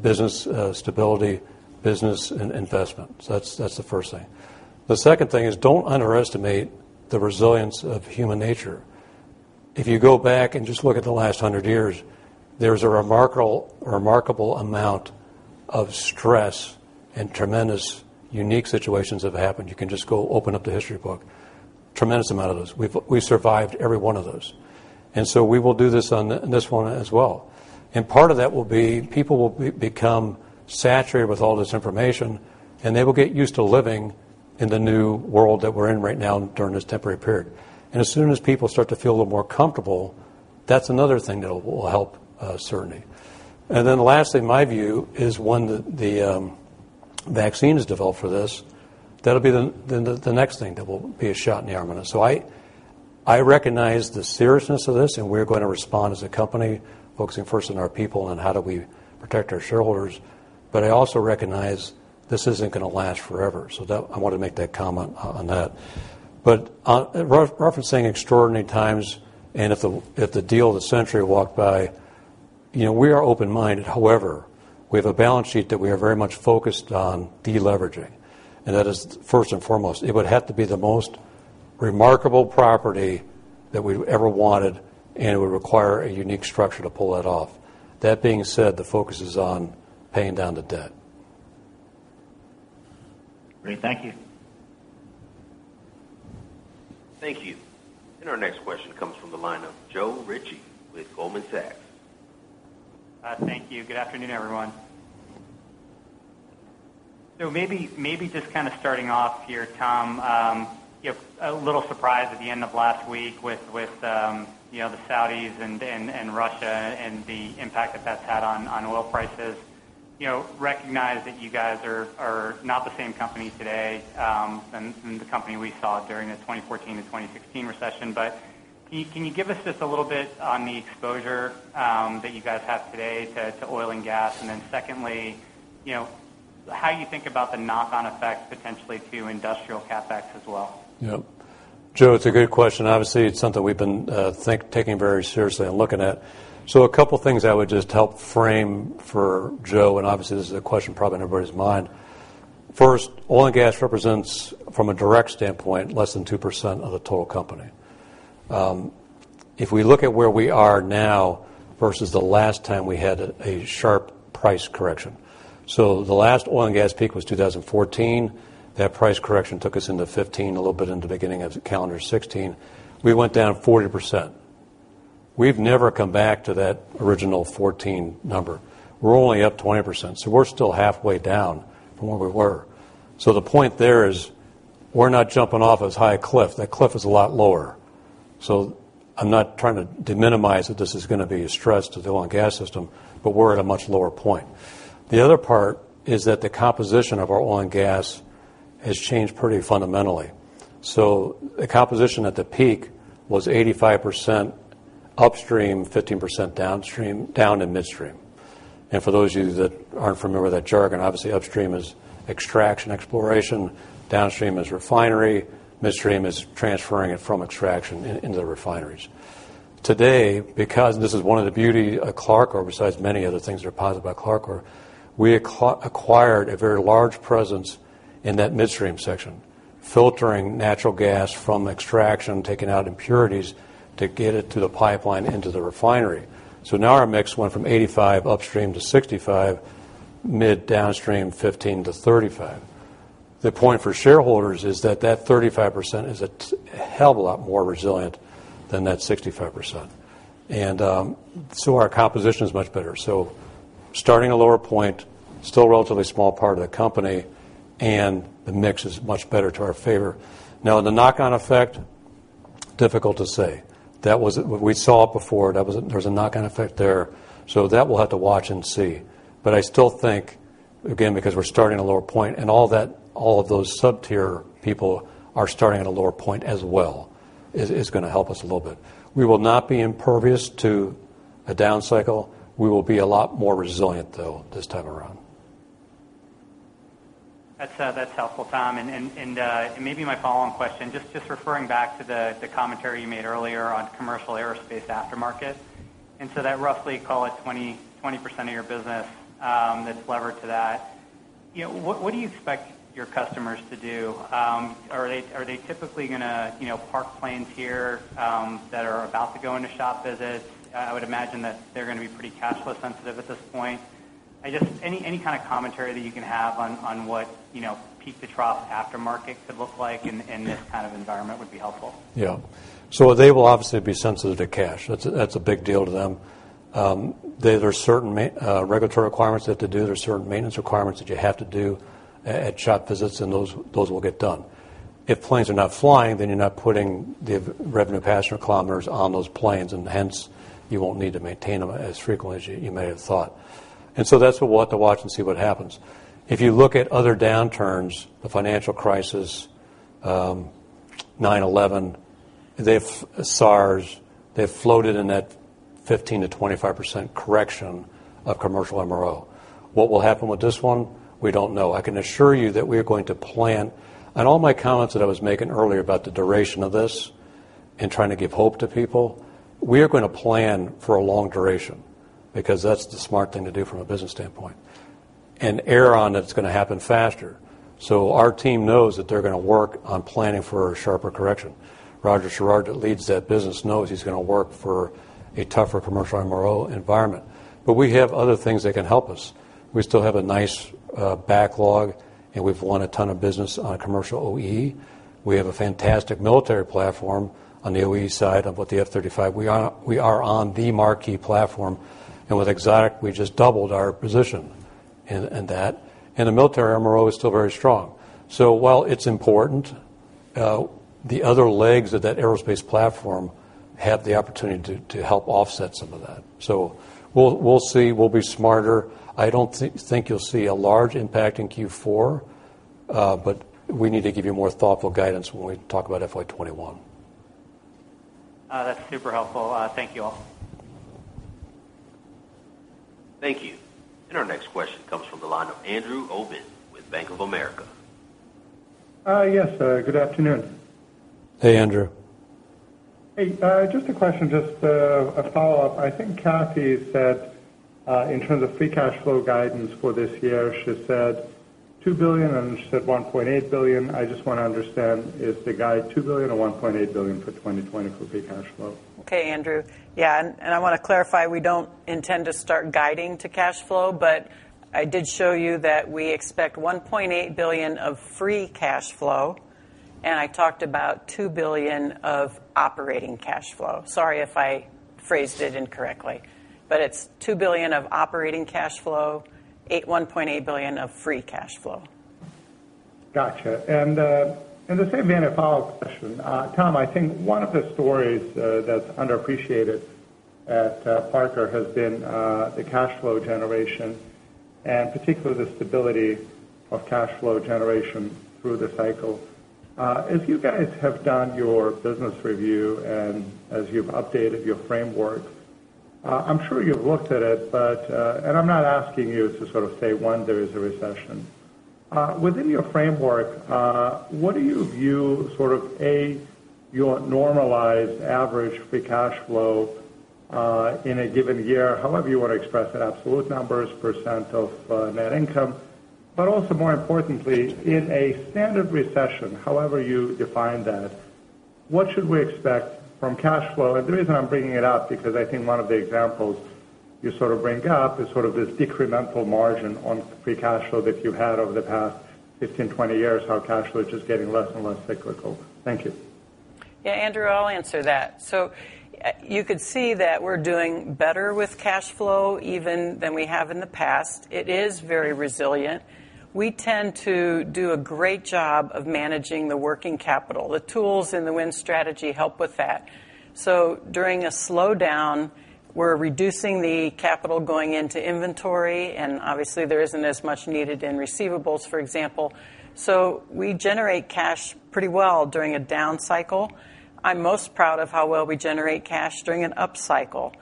business stability, business, and investment. That's the first thing. The second thing is don't underestimate the resilience of human nature. If you go back and just look at the last 100 years, there's a remarkable amount of stress and tremendous unique situations that have happened. You can just go open up the history book. Tremendous amount of those. We've survived every one of those. We will do this on this one as well. Part of that will be people will become saturated with all this information, and they will get used to living in the new world that we're in right now during this temporary period. As soon as people start to feel a little more comfortable, that's another thing that will help certainty. Lastly, my view is when the vaccine is developed for this, that'll be the next thing that will be a shot in the arm. I recognize the seriousness of this, and we're going to respond as a company focusing first on our people and how do we protect our shareholders. I also recognize this isn't going to last forever. I want to make that comment on that. Referencing extraordinary times and if the deal of the century walked by, we are open-minded. However, we have a balance sheet that we are very much focused on de-leveraging, and that is first and foremost. It would have to be the most remarkable property that we've ever wanted, and it would require a unique structure to pull that off. That being said, the focus is on paying down the debt. Great. Thank you. Thank you. Our next question comes from the line of Joe Ritchie with Goldman Sachs. Thank you. Good afternoon, everyone. Maybe just kind of starting off here, Tom, a little surprise at the end of last week with the Saudis and Russia and the impact that that's had on oil prices. Recognize that you guys are not the same company today than the company we saw during the 2014 to 2016 recession. Can you give us just a little bit on the exposure that you guys have today to oil and gas? Secondly, how you think about the knock-on effect potentially to industrial CapEx as well? Yep. Joe, it's a good question. It's something we've been taking very seriously and looking at. A couple of things I would just help frame for Joe, and this is a question probably on everybody's mind. First, oil and gas represents, from a direct standpoint, less than 2% of the total company. If we look at where we are now versus the last time we had a sharp price correction. The last oil and gas peak was 2014. That price correction took us into 2015, a little bit into the beginning of calendar 2016. We went down 40%. We've never come back to that original 2014 number. We're only up 20%, we're still halfway down from where we were. The point there is we're not jumping off as high a cliff. That cliff is a lot lower. I'm not trying to minimize that this is going to be a stress to the oil and gas system, but we're at a much lower point. The other part is that the composition of our oil and gas has changed pretty fundamentally. The composition at the peak was 85% upstream, 15% downstream, down in midstream. For those of you that aren't familiar with that jargon, obviously, upstream is extraction, exploration, downstream is refinery, midstream is transferring it from extraction into the refineries. Today, because this is one of the beauty of Clarcor, or besides many other things that are positive about Clarcor, we acquired a very large presence in that midstream section, filtering natural gas from extraction, taking out impurities to get it to the pipeline into the refinery. Now our mix went from 85 upstream to 65 mid downstream, 15 to 35. The point for shareholders is that 35% is a hell of a lot more resilient than that 65%. Our composition is much better. Starting a lower point, still a relatively small part of the company, and the mix is much better to our favor. Now, the knock-on effect, difficult to say. We saw it before. There was a knock-on effect there. That we'll have to watch and see. I still think, again, because we're starting at a lower point and all of those sub-tier people are starting at a lower point as well, is going to help us a little bit. We will not be impervious to a down cycle. We will be a lot more resilient, though, this time around. That's helpful, Tom. Maybe my follow-on question, just referring back to the commentary you made earlier on commercial aerospace aftermarket. That roughly, call it, 20% of your business that's levered to that. What do you expect your customers to do? Are they typically going to park planes here that are about to go into shop visits? I would imagine that they're going to be pretty cash flow sensitive at this point. I guess any kind of commentary that you can have on what peak-to-trough aftermarket could look like in this kind of environment would be helpful. Yeah. They will obviously be sensitive to cash. That's a big deal to them. There are certain regulatory requirements they have to do. There are certain maintenance requirements that you have to do at shop visits, and those will get done. If planes are not flying, you're not putting the revenue passenger kilometers on those planes, you won't need to maintain them as frequently as you may have thought. That's what we'll have to watch and see what happens. If you look at other downturns, the financial crisis, 9/11, SARS, they've floated in that 15%-25% correction of commercial MRO. What will happen with this one? We don't know. I can assure you that we are going to plan, and all my comments that I was making earlier about the duration of this and trying to give hope to people, we are going to plan for a long duration because that's the smart thing to do from a business standpoint, and err on it's going to happen faster. Our team knows that they're going to work on planning for a sharper correction. Roger Sherrard, that leads that business, knows he's going to work for a tougher commercial MRO environment. We have other things that can help us. We still have a nice backlog, and we've won a ton of business on commercial OE. We have a fantastic military platform on the OE side of what the F-35. We are on the marquee platform. With Exotic, we just doubled our position in that. The military MRO is still very strong. While it's important, the other legs of that aerospace platform have the opportunity to help offset some of that. We'll see. We'll be smarter. I don't think you'll see a large impact in Q4, but we need to give you more thoughtful guidance when we talk about FY 2021. That's super helpful. Thank you all. Thank you. Our next question comes from the line of Andrew Obin with Bank of America. Yes, good afternoon. Hey, Andrew. Hey. Just a question, just a follow-up. I think Cathy said in terms of free cash flow guidance for this year, she said $2 billion, and then she said $1.8 billion. I just want to understand, is the guide $2 billion or $1.8 billion for 2020 for free cash flow? Okay, Andrew. Yeah, I want to clarify, we don't intend to start guiding to cash flow, I did show you that we expect $1.8 billion of free cash flow, I talked about $2 billion of operating cash flow. Sorry if I phrased it incorrectly, it's $2 billion of operating cash flow, $1.8 billion of free cash flow. Got you. In the same vein, a follow-up question. Tom, I think one of the stories that's underappreciated at Parker has been the cash flow generation, and particularly the stability of cash flow generation through the cycle. As you guys have done your business review and as you've updated your framework, I'm sure you've looked at it. I'm not asking you to say when there is a recession. Within your framework, what do you view A, your normalized average free cash flow in a given year, however you want to express it, absolute numbers, percent of net income. Also more importantly, in a standard recession, however you define that, what should we expect from cash flow? The reason I'm bringing it up, because I think one of the examples you bring up is this decremental margin on free cash flow that you had over the past 15, 20 years, how cash flow is just getting less and less cyclical. Thank you. Andrew, I'll answer that. You could see that we're doing better with cash flow even than we have in the past. It is very resilient. We tend to do a great job of managing the working capital. The tools in The Win Strategy help with that. During a slowdown, we're reducing the capital going into inventory, and obviously there isn't as much needed in receivables, for example. We generate cash pretty well during a down cycle. I'm most proud of how well we generate cash during an up cycle.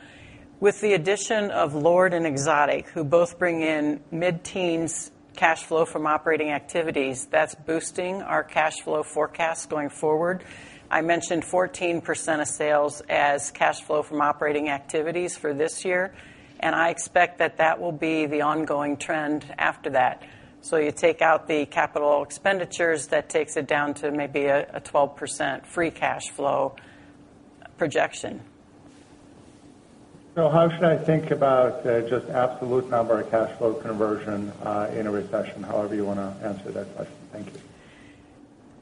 With the addition of LORD and Exotic, who both bring in mid-teens cash flow from operating activities, that's boosting our cash flow forecast going forward. I mentioned 14% of sales as cash flow from operating activities for this year, and I expect that that will be the ongoing trend after that. You take out the capital expenditures, that takes it down to maybe a 12% free cash flow projection. How should I think about just absolute number of cash flow conversion in a recession? However you want to answer that question. Thank you.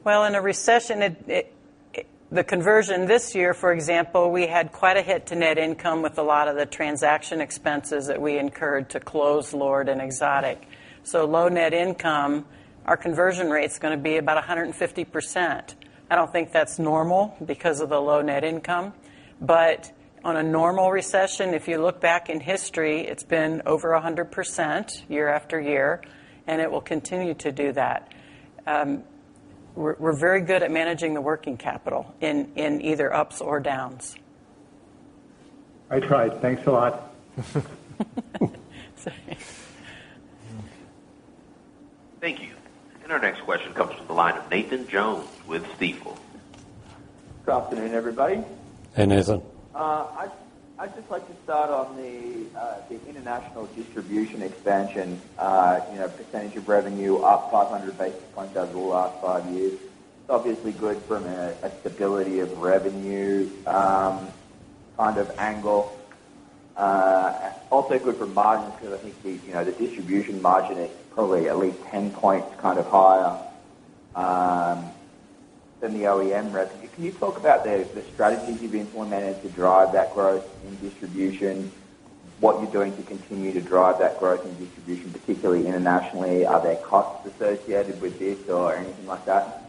Well, in a recession, the conversion this year, for example, we had quite a hit to net income with a lot of the transaction expenses that we incurred to close LORD and Exotic. Low net income, our conversion rate's going to be about 150%. I don't think that's normal because of the low net income. On a normal recession, if you look back in history, it's been over 100% year-after-year, and it will continue to do that. We're very good at managing the working capital in either ups or downs. I tried. Thanks a lot. Sorry. Thank you. Our next question comes from the line of Nathan Jones with Stifel. Good afternoon, everybody. Hey, Nathan. I'd just like to start on the international distribution expansion, percentage of revenue up 500 basis points over the last five years. It's obviously good from a stability of revenue kind of angle. Good for margin, because I think the distribution margin is probably at least 10 points kind of higher than the OEM revenue. Can you talk about the strategies you've implemented to drive that growth in distribution, what you're doing to continue to drive that growth in distribution, particularly internationally? Are there costs associated with this or anything like that?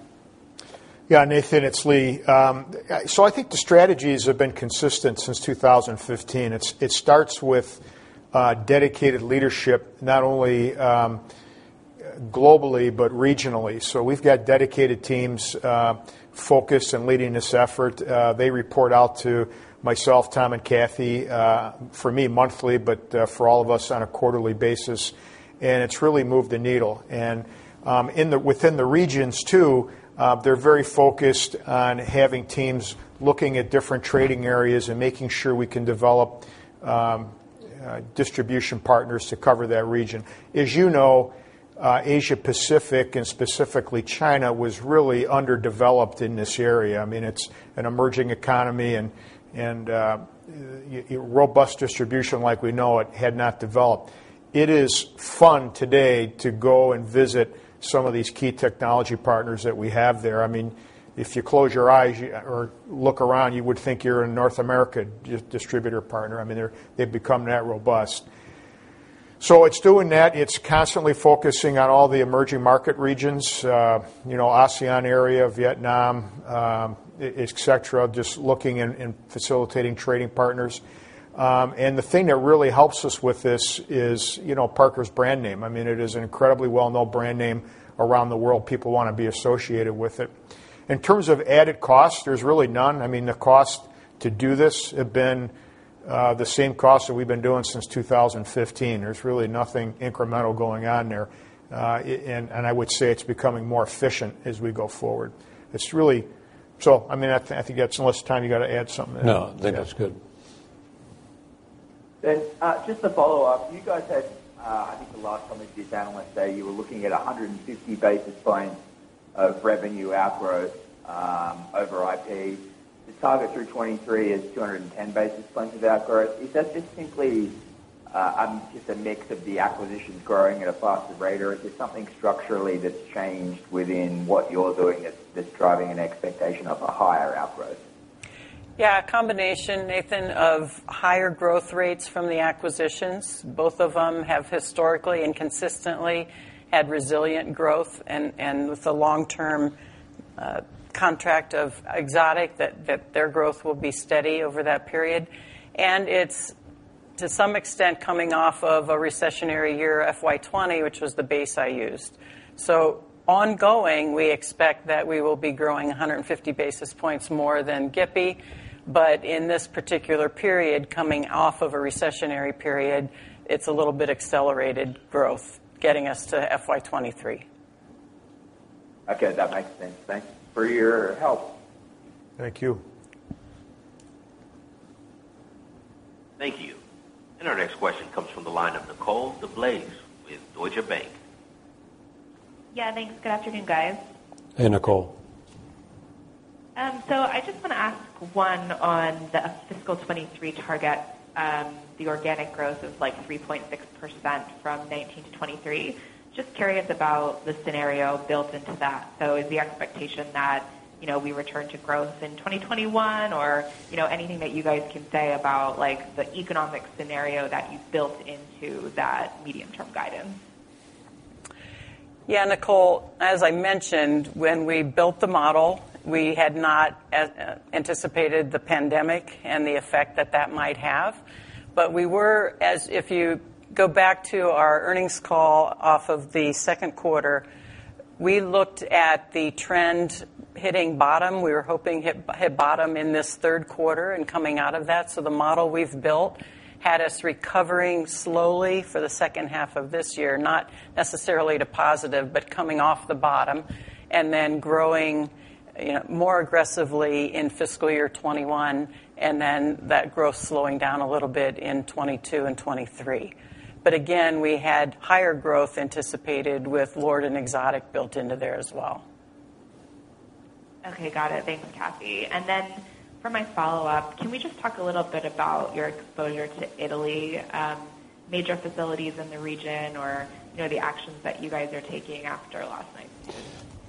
Yeah, Nathan, it's Lee. I think the strategies have been consistent since 2015. It starts with dedicated leadership, not only globally, but regionally. We've got dedicated teams focused on leading this effort. They report out to myself, Tom, and Cathy, for me monthly, but for all of us on a quarterly basis, and it's really moved the needle. Within the regions, too, they're very focused on having teams looking at different trading areas and making sure we can develop distribution partners to cover that region. As you know, Asia-Pacific, and specifically China, was really underdeveloped in this area. I mean, it's an emerging economy, and robust distribution like we know it had not developed. It is fun today to go and visit some of these key technology partners that we have there. If you close your eyes or look around, you would think you're a North America distributor partner. I mean, they've become that robust. It's doing that. It's constantly focusing on all the emerging market regions, ASEAN area, Vietnam, et cetera, just looking and facilitating trading partners. The thing that really helps us with this is Parker's brand name. It is an incredibly well-known brand name around the world. People want to be associated with it. In terms of added cost, there's really none. The cost to do this have been the same cost that we've been doing since 2015. There's really nothing incremental going on there. I would say it's becoming more efficient as we go forward. I think unless, Tom, you got to add something there. No, I think that's good. Just a follow-up. You guys had, I think the last time we did analyst day, you were looking at 150 basis points of revenue outgrowth over IP. The target through 2023 is 210 basis points of outgrowth. Is that just simply just a mix of the acquisitions growing at a faster rate, or is there something structurally that's changed within what you're doing that's driving an expectation of a higher outgrowth? Yeah. A combination, Nathan, of higher growth rates from the acquisitions. Both of them have historically and consistently had resilient growth, and with the long-term contract of Exotic, their growth will be steady over that period. It's to some extent, coming off of a recessionary year, FY 2020, which was the base I used. Ongoing, we expect that we will be growing 150 basis points more than GIPI, but in this particular period, coming off of a recessionary period, it's a little bit accelerated growth, getting us to FY 2023. That makes sense. Thanks for your help. Thank you. Thank you. Our next question comes from the line of Nicole DeBlase with Deutsche Bank. Yeah, thanks. Good afternoon, guys. Hey, Nicole. I just want to ask one on the fiscal 2023 target. The organic growth was like 3.6% from 2019 to 2023. Just curious about the scenario built into that. Is the expectation that we return to growth in 2021 or anything that you guys can say about the economic scenario that you've built into that medium-term guidance? Nicole, as I mentioned, when we built the model, we had not anticipated the pandemic and the effect that that might have. If you go back to our earnings call off of the second quarter, we looked at the trend hitting bottom. We were hoping hit bottom in this third quarter and coming out of that. The model we've built had us recovering slowly for the second half of this year, not necessarily to positive, but coming off the bottom, and then growing more aggressively in fiscal year 2021, and then that growth slowing down a little bit in 2022 and 2023. Again, we had higher growth anticipated with LORD and Exotic built into there as well. Okay, got it. Thanks, Cathy. For my follow-up, can we just talk a little bit about your exposure to Italy, major facilities in the region, or the actions that you guys are taking after last night?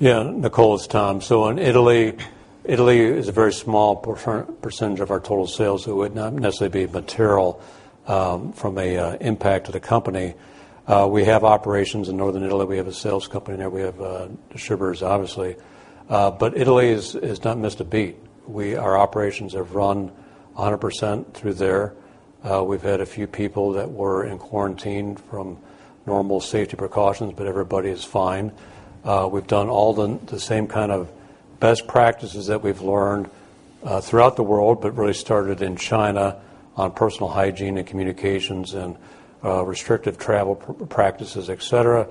Yeah. Nicole, it's Tom. On Italy is a very small percentage of our total sales, so it would not necessarily be material from an impact to the company. We have operations in northern Italy. We have a sales company there. We have distributors, obviously. Italy has not missed a beat. Our operations have run 100% through there. We've had a few people that were in quarantine from normal safety precautions, but everybody is fine. We've done all the same kind of best practices that we've learned throughout the world, but really started in China on personal hygiene and communications and restrictive travel practices, et cetera.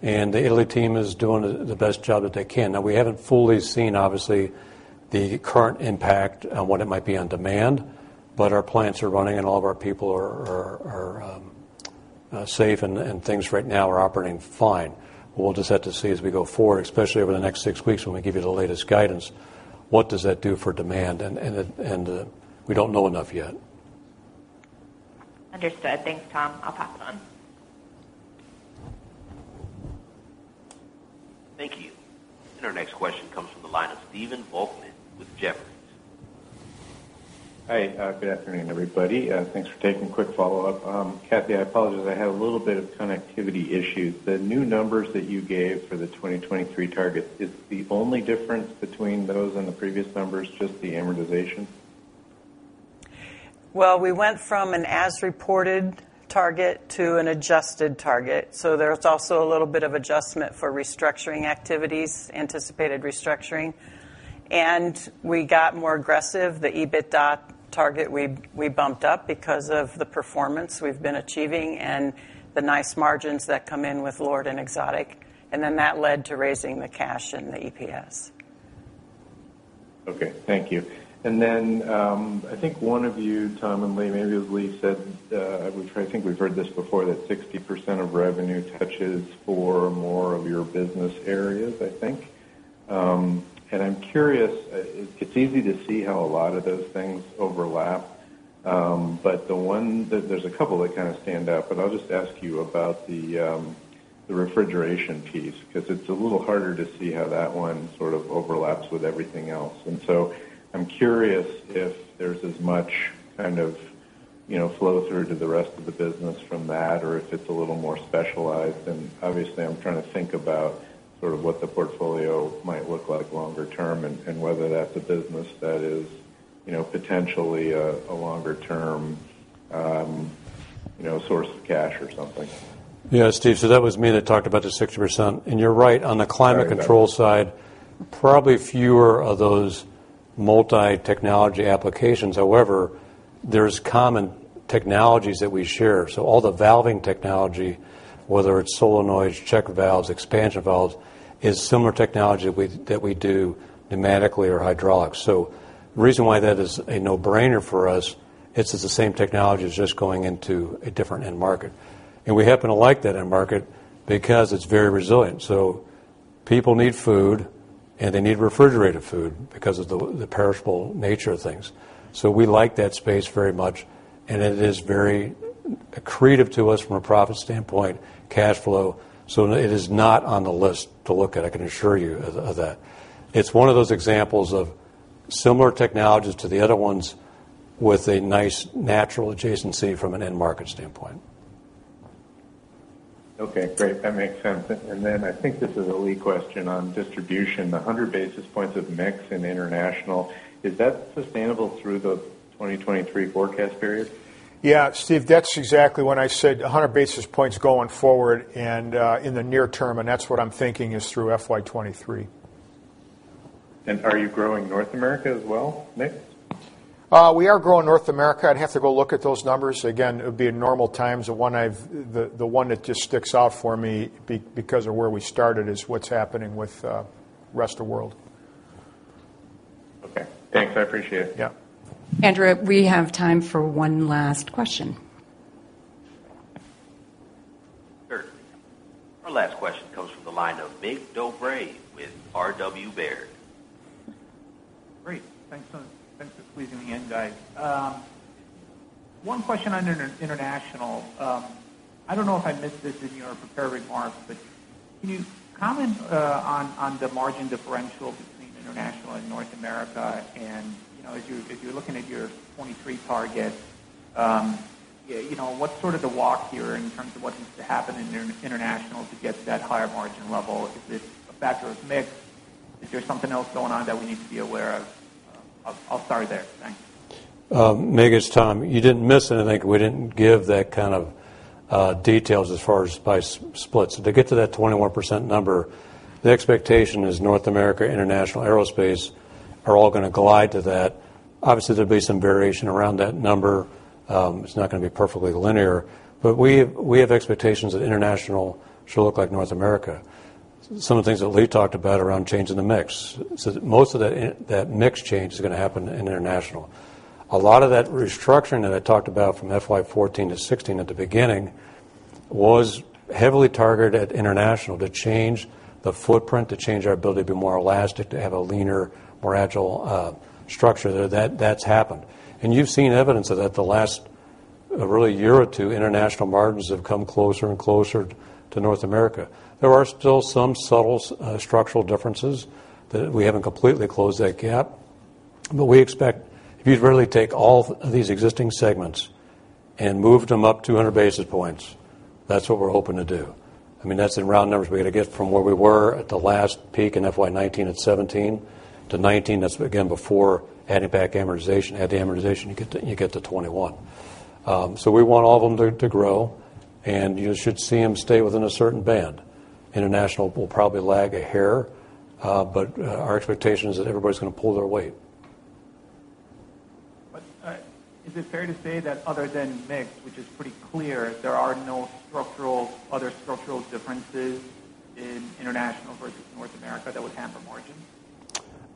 The Italy team is doing the best job that they can. Now, we haven't fully seen, obviously, the current impact on what it might be on demand, but our plants are running and all of our people are safe and things right now are operating fine. We'll just have to see as we go forward, especially over the next six weeks when we give you the latest guidance, what does that do for demand? We don't know enough yet. Understood. Thanks, Tom. I'll pass it on. Thank you. Our next question comes from the line of Stephen Volkmann with Jefferies. Hi. Good afternoon, everybody. Thanks for taking a quick follow-up. Cathy, I apologize. I had a little bit of connectivity issues. The new numbers that you gave for the 2023 targets, is the only difference between those and the previous numbers just the amortization? Well, we went from an as-reported target to an adjusted target. There's also a little bit of adjustment for restructuring activities, anticipated restructuring. We got more aggressive. The EBITDA target we bumped up because of the performance we've been achieving and the nice margins that come in with LORD and Exotic. That led to raising the cash and the EPS. Okay. Thank you. I think one of you, Tom, and maybe it was Lee, said, I think we've heard this before, that 60% of revenue touches four or more of your business areas, I think. I'm curious, it's easy to see how a lot of those things overlap. There's a couple that kind of stand out, but I'll just ask you about the refrigeration piece, because it's a little harder to see how that one sort of overlaps with everything else. I'm curious if there's as much kind of flow through to the rest of the business from that, or if it's a little more specialized. Obviously, I'm trying to think about sort of what the portfolio might look like longer term and whether that's a business that is potentially a longer-term source of cash or something. That was me that talked about the 60%. You're right, on the climate control side, probably fewer of those multi-technology applications. However, there's common technologies that we share. All the valving technology, whether it's solenoids, check valves, expansion valves, is similar technology that we do pneumatically or hydraulics. The reason why that is a no-brainer for us, it's the same technology as just going into a different end market. We happen to like that end market because it's very resilient. People need food, and they need refrigerated food because of the perishable nature of things. We like that space very much, and it is very accretive to us from a profit standpoint, cash flow. It is not on the list to look at, I can assure you of that. It's one of those examples of similar technologies to the other ones with a nice natural adjacency from an end market standpoint. Okay, great. That makes sense. I think this is a Lee question on distribution. The 100 basis points of mix in international, is that sustainable through the 2023 forecast period? Yeah, Steve, that's exactly when I said 100 basis points going forward, and in the near term, and that's what I'm thinking is through FY 2023. Are you growing North America as well, Lee? We are growing North America. I'd have to go look at those numbers. Again, it would be in normal times, the one that just sticks out for me because of where we started is what's happening with rest of world. Okay. Thanks. I appreciate it. Yeah. Andrew, we have time for one last question. Sure. Our last question comes from the line of Mig Dobre with RW Baird. Great. Thanks for squeezing me in, guys. One question on international. I don't know if I missed this in your prepared remarks, can you comment on the margin differential between international and North America? As you're looking at your 2023 target, what's sort of the walk here in terms of what needs to happen in international to get to that higher margin level? Is it a factor of mix? Is there something else going on that we need to be aware of? I'll start there. Thanks. Mig, it's Tom. You didn't miss anything. We didn't give that kind of details as far as by splits. To get to that 21% number, the expectation is North America, international, aerospace are all going to collide to that. There'll be some variation around that number. It's not going to be perfectly linear. We have expectations that international should look like North America. Some of the things that Lee talked about around changing the mix, most of that mix change is going to happen in international. A lot of that restructuring that I talked about from FY 2014 to FY 2016 at the beginning was heavily targeted at international to change the footprint, to change our ability to be more elastic, to have a leaner, more agile structure there. That's happened. You've seen evidence of that the last, really year or two, international margins have come closer and closer to North America. There are still some subtle structural differences that we haven't completely closed that gap. We expect, if you'd really take all of these existing segments and move them up 200 basis points, that's what we're hoping to do. That's in round numbers. We've got to get from where we were at the last peak in FY 2019 at 17%-19%. That's, again, before adding back amortization. Add the amortization, you get to 21%. We want all of them to grow, and you should see them stay within a certain band. International will probably lag a hair, but our expectation is that everybody's going to pull their weight. Is it fair to say that other than mix, which is pretty clear, there are no other structural differences in international versus North America that would hamper margin?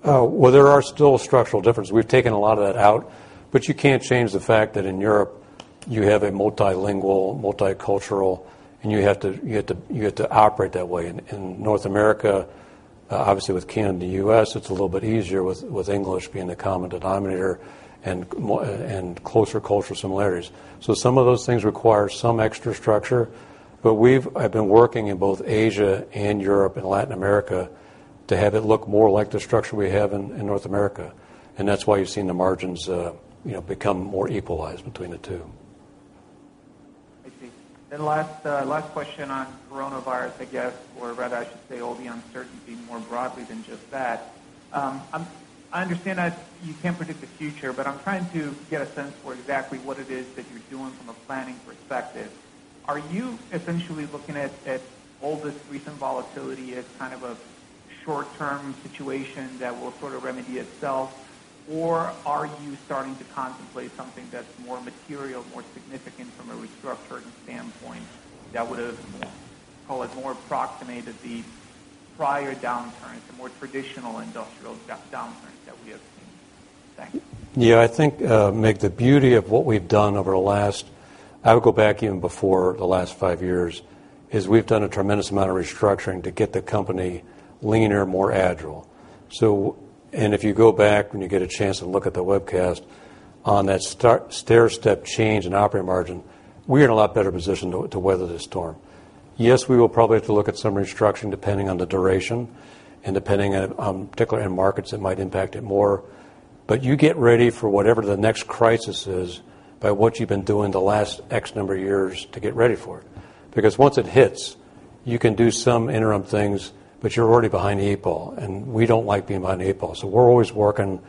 Well, there are still structural differences. We've taken a lot of that out, but you can't change the fact that in Europe, you have a multilingual, multicultural, and you have to operate that way. In North America, obviously with Canada, U.S., it's a little bit easier with English being the common denominator and closer cultural similarities. Some of those things require some extra structure, but I've been working in both Asia and Europe and Latin America to have it look more like the structure we have in North America, and that's why you've seen the margins become more equalized between the two. I see. Last question on coronavirus, I guess, or rather I should say all the uncertainty more broadly than just that. I understand that you can't predict the future, but I'm trying to get a sense for exactly what it is that you're doing from a planning perspective. Are you essentially looking at all this recent volatility as kind of a short-term situation that will sort of remedy itself, or are you starting to contemplate something that's more material, more significant from a restructuring standpoint that would, call it, more approximate the prior downturns, the more traditional industrial downturns that we have seen? Thanks. Yeah, I think, Mig, the beauty of what we've done over the last, I would go back even before the last five years, is we've done a tremendous amount of restructuring to get the company leaner, more agile. If you go back, when you get a chance to look at the webcast on that stairstep change in operating margin, we're in a lot better position to weather this storm. Yes, we will probably have to look at some restructuring depending on the duration and depending on, particularly in markets, it might impact it more. You get ready for whatever the next crisis is by what you've been doing the last X number of years to get ready for it. Once it hits, you can do some interim things, but you're already behind the eight ball, and we don't like being behind the eight ball. We're always working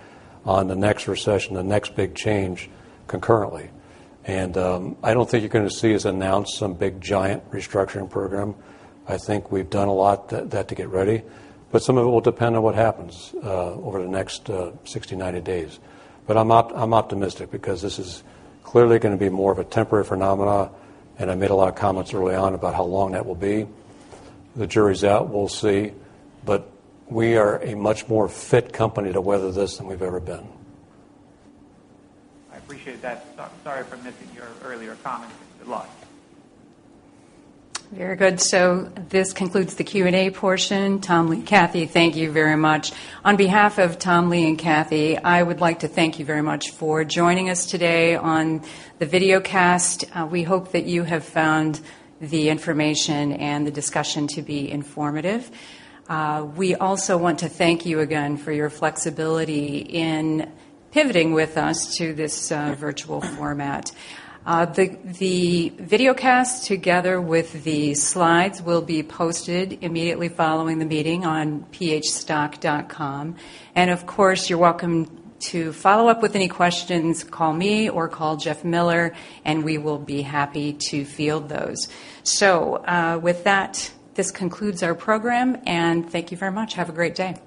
on the next recession, the next big change concurrently. I don't think you're going to see us announce some big giant restructuring program. I think we've done a lot to get ready, but some of it will depend on what happens over the next 60, 90 days. I'm optimistic because this is clearly going to be more of a temporary phenomena, and I made a lot of comments early on about how long that will be. The jury's out. We'll see, but we are a much more fit company to weather this than we've ever been. I appreciate that. Sorry for missing your earlier comments. Good luck. Very good. This concludes the Q&A portion. Tom, Lee, Cathy, thank you very much. On behalf of Tom, Lee, and Cathy, I would like to thank you very much for joining us today on the videocast. We hope that you have found the information and the discussion to be informative. We also want to thank you again for your flexibility in pivoting with us to this virtual format. The videocast together with the slides will be posted immediately following the meeting on phstock.com. Of course, you're welcome to follow up with any questions. Call me or call Jeff Miller, and we will be happy to field those. With that, this concludes our program, and thank you very much. Have a great day.